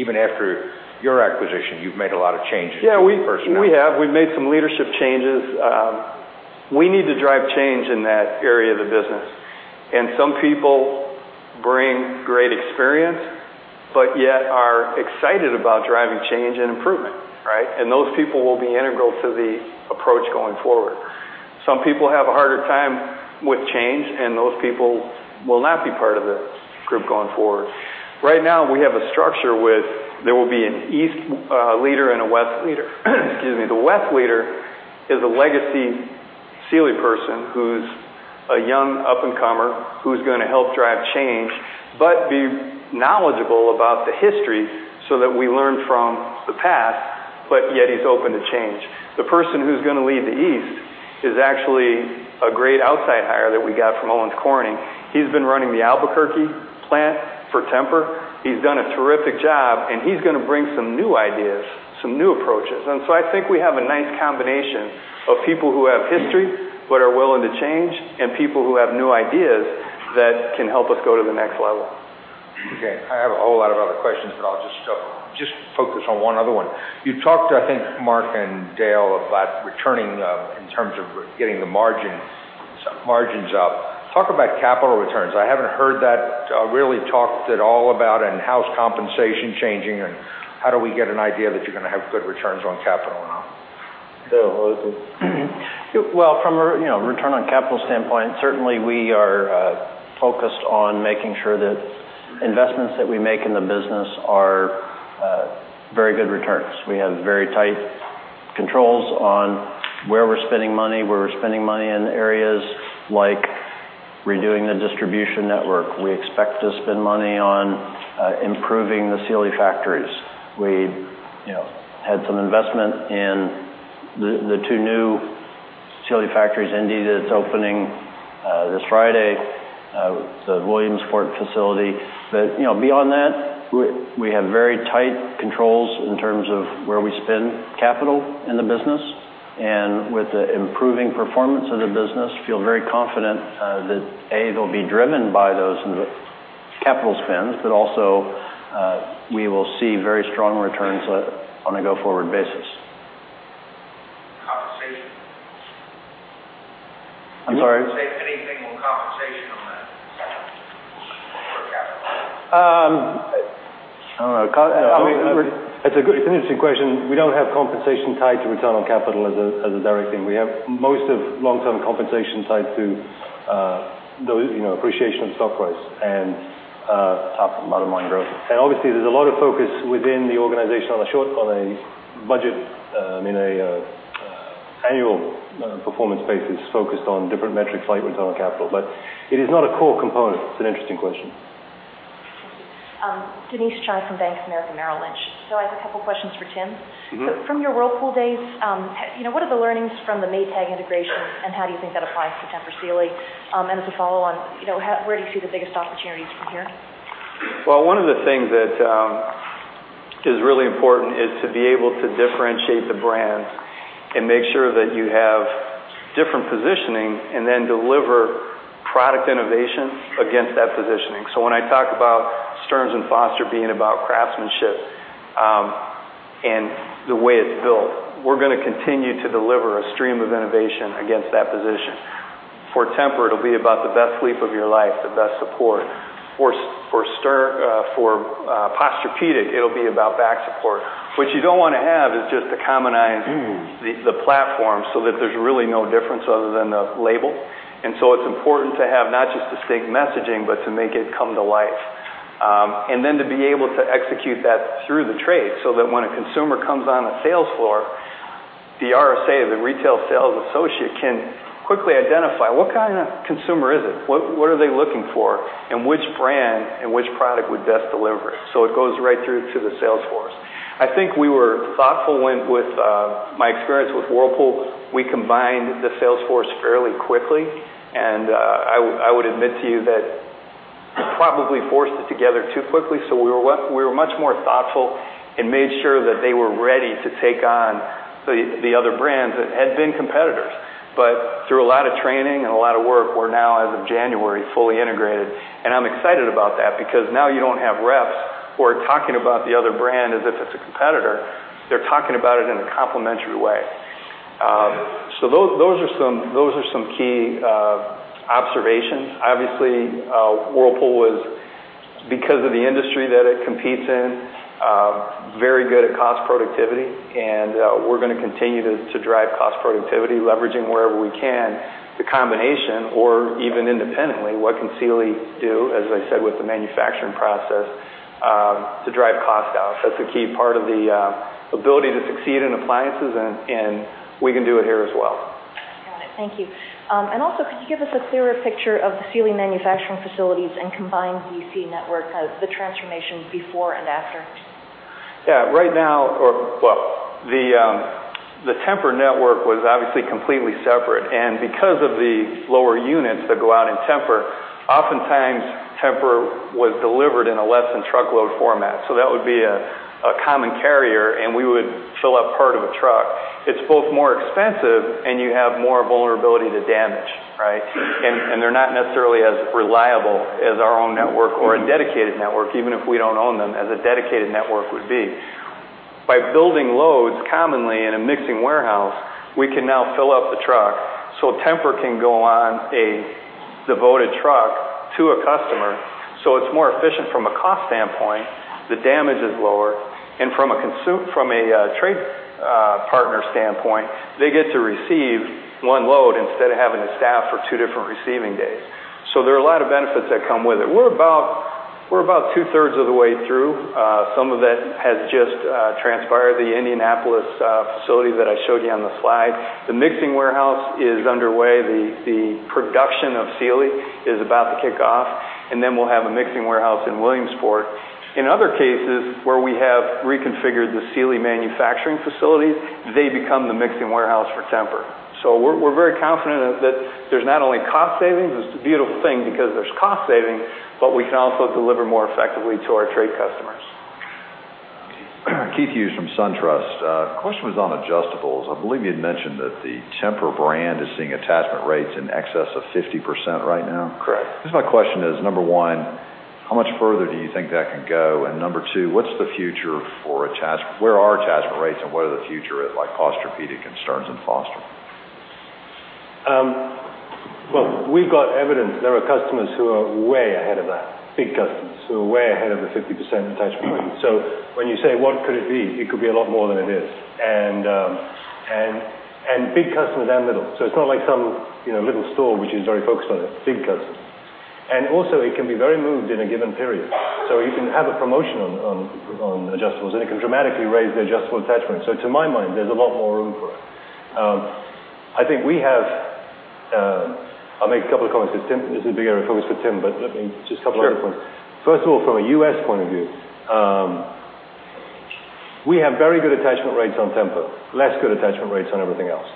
even after your acquisition, you've made a lot of changes to the personnel. We have. We've made some leadership changes. We need to drive change in that area of the business. Some people bring great experience, but yet are excited about driving change and improvement, right? Those people will be integral to the approach going forward. Some people have a harder time with change, and those people will not be part of the group going forward. Right now, we have a structure with there will be an east leader and a west leader. Excuse me. The west leader is a legacy Sealy person who's a young up-and-comer who's going to help drive change, but be knowledgeable about the history so that we learn from the past. Yet he's open to change. The person who's going to lead the East is actually a great outside hire that we got from Owens Corning. He's been running the Albuquerque plant for Tempur. He's done a terrific job, and he's going to bring some new ideas, some new approaches. So I think we have a nice combination of people who have history but are willing to change and people who have new ideas that can help us go to the next level. Okay. I have a whole lot of other questions, but I'll just focus on one other one. You talked to, I think, Mark and Dale about returning in terms of getting the margins up. Talk about capital returns. I haven't heard that really talked at all about. How's compensation changing, and how do we get an idea that you're going to have good returns on capital or not? Dale, how is it? Well, from a return on capital standpoint, certainly we are focused on making sure that investments that we make in the business are very good returns. We have very tight controls on where we're spending money. We're spending money in areas like redoing the distribution network. We expect to spend money on improving the Sealy factories. We had some investment in the two new Sealy factories, indeed, that's opening this Friday, the Williamsport facility. Beyond that, we have very tight controls in terms of where we spend capital in the business, and with the improving performance of the business, feel very confident that, A, it'll be driven by those capital spends, but also we will see very strong returns on a go-forward basis. Compensation. I'm sorry? Can you say anything on compensation on that capital? I don't know. It's an interesting question. We don't have compensation tied to return on capital as a direct thing. We have most of long-term compensation tied to appreciation of stock price and top and bottom line growth. Obviously, there's a lot of focus within the organization on a budget, in an annual performance basis focused on different metrics like return on capital. It is not a core component. It's an interesting question. Thank you. Denise Chai from Bank of America Merrill Lynch. I have a couple questions for Tim. From your Whirlpool days, what are the learnings from the Maytag integration, and how do you think that applies to Tempur Sealy? As a follow-on, where do you see the biggest opportunities from here? Well, one of the things that is really important is to be able to differentiate the brand and make sure that you have different positioning and then deliver product innovation against that positioning. When I talk about Stearns & Foster being about craftsmanship and the way it's built, we're going to continue to deliver a stream of innovation against that position. For Tempur, it'll be about the best sleep of your life, the best support. For Posturepedic, it'll be about back support. What you don't want to have is just to commonize the platform so that there's really no difference other than the label. It's important to have not just distinct messaging, but to make it come to life. To be able to execute that through the trade so that when a consumer comes on the sales floor, the RSA, the retail sales associate, can quickly identify what kind of consumer is it, what are they looking for, and which brand and which product would best deliver it. It goes right through to the sales force. I think we were thoughtful with my experience with Whirlpool. We combined the sales force fairly quickly, and I would admit to you that probably forced it together too quickly. We were much more thoughtful and made sure that they were ready to take on the other brands that had been competitors. Through a lot of training and a lot of work, we're now, as of January, fully integrated. I'm excited about that because now you don't have reps who are talking about the other brand as if it's a competitor. They're talking about it in a complementary way. Those are some key observations. Obviously, Whirlpool was, because of the industry that it competes in, very good at cost productivity, and we're going to continue to drive cost productivity, leveraging wherever we can the combination or even independently what can Sealy do, as I said, with the manufacturing process to drive cost out. That's a key part of the ability to succeed in appliances, and we can do it here as well. Got it. Thank you. Could you give us a clearer picture of the Sealy manufacturing facilities and combined DC network, the transformation before and after? The Tempur network was obviously completely separate. Because of the lower units that go out in Tempur, oftentimes Tempur was delivered in a less than truckload format. That would be a common carrier, and we would fill up part of a truck. It's both more expensive and you have more vulnerability to damage, right? They're not necessarily as reliable as our own network or a dedicated network, even if we don't own them, as a dedicated network would be. By building loads commonly in a mixing warehouse, we can now fill up the truck so Tempur can go on a devoted truck to a customer, so it's more efficient from a cost standpoint, the damage is lower, and from a trade partner standpoint, they get to receive one load instead of having to staff for two different receiving days. There are a lot of benefits that come with it. We're about two-thirds of the way through. Some of it has just transpired. The Indianapolis facility that I showed you on the slide, the mixing warehouse is underway. The production of Sealy is about to kick off, and then we'll have a mixing warehouse in Williamsport. In other cases, where we have reconfigured the Sealy manufacturing facilities, they become the mixing warehouse for Tempur. We're very confident that there's not only cost savings, it's a beautiful thing because there's cost savings, but we can also deliver more effectively to our trade customers. Keith Hughes from Truist Securities. Question was on adjustables. I believe you had mentioned that the Tempur brand is seeing attachment rates in excess of 50% right now. Correct. I guess my question is, number one, how much further do you think that can go? Number two, where are attachment rates and where the future at Posturepedic and Stearns & Foster? We've got evidence there are customers who are way ahead of that, big customers who are way ahead of the 50% attachment rate. When you say what could it be, it could be a lot more than it is. Big customers and little. It's not like some little store which is very focused on it, big customers. Also, it can be very moved in a given period. You can have a promotion on adjustables, and it can dramatically raise the adjustable attachment. To my mind, there's a lot more room for it. I'll make a couple of comments because this is a bigger focus for Tim, but just a couple other points. Sure. First of all, from a U.S. point of view, we have very good attachment rates on Tempur, less good attachment rates on everything else.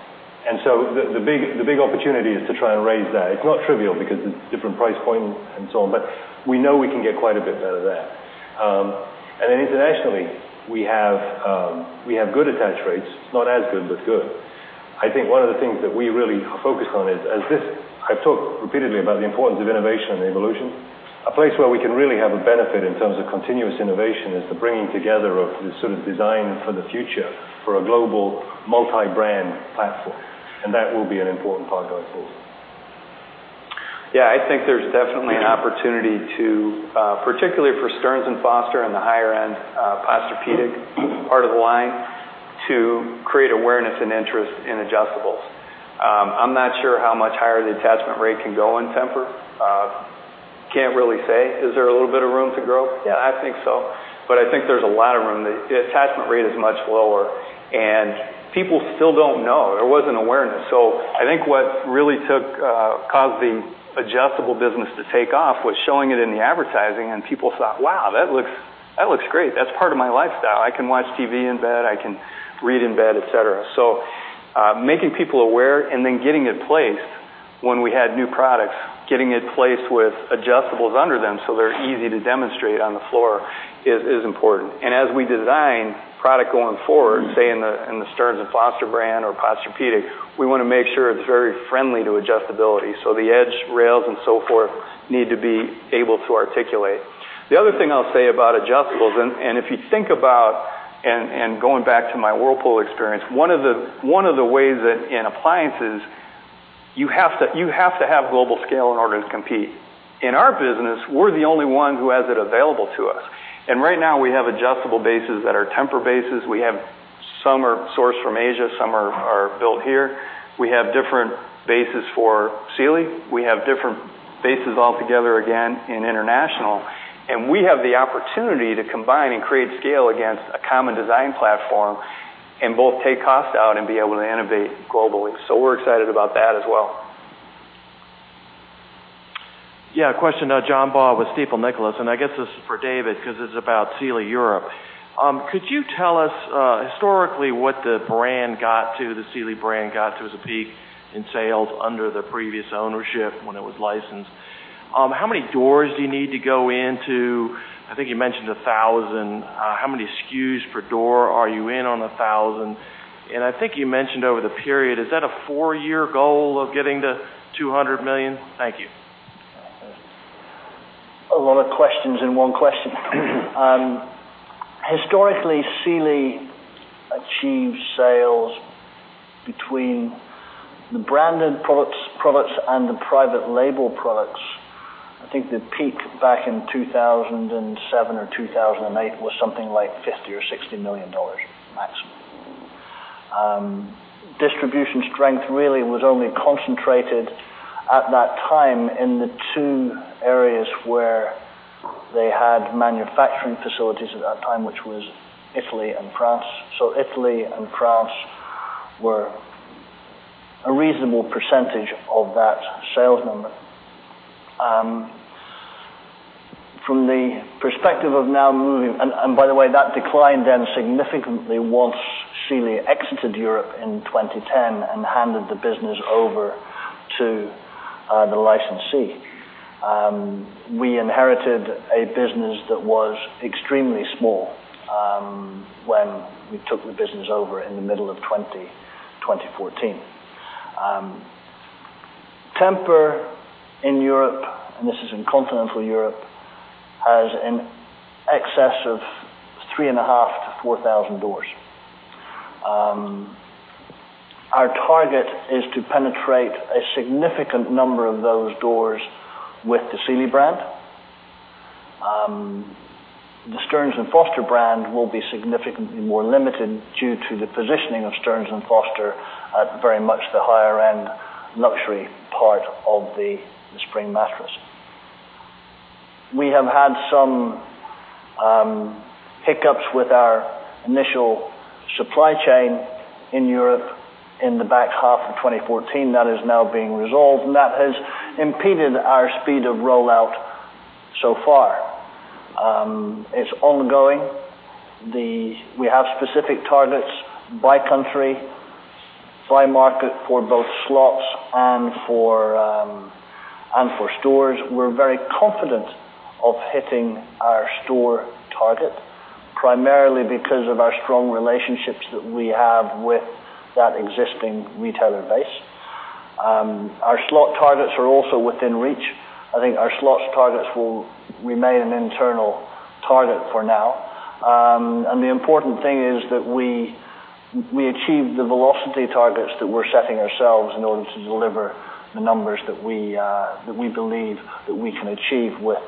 The big opportunity is to try and raise that. It's not trivial because it's different price point and so on, but we know we can get quite a bit out of that. Internationally, we have good attach rates. Not as good, but good. I think one of the things that we really focus on is, I've talked repeatedly about the importance of innovation and evolution. A place where we can really have a benefit in terms of continuous innovation is the bringing together of this sort of design for the future for a global multi-brand platform, and that will be an important part going forward. Yeah, I think there's definitely an opportunity, particularly for Stearns & Foster and the higher-end Posturepedic part of the line, to create awareness and interest in adjustables. I'm not sure how much higher the attachment rate can go in Tempur. Can't really say. Is there a little bit of room to grow? Yeah, I think so. I think there's a lot of room. The attachment rate is much lower, and people still don't know. There wasn't awareness. I think what really caused the adjustable business to take off was showing it in the advertising, and people thought, "Wow, that looks great. That's part of my lifestyle. I can watch TV in bed, I can read in bed," et cetera. Making people aware and then getting it placed when we had new products, getting it placed with adjustables under them, so they're easy to demonstrate on the floor is important. As we design product going forward, say in the Stearns & Foster brand or Posturepedic, we want to make sure it's very friendly to adjustability. The edge rails and so forth need to be able to articulate. The other thing I'll say about adjustables, if you think about and going back to my Whirlpool experience, one of the ways that in appliances you have to have global scale in order to compete. In our business, we're the only one who has it available to us. Right now, we have adjustable bases that are Tempur bases. Some are sourced from Asia, some are built here. We have different bases for Sealy. We have different bases altogether, again, in international. We have the opportunity to combine and create scale against a common design platform and both take cost out and be able to innovate globally. We're excited about that as well. A question now. John Baugh with Stifel, Nicolaus & Company, and I guess this is for David because it's about Sealy Europe. Could you tell us historically what the Sealy brand got to as a peak in sales under the previous ownership when it was licensed? How many doors do you need to go into? I think you mentioned 1,000. How many SKUs per door are you in on 1,000? I think you mentioned over the period, is that a four-year goal of getting to $200 million? Thank you. A lot of questions in one question. Historically, Sealy achieved sales between the branded products and the private label products. I think the peak back in 2007 or 2008 was something like $50 million or $60 million maximum. Distribution strength really was only concentrated at that time in the two areas where they had manufacturing facilities at that time, which was Italy and France. Italy and France were a reasonable percentage of that sales number. By the way, that declined then significantly once Sealy exited Europe in 2010 and handed the business over to the licensee. We inherited a business that was extremely small when we took the business over in the middle of 2014. Tempur in Europe, and this is in continental Europe, has in excess of 3,500 to 4,000 doors. Our target is to penetrate a significant number of those doors with the Sealy brand. The Stearns & Foster brand will be significantly more limited due to the positioning of Stearns & Foster at very much the higher-end luxury part of the spring mattress. We have had some hiccups with our initial supply chain in Europe in the back half of 2014. That is now being resolved. That has impeded our speed of rollout so far. It's ongoing. We have specific targets by country, by market for both slots and for stores. We're very confident of hitting our store target, primarily because of our strong relationships that we have with that existing retailer base. Our slot targets are also within reach. I think our slots targets will remain an internal target for now. The important thing is that we achieve the velocity targets that we're setting ourselves in order to deliver the numbers that we believe that we can achieve with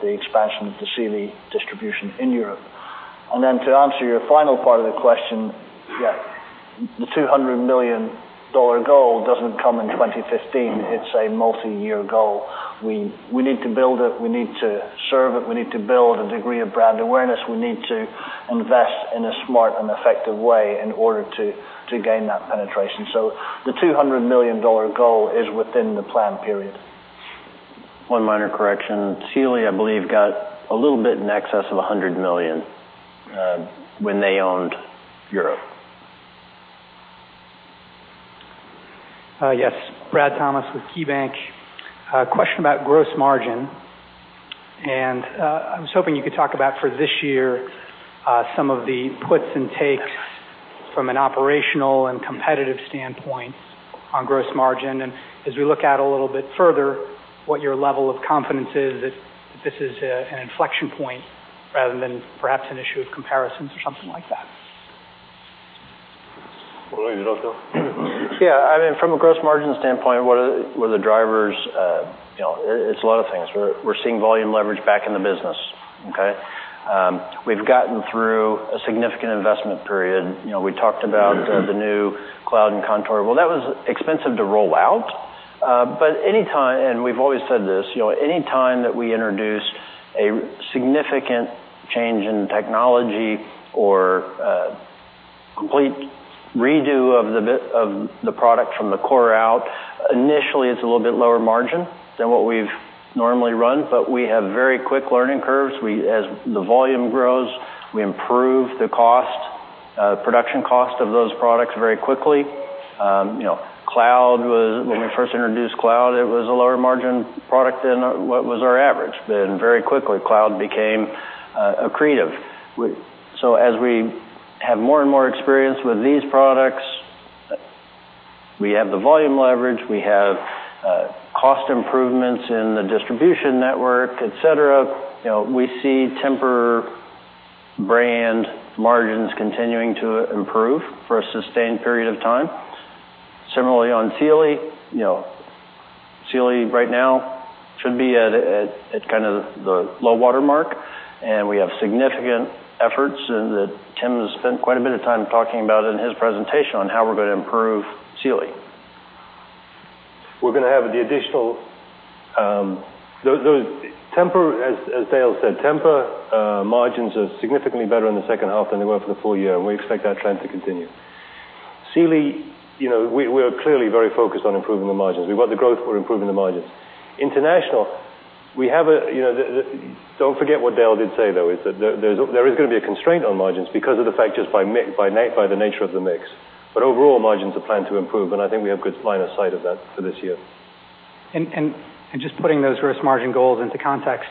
the expansion of the Sealy distribution in Europe. To answer your final part of the question, the $200 million goal doesn't come in 2015. It's a multi-year goal. We need to build it. We need to serve it. We need to build a degree of brand awareness. We need to invest in a smart and effective way in order to gain that penetration. The $200 million goal is within the plan period. One minor correction. Sealy, I believe, got a little bit in excess of $100 million when they owned Europe. Yes. Brad Thomas with KeyBank. A question about gross margin. I was hoping you could talk about for this year some of the puts and takes from an operational and competitive standpoint on gross margin. As we look out a little bit further, what your level of confidence is that this is an inflection point rather than perhaps an issue of comparisons or something like that. Well, you want to go? Yeah. From a gross margin standpoint, what are the drivers? It's a lot of things. We're seeing volume leverage back in the business. Okay? We've gotten through a significant investment period. We talked about the new Cloud and Contour. Well, that was expensive to roll out. We've always said this. Anytime that we introduce a significant change in technology or a complete redo of the product from the core out, initially it's a little bit lower margin than what we've normally run, but we have very quick learning curves. As the volume grows, we improve the production cost of those products very quickly. When we first introduced Cloud, it was a lower margin product than what was our average. Then very quickly, Cloud became accretive. As we have more and more experience with these products, we have the volume leverage, we have cost improvements in the distribution network, et cetera. We see Tempur brand margins continuing to improve for a sustained period of time. Similarly on Sealy. Sealy right now should be at kind of the low water mark, and we have significant efforts that Tim has spent quite a bit of time talking about in his presentation on how we're going to improve Sealy. As Dale said, Tempur margins are significantly better in the second half than they were for the full year, and we expect that trend to continue. Sealy, we are clearly very focused on improving the margins. We want the growth. We're improving the margins. International, don't forget what Dale did say, though, is that there is going to be a constraint on margins because of the fact just by the nature of the mix. Overall margins are planned to improve, and I think we have good line of sight of that for this year. Just putting those gross margin goals into context,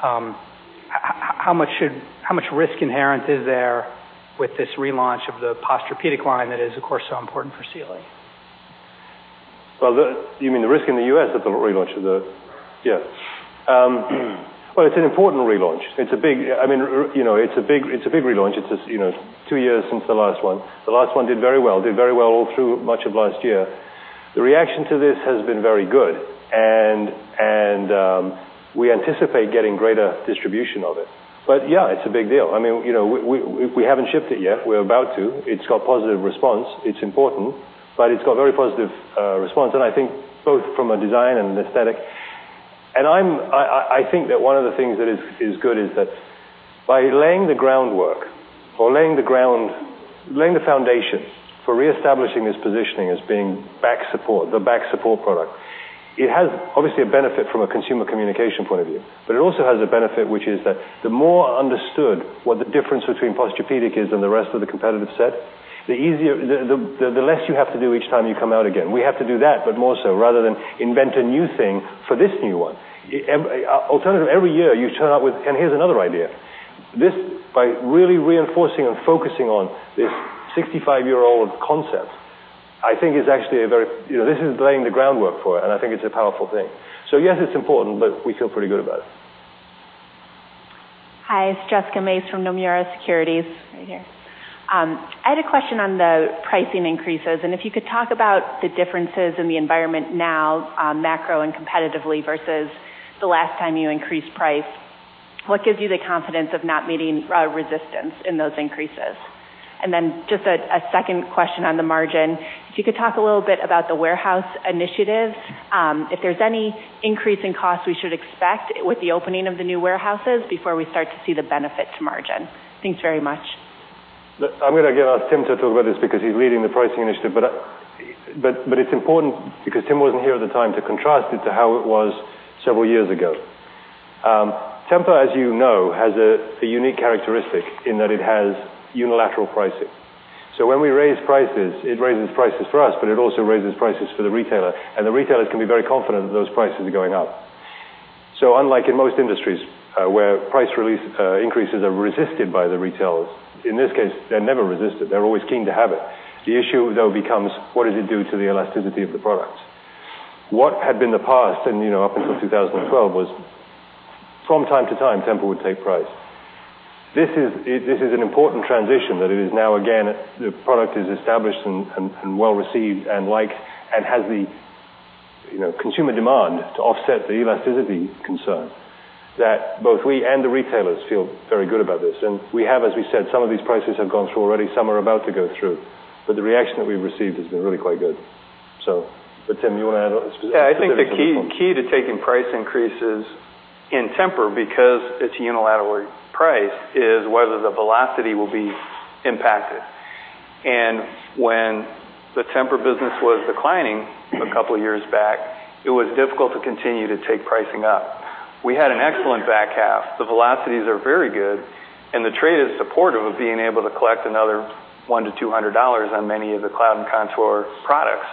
how much risk inherent is there with this relaunch of the Posturepedic line that is, of course, so important for Sealy? You mean the risk in the U.S. of the relaunch of the Sure. It's an important relaunch. It's a big relaunch. It's two years since the last one. The last one did very well. Did very well all through much of last year. The reaction to this has been very good, and we anticipate getting greater distribution of it. It's a big deal. We haven't shipped it yet. We're about to. It's got positive response. It's important, but it's got very positive response, and I think both from a design and an aesthetic. I think that one of the things that is good is that by laying the groundwork or laying the foundation for reestablishing this positioning as being back support, the back support product, it has obviously a benefit from a consumer communication point of view. It also has a benefit, which is that the more understood what the difference between Posturepedic is and the rest of the competitive set, the less you have to do each time you come out again. We have to do that, but more so, rather than invent a new thing for this new one. Alternatively, every year you turn out with, "Here's another idea." This, by really reinforcing and focusing on this 65-year-old concept, I think is actually. This is laying the groundwork for it, and I think it's a powerful thing. Yes, it's important, but we feel pretty good about it. Hi, it's Jessica Mays from Nomura Securities. Right here. I had a question on the pricing increases. If you could talk about the differences in the environment now, macro and competitively, versus the last time you increased price. What gives you the confidence of not meeting resistance in those increases? Then just a second question on the margin. If you could talk a little bit about the warehouse initiative, if there's any increase in cost we should expect with the opening of the new warehouses before we start to see the benefit to margin. Thanks very much. I'm going to get Tim to talk about this because he's leading the pricing initiative. It's important because Tim wasn't here at the time to contrast it to how it was several years ago. Tempur, as you know, has a unique characteristic in that it has unilateral pricing. When we raise prices, it raises prices for us, but it also raises prices for the retailer, and the retailers can be very confident that those prices are going up. Unlike in most industries, where price increases are resisted by the retailers, in this case, they're never resisted. They're always keen to have it. The issue, though, becomes what does it do to the elasticity of the products? What had been the past and up until 2012 was from time to time, Tempur would take price. This is an important transition, that it is now again, the product is established and well-received and liked and has the consumer demand to offset the elasticity concern that both we and the retailers feel very good about this. We have, as we said, some of these prices have gone through already, some are about to go through, the reaction that we've received has been really quite good. Tim, you want to add specific- Yeah, I think the key to taking price increases in Tempur, because it's unilaterally priced, is whether the velocity will be impacted. When the Tempur business was declining a couple of years back, it was difficult to continue to take pricing up. We had an excellent back half. The velocities are very good, and the trade is supportive of being able to collect another $100-$200 on many of the TEMPUR-Cloud and TEMPUR-Contour products.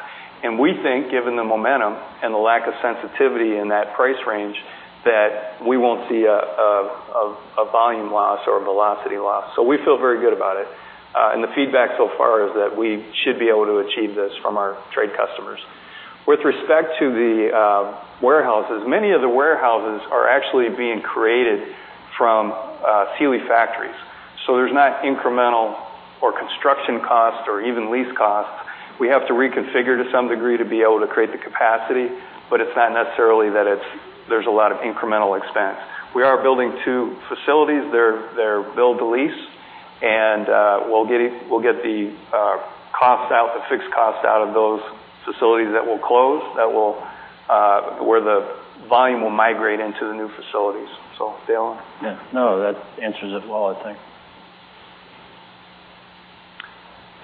We think, given the momentum and the lack of sensitivity in that price range, that we won't see a volume loss or velocity loss. We feel very good about it. The feedback so far is that we should be able to achieve this from our trade customers. With respect to the warehouses, many of the warehouses are actually being created from Sealy factories. There's not incremental or construction costs or even lease costs. We have to reconfigure to some degree to be able to create the capacity, but it's not necessarily that there's a lot of incremental expense. We are building two facilities. They're build to lease, and we'll get the fixed cost out of those facilities that will close, where the volume will migrate into the new facilities. Dale? Yeah. No, that answers it well, I think.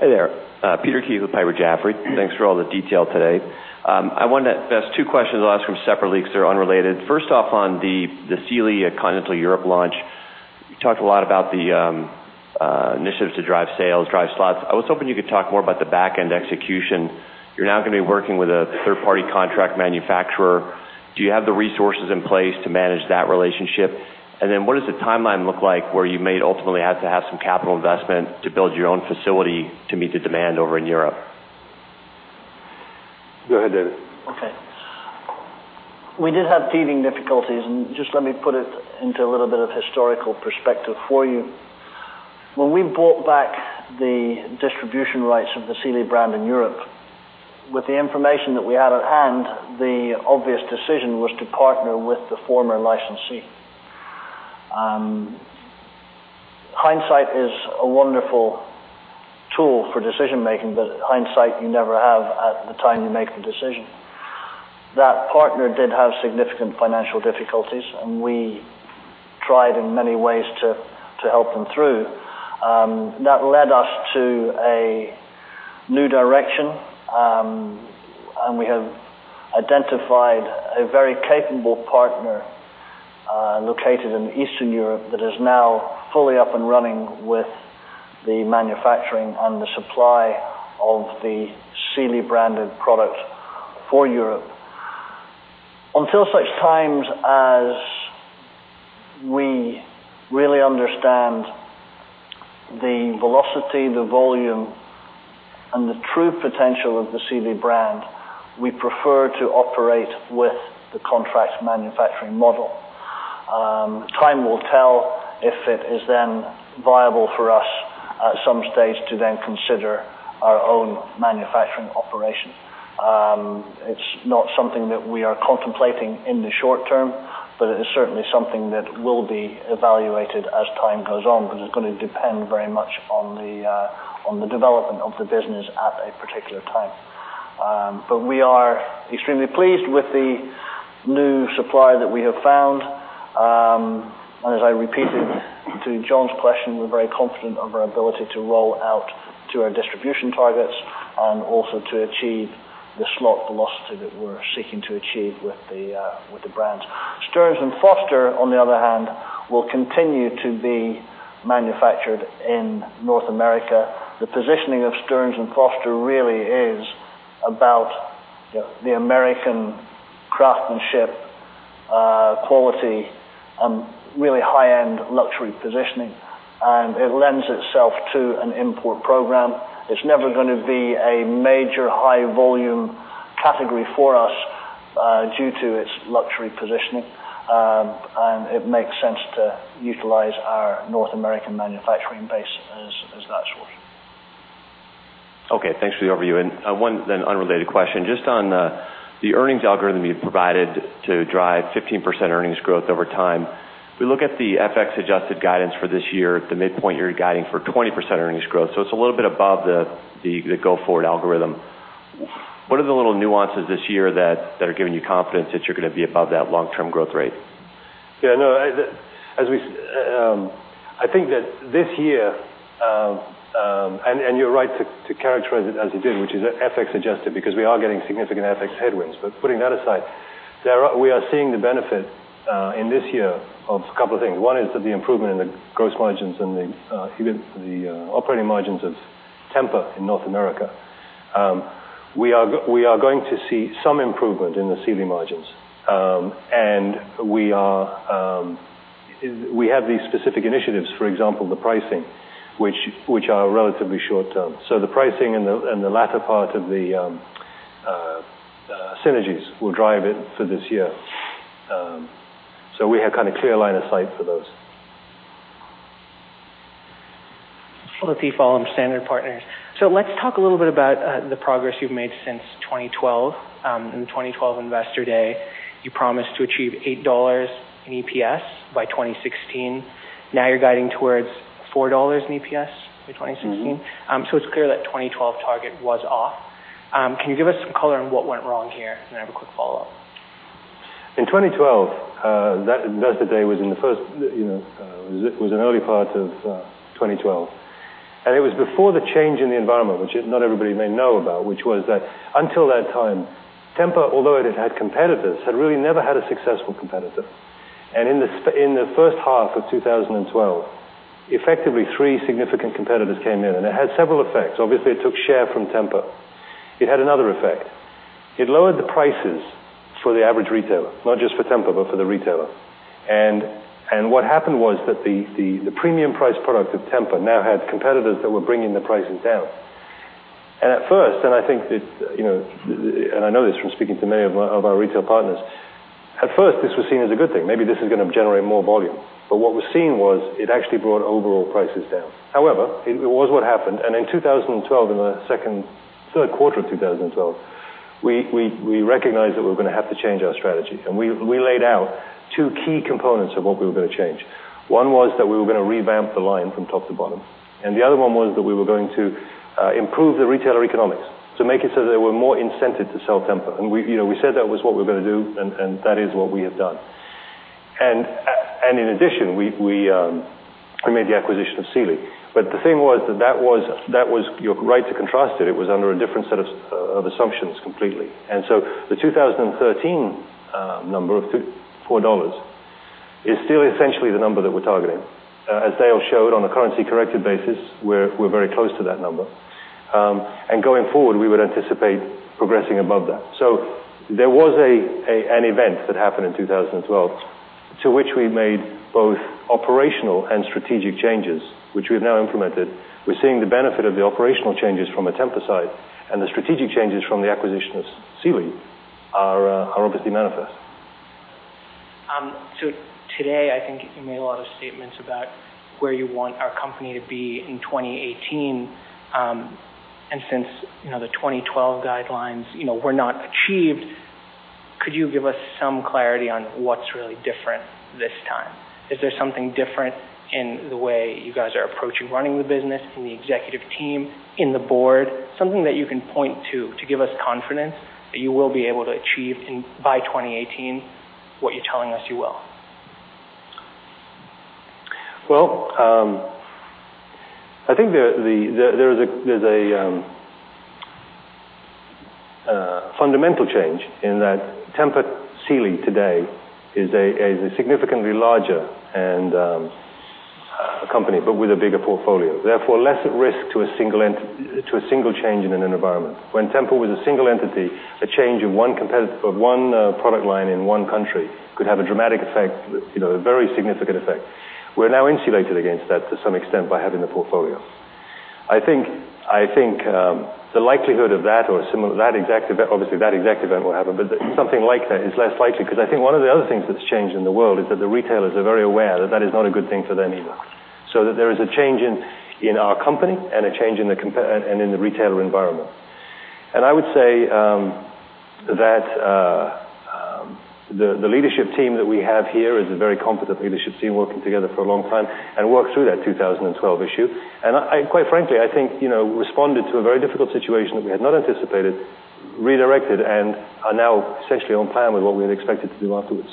Hey there. Peter Keith with Piper Sandler. Thanks for all the detail today. I wanted to ask two questions at last from separate leagues that are unrelated. First off, on the Sealy Continental Europe launch, you talked a lot about the initiatives to drive sales, drive slots. I was hoping you could talk more about the back-end execution. You're now going to be working with a third-party contract manufacturer. Do you have the resources in place to manage that relationship? What does the timeline look like where you may ultimately have to have some capital investment to build your own facility to meet the demand over in Europe? Go ahead, David. Okay. We did have teething difficulties. Just let me put it into a little bit of historical perspective for you. When we bought back the distribution rights of the Sealy brand in Europe, with the information that we had at hand, the obvious decision was to partner with the former licensee. Hindsight is a wonderful tool for decision-making, hindsight you never have at the time you make the decision. That partner did have significant financial difficulties. We tried in many ways to help them through. That led us to a new direction. We have identified a very capable partner located in Eastern Europe that is now fully up and running with the manufacturing and the supply of the Sealy-branded product for Europe. Until such times as we really understand the velocity, the volume, and the true potential of the Sealy brand, we prefer to operate with the contract manufacturing model. Time will tell if it is then viable for us at some stage to then consider our own manufacturing operation. It's not something that we are contemplating in the short term, it is certainly something that will be evaluated as time goes on because it's going to depend very much on the development of the business at a particular time. We are extremely pleased with the new supply that we have found. As I repeated to John's question, we're very confident of our ability to roll out to our distribution targets and also to achieve the slot velocity that we're seeking to achieve with the brands. Stearns & Foster, on the other hand, will continue to be manufactured in North America. The positioning of Stearns & Foster really is about the American craftsmanship, quality, and really high-end luxury positioning, and it lends itself to an import program. It's never going to be a major high-volume category for us Due to its luxury positioning. It makes sense to utilize our North American manufacturing base as that source. Okay. Thanks for the overview. One then unrelated question. Just on the earnings algorithm you provided to drive 15% earnings growth over time. We look at the FX-adjusted guidance for this year at the midpoint, you're guiding for 20% earnings growth. It's a little bit above the go-forward algorithm. What are the little nuances this year that are giving you confidence that you're going to be above that long-term growth rate? Yeah, no. I think that this year, you're right to characterize it as you did, which is FX-adjusted, because we are getting significant FX headwinds. Putting that aside, we are seeing the benefit in this year of a couple of things. One is the improvement in the gross margins and the operating margins of Tempur in North America. We are going to see some improvement in the Sealy margins. We have these specific initiatives, for example, the pricing, which are relatively short-term. The pricing and the latter part of the synergies will drive it for this year. We have kind of clear line of sight for those. Sola Fadeyibi, Standard Partners. Let's talk a little bit about the progress you've made since 2012. In the 2012 Investor Day, you promised to achieve $8 in EPS by 2016. Now you're guiding towards $4 in EPS by 2016. It's clear that 2012 target was off. Can you give us some color on what went wrong here? I have a quick follow-up. In 2012, that Investor Day was in the early part of 2012. It was before the change in the environment, which not everybody may know about, which was that until that time, Tempur, although it had competitors, had really never had a successful competitor. In the first half of 2012, effectively three significant competitors came in. It had several effects. Obviously, it took share from Tempur. It had another effect. It lowered the prices for the average retailer, not just for Tempur, but for the retailer. What happened was that the premium price product of Tempur now had competitors that were bringing the prices down. I know this from speaking to many of our retail partners. At first, this was seen as a good thing. Maybe this is going to generate more volume. What was seen was it actually brought overall prices down. However, it was what happened. In 2012, in the third quarter of 2012, we recognized that we were going to have to change our strategy. We laid out two key components of what we were going to change. One was that we were going to revamp the line from top to bottom. The other one was that we were going to improve the retailer economics to make it so that they were more incented to sell Tempur. We said that was what we were going to do, and that is what we have done. In addition, we made the acquisition of Sealy. The thing was that you're right to contrast it. It was under a different set of assumptions completely. The 2013 number of $4 is still essentially the number that we're targeting. As Dale Williams showed on a currency-corrected basis, we're very close to that number. Going forward, we would anticipate progressing above that. There was an event that happened in 2012 to which we made both operational and strategic changes, which we've now implemented. We're seeing the benefit of the operational changes from a Tempur side and the strategic changes from the acquisition of Sealy are obviously manifest. Today, I think you made a lot of statements about where you want our company to be in 2018. Since the 2012 guidelines were not achieved, could you give us some clarity on what's really different this time? Is there something different in the way you guys are approaching running the business, in the executive team, in the board? Something that you can point to give us confidence that you will be able to achieve by 2018 what you're telling us you will? Well, I think there's a fundamental change in that Tempur Sealy today is a significantly larger company, but with a bigger portfolio. Therefore, less at risk to a single change in an environment. When Tempur was a single entity, a change of one product line in one country could have a dramatic effect, a very significant effect. We're now insulated against that to some extent by having the portfolio. I think the likelihood of that or obviously that exact event will happen, but something like that is less likely because I think one of the other things that's changed in the world is that the retailers are very aware that that is not a good thing for them either. That there is a change in our company and a change in the retailer environment. I would say that the leadership team that we have here is a very competent leadership team working together for a long time and worked through that 2012 issue. Quite frankly, I think responded to a very difficult situation that we had not anticipated, redirected, and are now essentially on plan with what we had expected to do afterwards.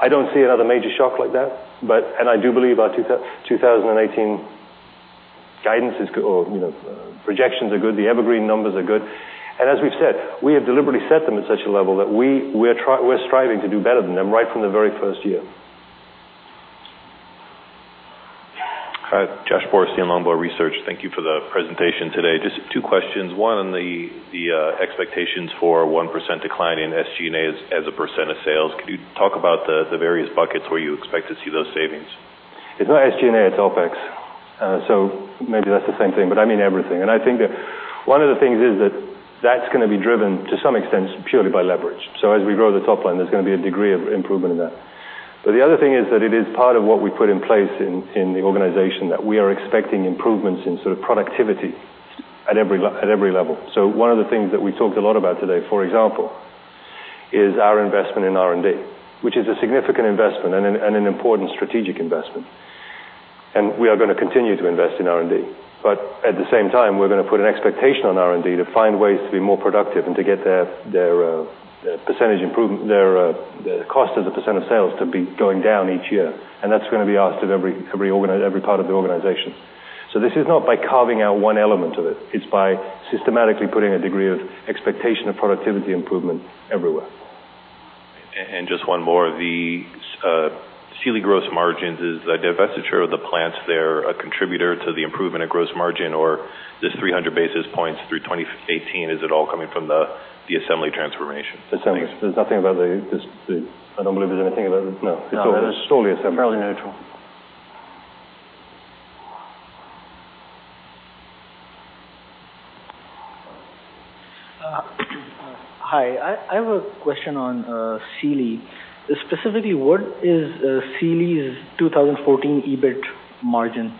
I don't see another major shock like that. I do believe our 2018 projections are good. The Evergreen numbers are good. As we've said, we have deliberately set them at such a level that we're striving to do better than them right from the very first year. Joshua Borstein, Longbow Research. Thank you for the presentation today. Just two questions. One on the expectations for 1% decline in SG&A as a percent of sales. Could you talk about the various buckets where you expect to see those savings? It's not SG&A, it's OpEx. Maybe that's the same thing, but I mean everything. I think that one of the things is that's going to be driven, to some extent, purely by leverage. As we grow the top line, there's going to be a degree of improvement in that. The other thing is that it is part of what we put in place in the organization that we are expecting improvements in sort of productivity at every level. One of the things that we talked a lot about today, for example, is our investment in R&D, which is a significant investment and an important strategic investment. We are going to continue to invest in R&D. At the same time, we're going to put an expectation on R&D to find ways to be more productive and to get their cost as a percent of sales to be going down each year. That's going to be asked of every part of the organization. This is not by carving out one element of it. It's by systematically putting a degree of expectation of productivity improvement everywhere. Just one more. The Sealy gross margins, is the divestiture of the plants there a contributor to the improvement of gross margin, or this 300 basis points through 2018, is it all coming from the assembly transformation? There's nothing about. I don't believe there's anything about No. It's all assembly. It's purely assembly. It's fairly neutral. Hi, I have a question on Sealy. Specifically, what is Sealy's 2014 EBIT margin?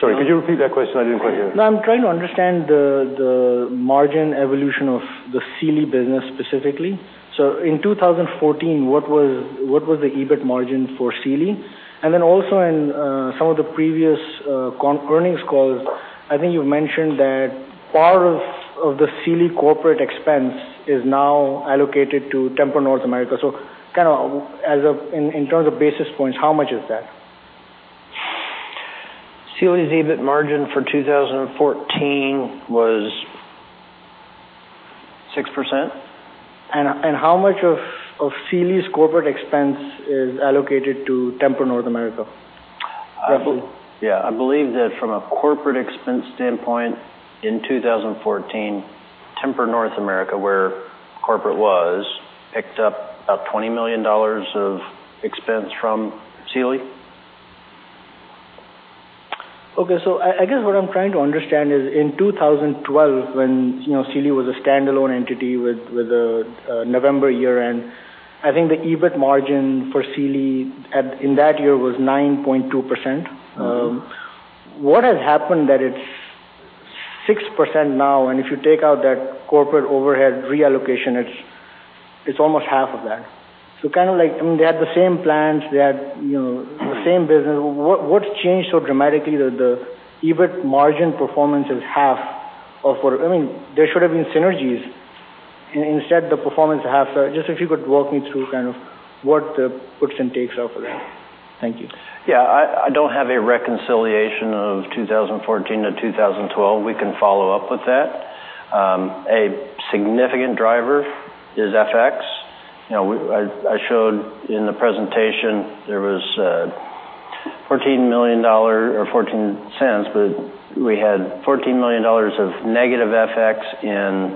Sorry, could you repeat that question? I didn't quite hear it. I'm trying to understand the margin evolution of the Sealy business specifically. In 2014, what was the EBIT margin for Sealy? In some of the previous earnings calls, I think you've mentioned that part of the Sealy corporate expense is now allocated to Tempur North America. Kind of in terms of basis points, how much is that? Sealy's EBIT margin for 2014 was 6%. How much of Sealy's corporate expense is allocated to Tempur North America, roughly? Yeah. I believe that from a corporate expense standpoint in 2014, Tempur North America, where corporate was, picked up about $20 million of expense from Sealy. Okay. I guess what I'm trying to understand is in 2012 when Sealy was a standalone entity with a November year-end, I think the EBIT margin for Sealy in that year was 9.2%. What has happened that it's 6% now, and if you take out that corporate overhead reallocation, it's almost half of that? Kind of like, I mean, they had the same plans, they had the same business. What's changed so dramatically that the EBIT margin performance is half of what? I mean, there should have been synergies. Instead, the performance is half. Just if you could walk me through kind of what the puts and takes are for that. Thank you. Yeah. I don't have a reconciliation of 2014 to 2012. We can follow up with that. A significant driver is FX. I showed in the presentation there was $14 million or $0.14, but we had $14 million of negative FX in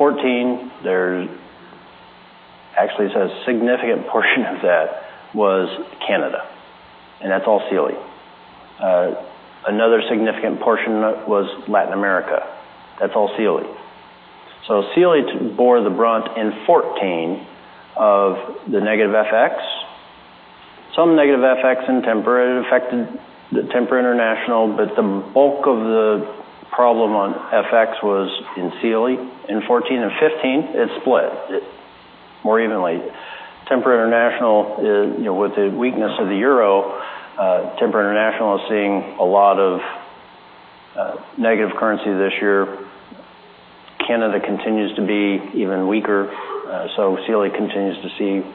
2014. Actually, a significant portion of that was Canada, and that's all Sealy. Another significant portion of it was Latin America. That's all Sealy. Sealy bore the brunt in 2014 of the negative FX. Some negative FX in Tempur affected Tempur International, but the bulk of the problem on FX was in Sealy. In 2014 and 2015, it split more evenly. With the weakness of the EUR, Tempur International is seeing a lot of negative currency this year. Canada continues to be even weaker, Sealy continues to see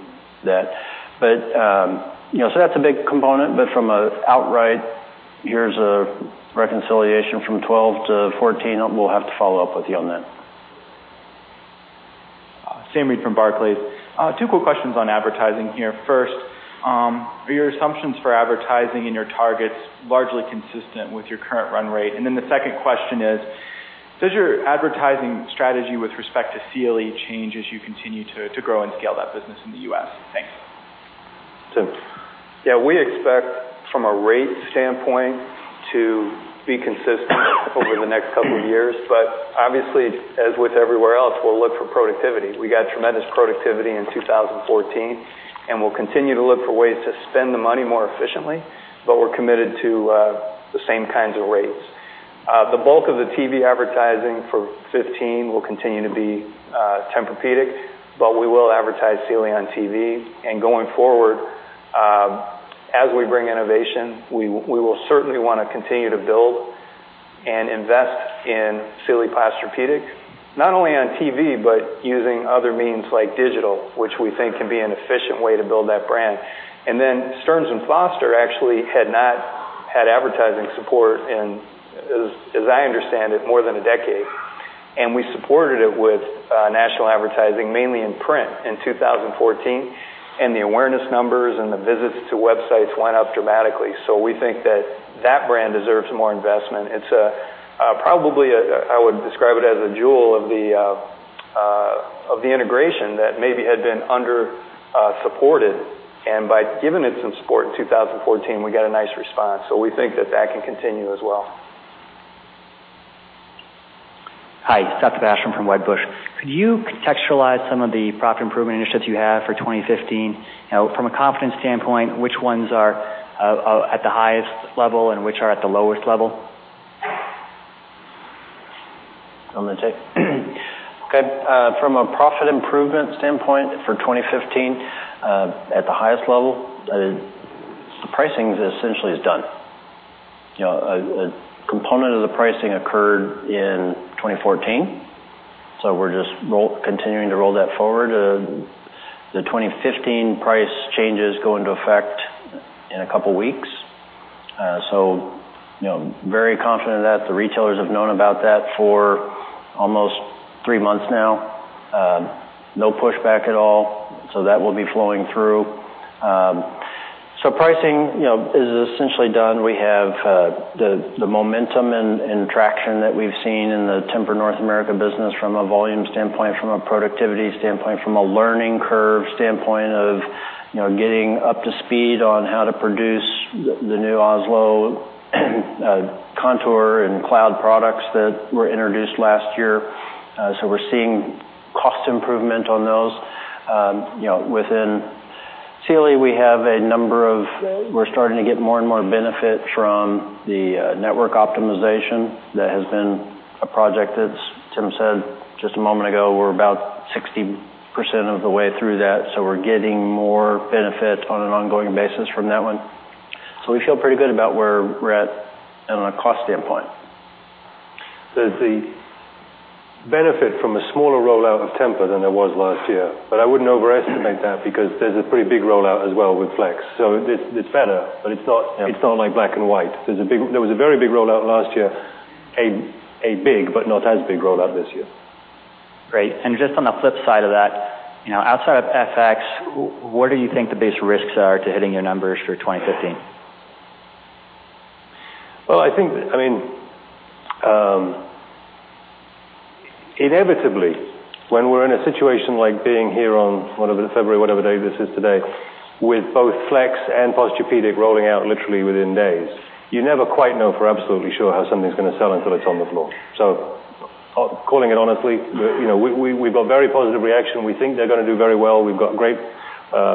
that. That's a big component, but from an outright, here's a reconciliation from 2012 to 2014, we'll have to follow up with you on that. Matthew Bouley from Barclays. Two quick questions on advertising here. First, are your assumptions for advertising and your targets largely consistent with your current run rate? The second question is, does your advertising strategy with respect to Sealy change as you continue to grow and scale that business in the U.S.? Thanks. Tim. Yeah, we expect from a rate standpoint to be consistent over the next couple of years, but obviously, as with everywhere else, we'll look for productivity. We got tremendous productivity in 2014, we'll continue to look for ways to spend the money more efficiently, but we're committed to the same kinds of rates. The bulk of the TV advertising for 2015 will continue to be Tempur-Pedic, but we will advertise Sealy on TV. Going forward, as we bring innovation, we will certainly want to continue to build and invest in Sealy Posturepedic, not only on TV, but using other means like digital, which we think can be an efficient way to build that brand. Then Stearns & Foster actually had not had advertising support in, as I understand it, more than a decade. We supported it with national advertising, mainly in print in 2014, the awareness numbers and the visits to websites went up dramatically. We think that that brand deserves more investment. It's probably, I would describe it as a jewel of the Of the integration that maybe had been under-supported. By giving it some support in 2014, we got a nice response. We think that that can continue as well. Hi, Seth Basham from Wedbush. Could you contextualize some of the profit improvement initiatives you have for 2015? From a confidence standpoint, which ones are at the highest level and which are at the lowest level? You want me to take? Okay. From a profit improvement standpoint for 2015, at the highest level, the pricing essentially is done. A component of the pricing occurred in 2014, we're just continuing to roll that forward. The 2015 price changes go into effect in a couple of weeks. Very confident in that. The retailers have known about that for almost three months now. No pushback at all, that will be flowing through. Pricing is essentially done. We have the momentum and traction that we've seen in the Tempur North America business from a volume standpoint, from a productivity standpoint, from a learning curve standpoint of getting up to speed on how to produce the new Oslo TEMPUR-Contour and TEMPUR-Cloud products that were introduced last year. We're seeing cost improvement on those. Within Sealy, we're starting to get more and more benefit from the network optimization. That has been a project that, as Tim said just a moment ago, we're about 60% of the way through that, we're getting more benefit on an ongoing basis from that one. We feel pretty good about where we're at on a cost standpoint. There's the benefit from a smaller rollout of Tempur than there was last year, but I wouldn't overestimate that because there's a pretty big rollout as well with Flex. It's better, but it's not like black and white. There was a very big rollout last year. A big, but not as big rollout this year. Great. Just on the flip side of that, outside of FX, what do you think the biggest risks are to hitting your numbers for 2015? Well, inevitably, when we're in a situation like being here on February, whatever day this is today, with both Flex and Posturepedic rolling out literally within days. You never quite know for absolutely sure how something's going to sell until it's on the floor. Calling it honestly, we've got very positive reaction. We think they're going to do very well. We've got great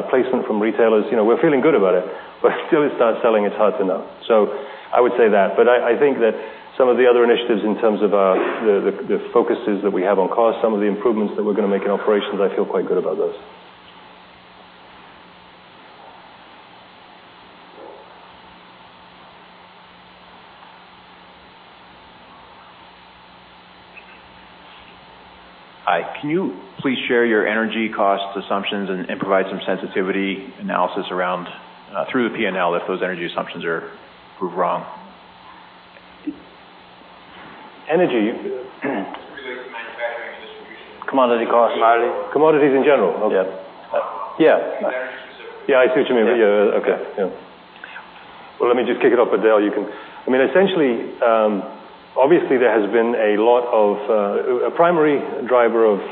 placement from retailers. We're feeling good about it, but until it starts selling, it's hard to know. I would say that, but I think that some of the other initiatives in terms of the focuses that we have on cost, some of the improvements that we're going to make in operations, I feel quite good about those. Hi. Can you please share your energy cost assumptions and provide some sensitivity analysis around through the P&L if those energy assumptions prove wrong? Energy. Really the manufacturing and distribution. Commodity costs. Commodities in general. Okay. Yeah. Manufacturing specifically. Yeah, I see what you mean. Yeah. Okay. Well, let me just kick it off. Essentially, obviously, a primary driver of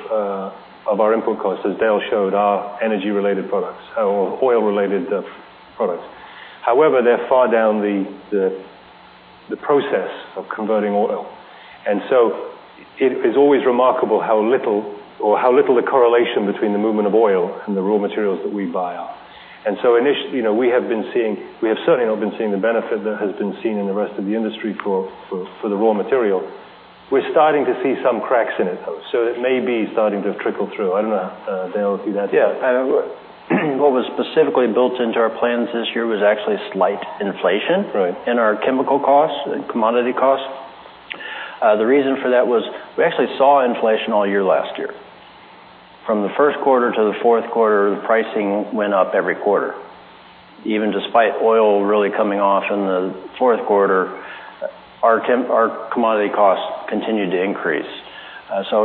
our input costs, as Dale showed, are energy-related products or oil-related products. However, they're far down the process of converting oil, and so it is always remarkable how little the correlation between the movement of oil and the raw materials that we buy are. Initially, we have certainly not been seeing the benefit that has been seen in the rest of the industry for the raw material. We're starting to see some cracks in it, though, so it may be starting to trickle through. I don't know. Dale, do that. Yeah. What was specifically built into our plans this year was actually a slight inflation- Right in our chemical costs and commodity costs. The reason for that was we actually saw inflation all year last year. From the first quarter to the fourth quarter, the pricing went up every quarter. Even despite oil really coming off in the fourth quarter, our commodity costs continued to increase.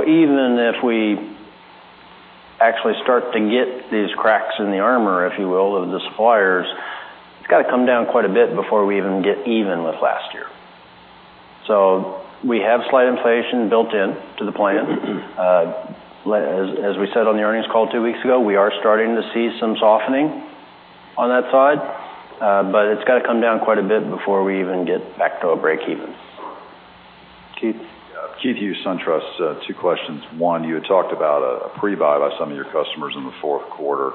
Even if we actually start to get these cracks in the armor, if you will, of the suppliers, it's got to come down quite a bit before we even get even with last year. We have slight inflation built into the plan. As we said on the earnings call two weeks ago, we are starting to see some softening on that side. It's got to come down quite a bit before we even get back to a breakeven. Keith Hughes, Truist Securities. Two questions. One, you had talked about a pre-buy by some of your customers in the fourth quarter.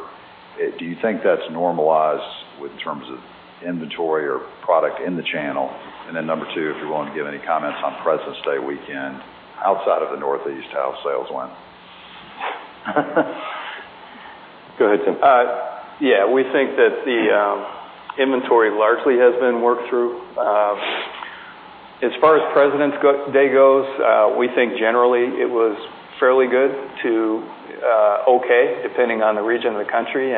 Do you think that's normalized in terms of inventory or product in the channel? Number 2, if you're willing to give any comments on Presidents' Day weekend, outside of the Northeast, how sales went. Go ahead, Tim. Yeah, we think that the inventory largely has been worked through. As far as Presidents' Day goes, we think generally it was fairly good to okay, depending on the region of the country.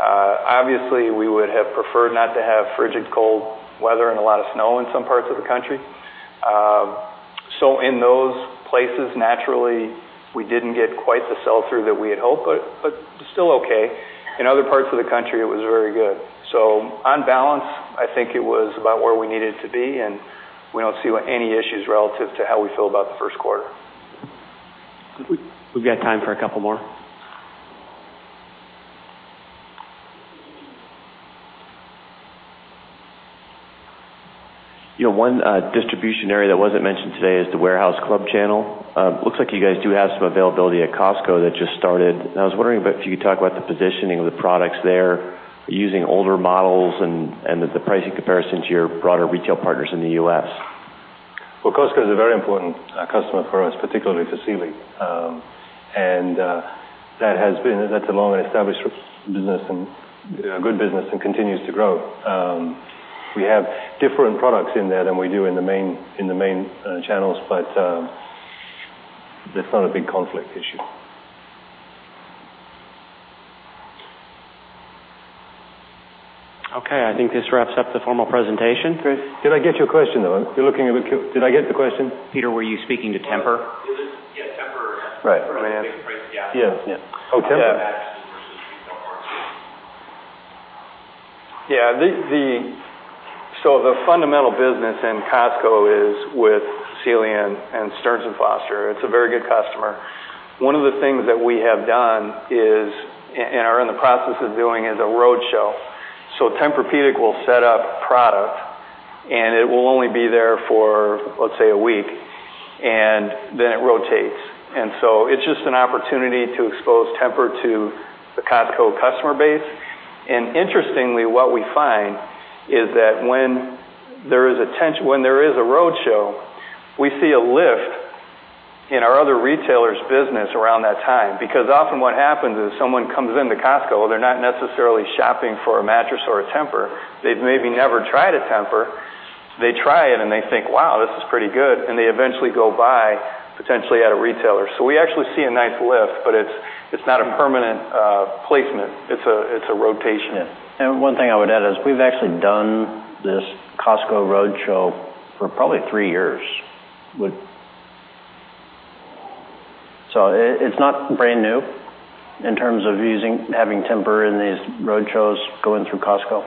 Obviously, we would have preferred not to have frigid cold weather and a lot of snow in some parts of the country. In those places, naturally, we didn't get quite the sell-through that we had hoped, but still okay. In other parts of the country, it was very good. On balance, I think it was about where we needed to be. We don't see any issues relative to how we feel about the first quarter. We've got time for a couple more. One distribution area that wasn't mentioned today is the warehouse club channel. Looks like you guys do have some availability at Costco that just started. I was wondering if you could talk about the positioning of the products there, using older models, and the pricing comparison to your broader retail partners in the U.S. Well, Costco is a very important customer for us, particularly for Sealy. That's a long-established business and a good business, and continues to grow. We have different products in there than we do in the main channels, but that's not a big conflict issue. Okay, I think this wraps up the formal presentation. Chris. Did I get your question, though? You're looking at me. Did I get the question? Peter, were you speaking to Tempur? Yes, Tempur. Right. Yeah. The fundamental business in Costco is with Sealy and Stearns & Foster. It's a very good customer. One of the things that we have done is, and are in the process of doing, is a road show. Tempur-Pedic will set up product, and it will only be there for, let's say, one week, and then it rotates. It's just an opportunity to expose Tempur-Pedic to the Costco customer base. Interestingly, what we find is that when there is a road show, we see a lift in our other retailers' business around that time. Because often what happens is someone comes into Costco, they're not necessarily shopping for a mattress or a Tempur-Pedic. They've maybe never tried a Tempur-Pedic. They try it and they think, "Wow, this is pretty good," and they eventually go buy, potentially, at a retailer. We actually see a nice lift, but it's not a permanent placement. It's a rotation. Yeah. One thing I would add is we've actually done this Costco road show for probably three years. It's not brand new in terms of having Tempur in these road shows going through Costco.